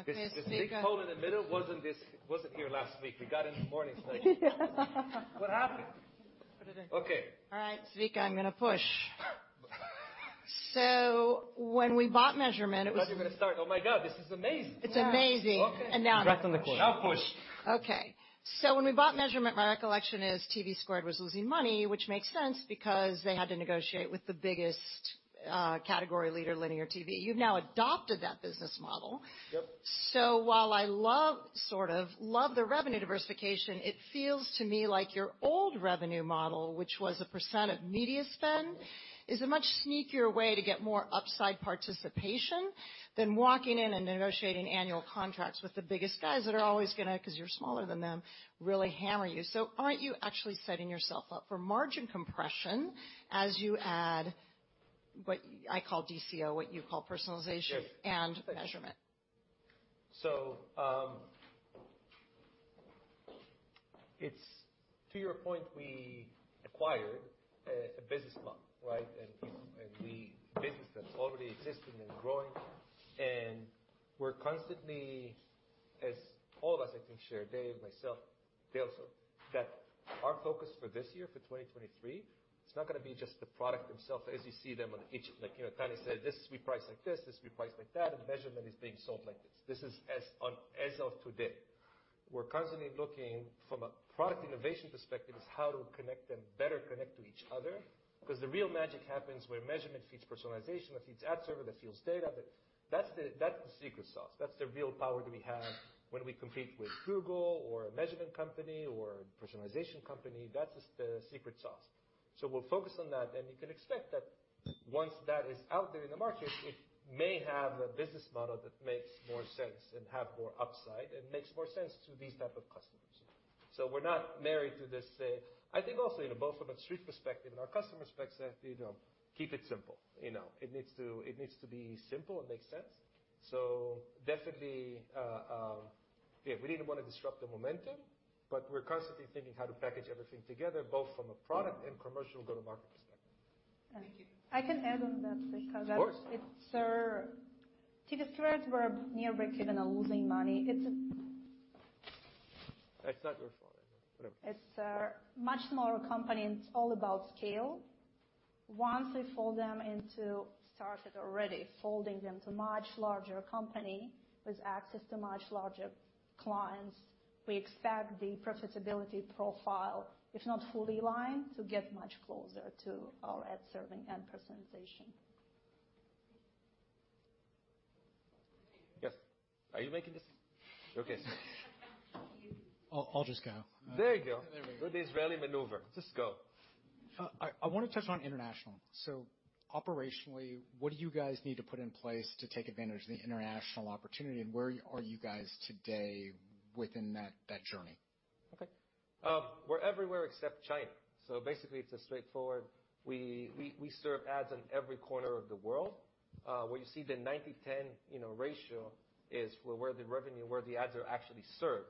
Okay, Zvika. This big hole in the middle wasn't here last week. We got in this morning, so. What happened? Put it in. Okay. All right. Zvika, I'm gonna push. When we bought TVSquared, it was- I thought you were gonna start. Oh my God, this is amazing. It's amazing. Okay. And now I'm- Congrats on the quarter. Now push. When we bought TVSquared, my recollection is TVSquared was losing money, which makes sense because they had to negotiate with the biggest category leader, linear TV. You've now adopted that business model. Yep. While I love, sort of, love the revenue diversification, it feels to me like your old revenue model, which was a percent of media spend, is a much sneakier way to get more upside participation than walking in and negotiating annual contracts with the biggest guys that are always gonna, 'cause you're smaller than them, really hammer you. Aren't you actually setting yourself up for margin compression as you add what I call DCO, what you call Personalization? Yes Measurement? It's to your point, we acquired a business that's already existing and growing. We're constantly, as all of us I think share, Dave, myself, Dale, so that our focus for this year, for 2023, it's not gonna be just the product themselves as you see them on the sheet. Like, you know, Tanya said, "This will be priced like this. This will be priced like that, and Measurement is being sold like this." This is as of today. We're constantly looking from a product innovation perspective is how to connect and better connect to each other. 'Cause the real magic happens where Measurement feeds Personalization that feeds ad server that feeds data. That's the secret sauce. That's the real power that we have when we compete with Google or a Measurement company or a Personalization company. That is the secret sauce. We'll focus on that, and you can expect that once that is out there in the market, it may have a business model that makes more sense and have more upside and makes more sense to these type of customers. We're not married to this. I think also, you know, both from a street perspective and our customer perspective, you know, keep it simple, you know. It needs to be simple and make sense. Definitely, we didn't wanna disrupt the momentum, but we're constantly thinking how to package everything together, both from a product and commercial go-to-market perspective. Thank you. I can add on that because that's. Of course. It's TVSquared were near break-even or losing money. It's a. It's not your fault. Whatever. It's a much smaller company, and it's all about scale. Once we started already folding them into a much larger company with access to much larger clients, we expect the profitability profile, if not fully aligned, to get much closer to our Ad Serving and Personalization. Yes. Are you making this? Okay. You. I'll just go. There you go. There we go. With the Israeli maneuver. Just go. I wanna touch on international. Operationally, what do you guys need to put in place to take advantage of the international opportunity, and where are you guys today within that journey? Okay. We're everywhere except China. Basically it's a straightforward. We serve ads in every corner of the world. Where you see the 90/10, you know, ratio is where the revenue, the ads are actually served.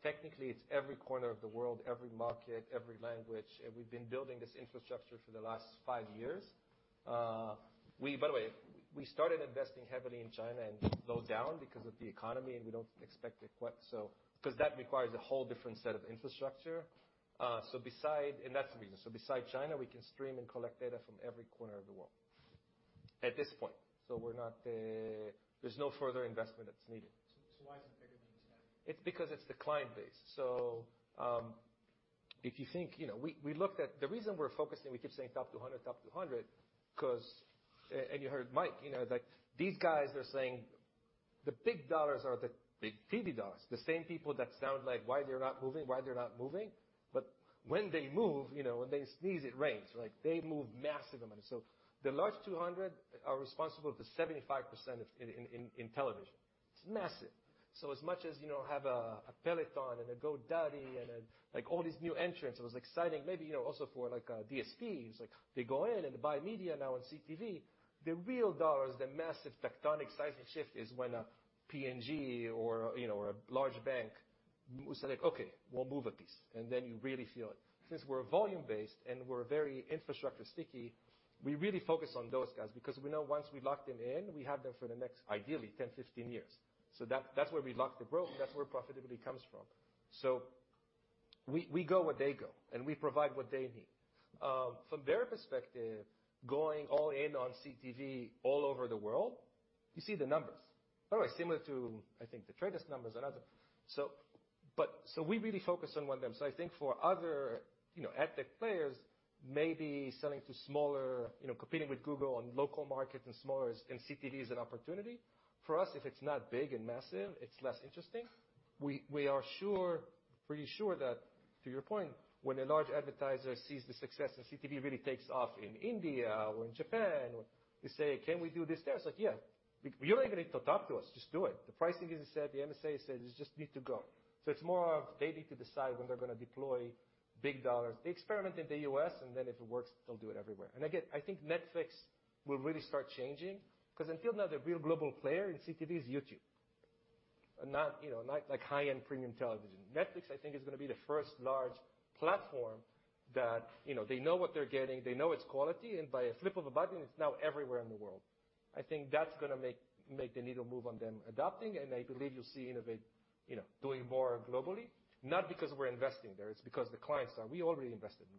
Technically, it's every corner of the world, every market, every language. We've been building this infrastructure for the last five years. By the way, we started investing heavily in China and slowed down because of the economy, and we don't expect it quite so. 'Cause that requires a whole different set of infrastructure. That's the reason. Besides China, we can stream and collect data from every corner of the world at this point. We're not. There's no further investment that's needed. Why is it bigger than you said? It's because it's the client base. If you think, you know, we looked at the reason we're focusing, we keep saying top 200, 'cause you heard Mike, you know, like, these guys are saying the big dollars are the big TV dollars, the same people that sound like why they're not moving. When they move, you know, when they sneeze, it rains. Like, they move massive amounts. The large 200 are responsible for 75% of in television. It's massive. As much as, you know, have a Peloton and a GoDaddy and, like, all these new entrants, it was exciting maybe, you know, also for like DSPs. Like, they go in and they buy media now in CTV. The real dollars, the massive tectonic seismic shift is when a P&G or, you know, a large bank say, like, "Okay, we'll move a piece," and then you really feel it. Since we're volume-based and we're very infrastructure sticky, we really focus on those guys because we know once we locked them in, we have them for the next ideally 10, 15 years. That, that's where we lock the growth, and that's where profitability comes from. We go where they go, and we provide what they need. From their perspective, going all in on CTV all over the world, you see the numbers. By the way, similar to, I think, The Trade Desk numbers and other. We really focus on one of them. I think for other, you know, ad tech players maybe selling to smaller, you know, competing with Google on local markets and smaller. CTV is an opportunity. For us, if it's not big and massive, it's less interesting. We are sure, pretty sure that, to your point, when a large advertiser sees the success and CTV really takes off in India or in Japan, or they say, "Can we do this there?" It's like, yeah. You don't even need to talk to us. Just do it. The pricing is set, the MSA is set. You just need to go. It's more of they need to decide when they're gonna deploy big dollars. They experiment in the U.S., and then if it works, they'll do it everywhere. Again, I think Netflix will really start changing 'cause until now, the real global player in CTV is YouTube and not, you know, not like high-end premium television. Netflix, I think, is gonna be the first large platform that, you know, they know what they're getting, they know its quality, and by a flip of a button, it's now everywhere in the world. I think that's gonna make the needle move on them adopting, and I believe you'll see Innovid, you know, doing more globally, not because we're investing there. It's because the clients are. We already invested in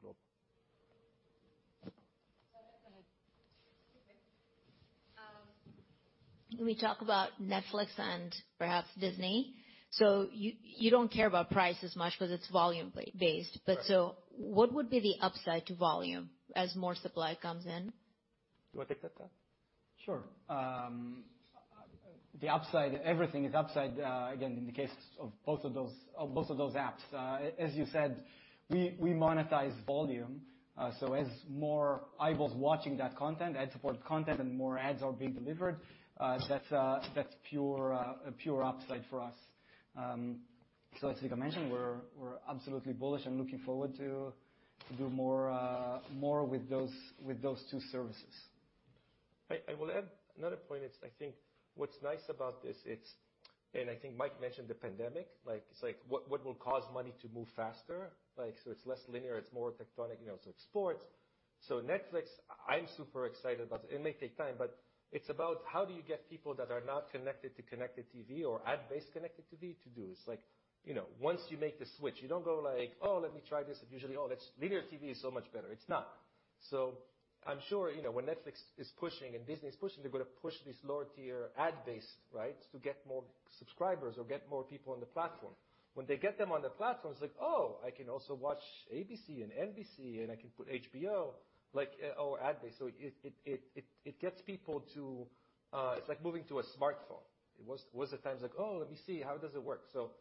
global. Go ahead. We talk about Netflix and perhaps Disney. You don't care about price as much 'cause it's volume based. Right. What would be the upside to volume as more supply comes in? Do you want to take that, Tal? Sure. The upside, everything is upside, again, in the case of both of those apps. As you said, we monetize volume. So as more eyeballs watching that content, ad-supported content and more ads are being delivered, that's a pure upside for us. So as Zvika mentioned, we're absolutely bullish and looking forward to do more with those two services. I will add another point. I think what's nice about this, and I think Mike mentioned the pandemic. Like, it's like what will cause money to move faster? Like, so it's less linear, it's more tectonic, you know, so like sports. So Netflix, I'm super excited about. It may take time, but it's about how do you get people that are not connected to connected TV or ad-based connected TV to do? It's like, you know, once you make the switch, you don't go like, "Oh, let me try this." It's usually, "Oh, that's. Linear TV is so much better." It's not. I'm sure you know when Netflix is pushing and Disney is pushing, they're gonna push this lower tier ad-based, right? To get more subscribers or get more people on the platform. When they get them on the platform, it's like, "Oh, I can also watch ABC and NBC and I can put HBO like or ad-based." So it gets people to. It's like moving to a smartphone. It was at times like, "Oh, let me see. How does it work?" So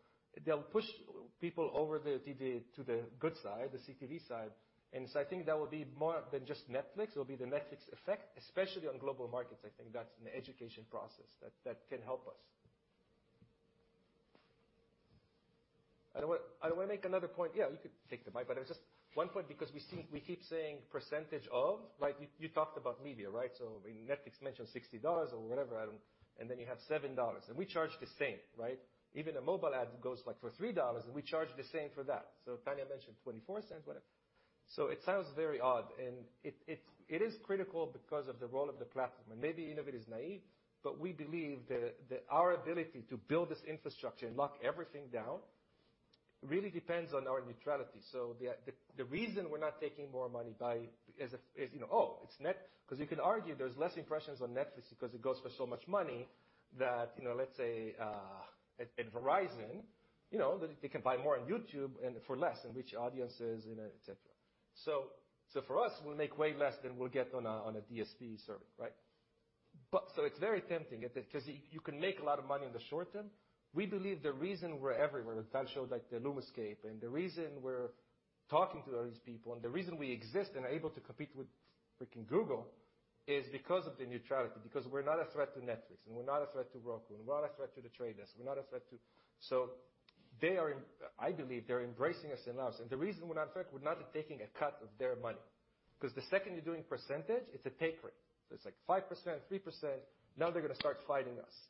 they'll push people over the TV to the good side, the CTV side. I think that will be more than just Netflix. It'll be the Netflix effect, especially on global markets. I think that's an education process that can help us. I want to make another point. Yeah, you could take the bite. It was just one point because we see. Mm-hmm. We keep saying percentage of, right? You talked about linear, right? Netflix mentioned $60 or whatever, and then you have $7. We charge the same, right? Even a mobile ad goes like for $3, and we charge the same for that. Tanya mentioned $0.24, whatever. It sounds very odd. It is critical because of the role of the platform. Maybe Innovid is naive, but we believe our ability to build this infrastructure and lock everything down really depends on our neutrality. The reason we're not taking more money by, as if, as you know, oh, it's Netflix. You can argue there's less impressions on Netflix because it goes for so much money that, you know, let's say, at Verizon, you know, they can buy more on YouTube and for less and reach audiences, you know, et cetera. So for us, we'll make way less than we'll get on a DSP serving, right? It's very tempting 'cause you can make a lot of money in the short term. We believe the reason we're everywhere, Tal showed like the LUMAscape, and the reason we're talking to all these people and the reason we exist and are able to compete with freaking Google is because of the neutrality, because we're not a threat to Netflix, and we're not a threat to Roku, and we're not a threat to The Trade Desk. They are, I believe, embracing us in love. The reason we're not a threat, we're not taking a cut of their money. 'Cause the second you're doing percentage, it's a take rate. It's like 5%, 3%. Now they're gonna start fighting us.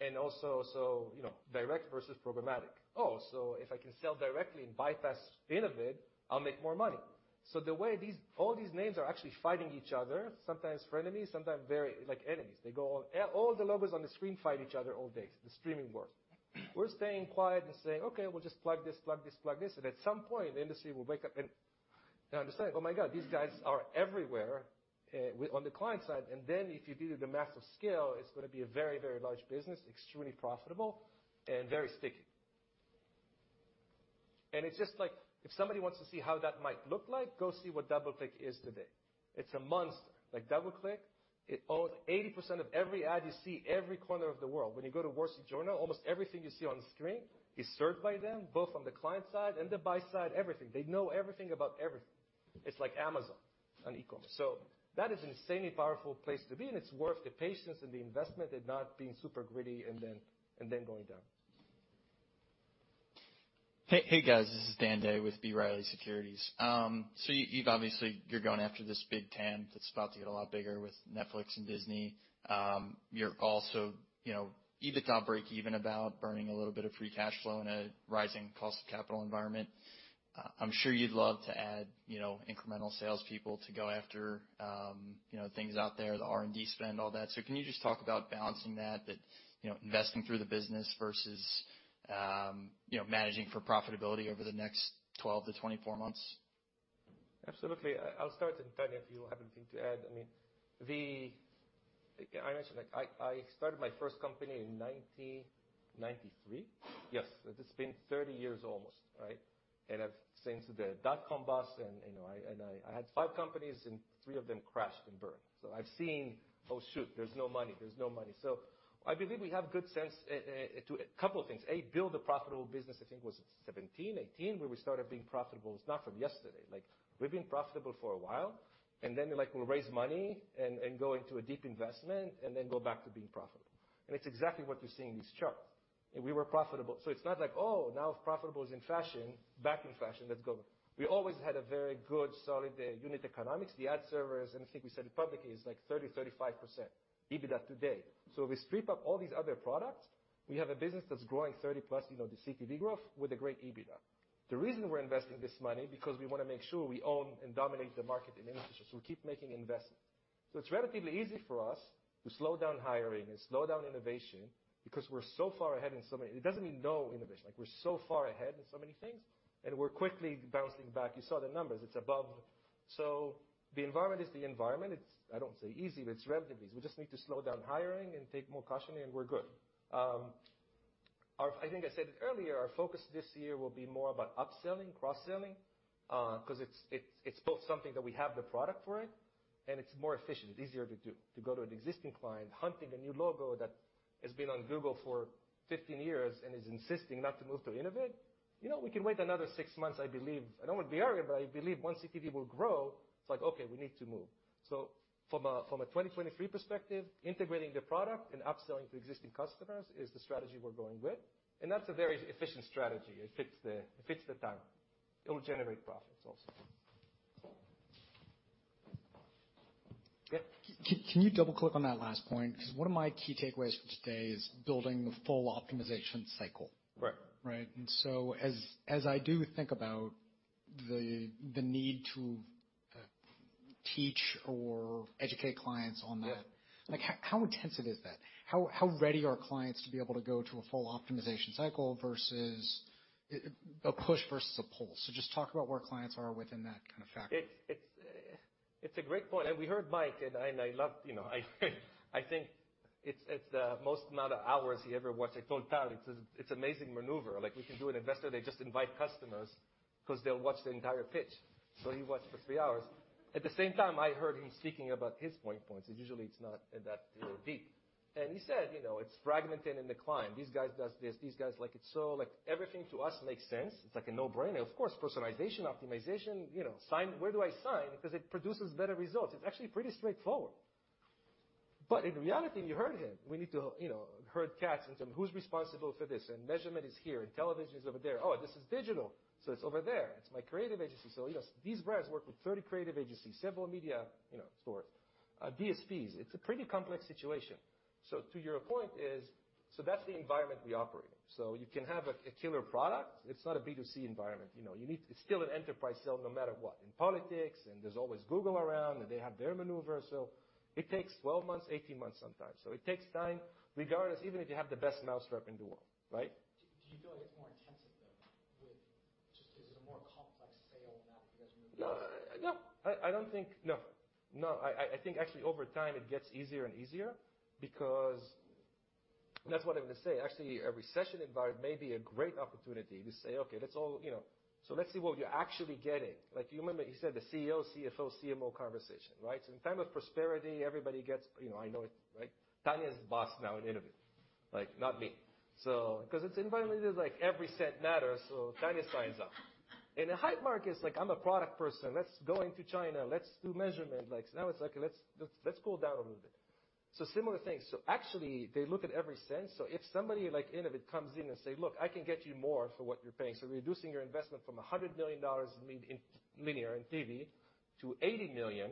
You know, direct versus programmatic. If I can sell directly and bypass Innovid, I'll make more money. The way all these names are actually fighting each other, sometimes frenemies, sometimes very like enemies. They go all the logos on the screen fight each other all day, the streaming wars. We're staying quiet and saying, "Okay, we'll just plug this, plug this, plug this." At some point, the industry will wake up and they'll understand, "Oh my God, these guys are everywhere with on the client side. If you do the massive scale, it's gonna be a very, very large business, extremely profitable and very sticky. It's just like if somebody wants to see how that might look like, go see what DoubleClick is today. It's a monster. Like DoubleClick, it owns 80% of every ad you see every corner of the world. When you go to The Wall Street Journal, almost everything you see on screen is served by them, both on the client side and the buy side, everything. They know everything about everything. It's like Amazon on e-commerce. That is an insanely powerful place to be, and it's worth the patience and the investment and not being super greedy and then going down. Hey, guys, this is Dan Day with B. Riley Securities. You've obviously, you're going after this big ten that's about to get a lot bigger with Netflix and Disney. You're also, you know, EBITDA breakeven about burning a little bit of free cash flow in a rising cost of capital environment. I'm sure you'd love to add, you know, incremental sales people to go after, you know, things out there, the R&D spend, all that. Can you just talk about balancing that, you know, investing through the business versus, you know, managing for profitability over the next 12 to 24 months? Absolutely. I'll start, and Tanya, if you have anything to add. I mean, I mentioned, like, I started my first company in 1993. Yes. It's been 30 years almost, right? I've seen the dot-com bust and, you know, I had five companies and three of them crashed and burned. I've seen, "Oh, shoot. There's no money. There's no money." I believe we have good sense to a couple of things. A, build a profitable business, I think was 2017, 2018, where we started being profitable. It's not from yesterday. Like, we've been profitable for a while, and then we, like, will raise money and go into a deep investment and then go back to being profitable. It's exactly what you see in these charts. We were profitable. It's not like, "Oh, now if profitable is in fashion, back in fashion, let's go." We always had a very good, solid unit economics. The ad servers, and I think we said it publicly, is like 30%-35% EBITDA today. We strip out all these other products, we have a business that's growing 30+%, you know, the CTV growth with a great EBITDA. The reason we're investing this money, because we wanna make sure we own and dominate the market in innovation. We keep making investments. It's relatively easy for us to slow down hiring and slow down innovation because we're so far ahead in so many things, and we're quickly bouncing back. You saw the numbers, it's above. The environment is the environment. It's, I don't want to say easy, but it's relatively easy. We just need to slow down hiring and take more caution and we're good. I think I said it earlier, our focus this year will be more about upselling, cross-selling, 'cause it's both something that we have the product for it and it's more efficient. It's easier to do. To go to an existing client, hunting a new logo that has been on Google for 15 years and is insisting not to move to Innovid, you know, we can wait another six months, I believe. I don't wanna be arrogant, but I believe once CTV will grow, it's like, "Okay, we need to move." From a 2023 perspective, integrating the product and upselling to existing customers is the strategy we're going with. That's a very efficient strategy. It fits the time. It'll generate profits also. Yeah? Can you double-click on that last point? 'Cause one of my key takeaways from today is building the full optimization cycle. Right. Right? As I do think about the need to teach or educate clients on that. Yeah. Like, how intense is that? How ready are clients to be able to go to a full optimization cycle versus a push versus a pull? Just talk about where clients are within that kind of factor. It's a great point. We heard Mike and I loved, you know, I think it's the most amount of hours he ever watched. I told Tal it's amazing maneuver. Like, we can do an investor, they just invite customers 'cause they'll watch the entire pitch. He watched for three hours. At the same time, I heard him speaking about his points, and usually it's not that deep. He said, you know, it's fragmented and declining. These guys does this. These guys like it. Like, everything to us makes sense. It's like a no-brainer. Of course, Personalization, optimization, you know, sign. Where do I sign? Because it produces better results. It's actually pretty straightforward. In reality, you heard him. We need to, you know, herd cats and determine who's responsible for this, and Measurement is here, and television is over there. Oh, this is digital, so it's over there. It's my creative agency. You know, these brands work with 30 creative agencies, several media stores, DSPs. It's a pretty complex situation. That's the environment we operate in. You can have a killer product. It's not a B2C environment. You know, you need. It's still an enterprise sale no matter what. In politics, and there's always Google around, and they have their maneuver. It takes 12 months, 18 months sometimes. It takes time regardless, even if you have the best mousetrap in the world, right? Do you feel like it's more intensive, though? Is it a more complex sale now that you guys are- I think actually over time it gets easier and easier because that's what I'm gonna say. Actually, a recession environment may be a great opportunity to say, "Okay, let's all, you know. Let's see what you're actually getting." Like, you remember he said the CEO, CFO, CMO conversation, right? In time of prosperity, everybody gets, you know. I know it, right? Tanya's the boss now at Innovid, like, not me. Because the environment is, like, every cent matters, so Tanya signs off. In a hype market, it's like, "I'm a product person. Let's go into China. Let's do Measurement." Like, now it's like, let's cool down a little bit. Similar things. Actually, they look at every cent. If somebody like Innovid comes in and say, "Look, I can get you more for what you're paying." Reducing your investment from $100 million in linear TV to $80 million,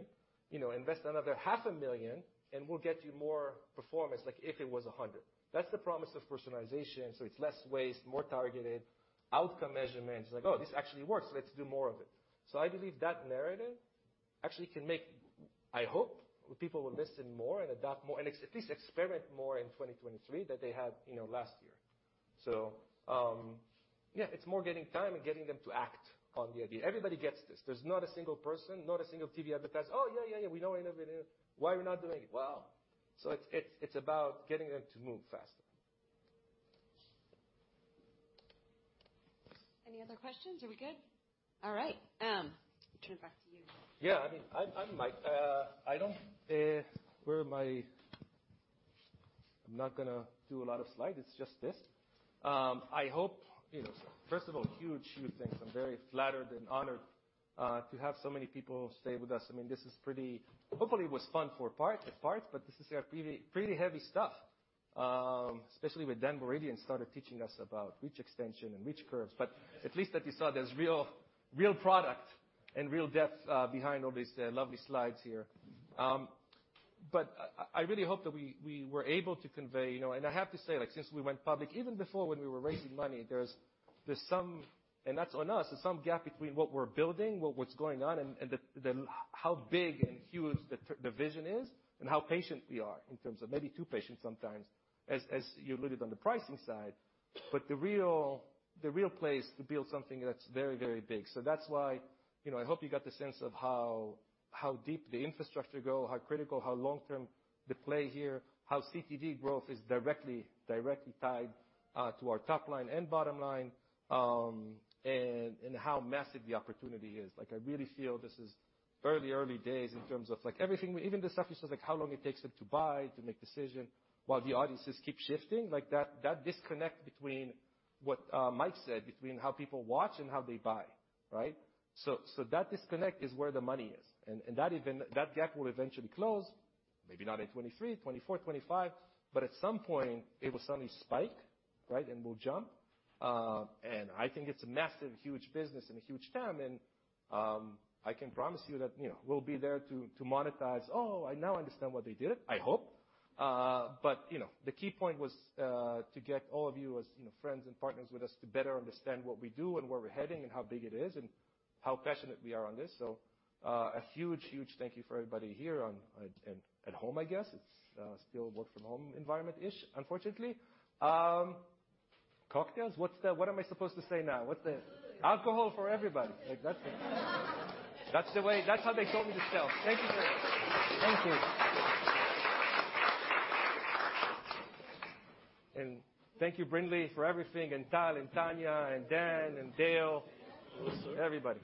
you know, invest another half a million and we'll get you more performance, like, if it was a hundred. That's the promise of Personalization. It's less waste, more targeted, outcome Measurements. Like, oh, this actually works. Let's do more of it. I believe that narrative actually can make. I hope people will listen more and adapt more, and at least experiment more in 2023 than they have, you know, last year. Yeah, it's more getting time and getting them to act on the idea. Everybody gets this. There's not a single person, not a single TV advertiser, "Oh, yeah, yeah, we know Innovid." Why are we not doing it? Well. It's about getting them to move faster. Any other questions? Are we good? All right. Turn it back to you. I mean, I might. I'm not gonna do a lot of slides. It's just this. I hope, you know. First of all, huge thanks. I'm very flattered and honored to have so many people stay with us. I mean, this is pretty. Hopefully it was fun for the most part, but this is pretty heavy stuff. Especially with Dan Salmon started teaching us about reach extension and reach curves. At least that you saw there's real product and real depth behind all these lovely slides here. I really hope that we were able to convey, you know. I have to say, like, since we went public, even before when we were raising money, there's some. That's on us. There's some gap between what we're building, what's going on, and how big and huge the vision is and how patient we are in terms of maybe too patient sometimes, as you alluded on the pricing side. The real play is to build something that's very big. That's why, you know, I hope you got the sense of how deep the infrastructure go, how critical, how long-term the play here, how CTV growth is directly tied to our top line and bottom line, and how massive the opportunity is. Like, I really feel this is early days in terms of, like, everything. Even the stuff you saw, like how long it takes them to buy, to make decision while the audiences keep shifting. Like, that disconnect between what Mike said between how people watch and how they buy, right? That disconnect is where the money is. That gap will eventually close, maybe not in 2023, 2024, 2025, but at some point it will suddenly spike, right, and will jump. I think it's a massive, huge business and a huge TAM. I can promise you that, you know, we'll be there to monetize. Oh, I now understand what they did, I hope. You know, the key point was to get all of you as, you know, friends and partners with us to better understand what we do and where we're heading and how big it is and how passionate we are on this. A huge thank you for everybody here on and at home, I guess. It's still work from home environment-ish, unfortunately. Cocktails? What am I supposed to say now? What's the Alcohol. Alcohol for everybody. Like, that's the way. That's how they taught me to sell. Thank you very much. Thank you. Thank you, Brinlea, for everything, and Tal and Tanya and Dan and Dale. Yes, sir. Everybody.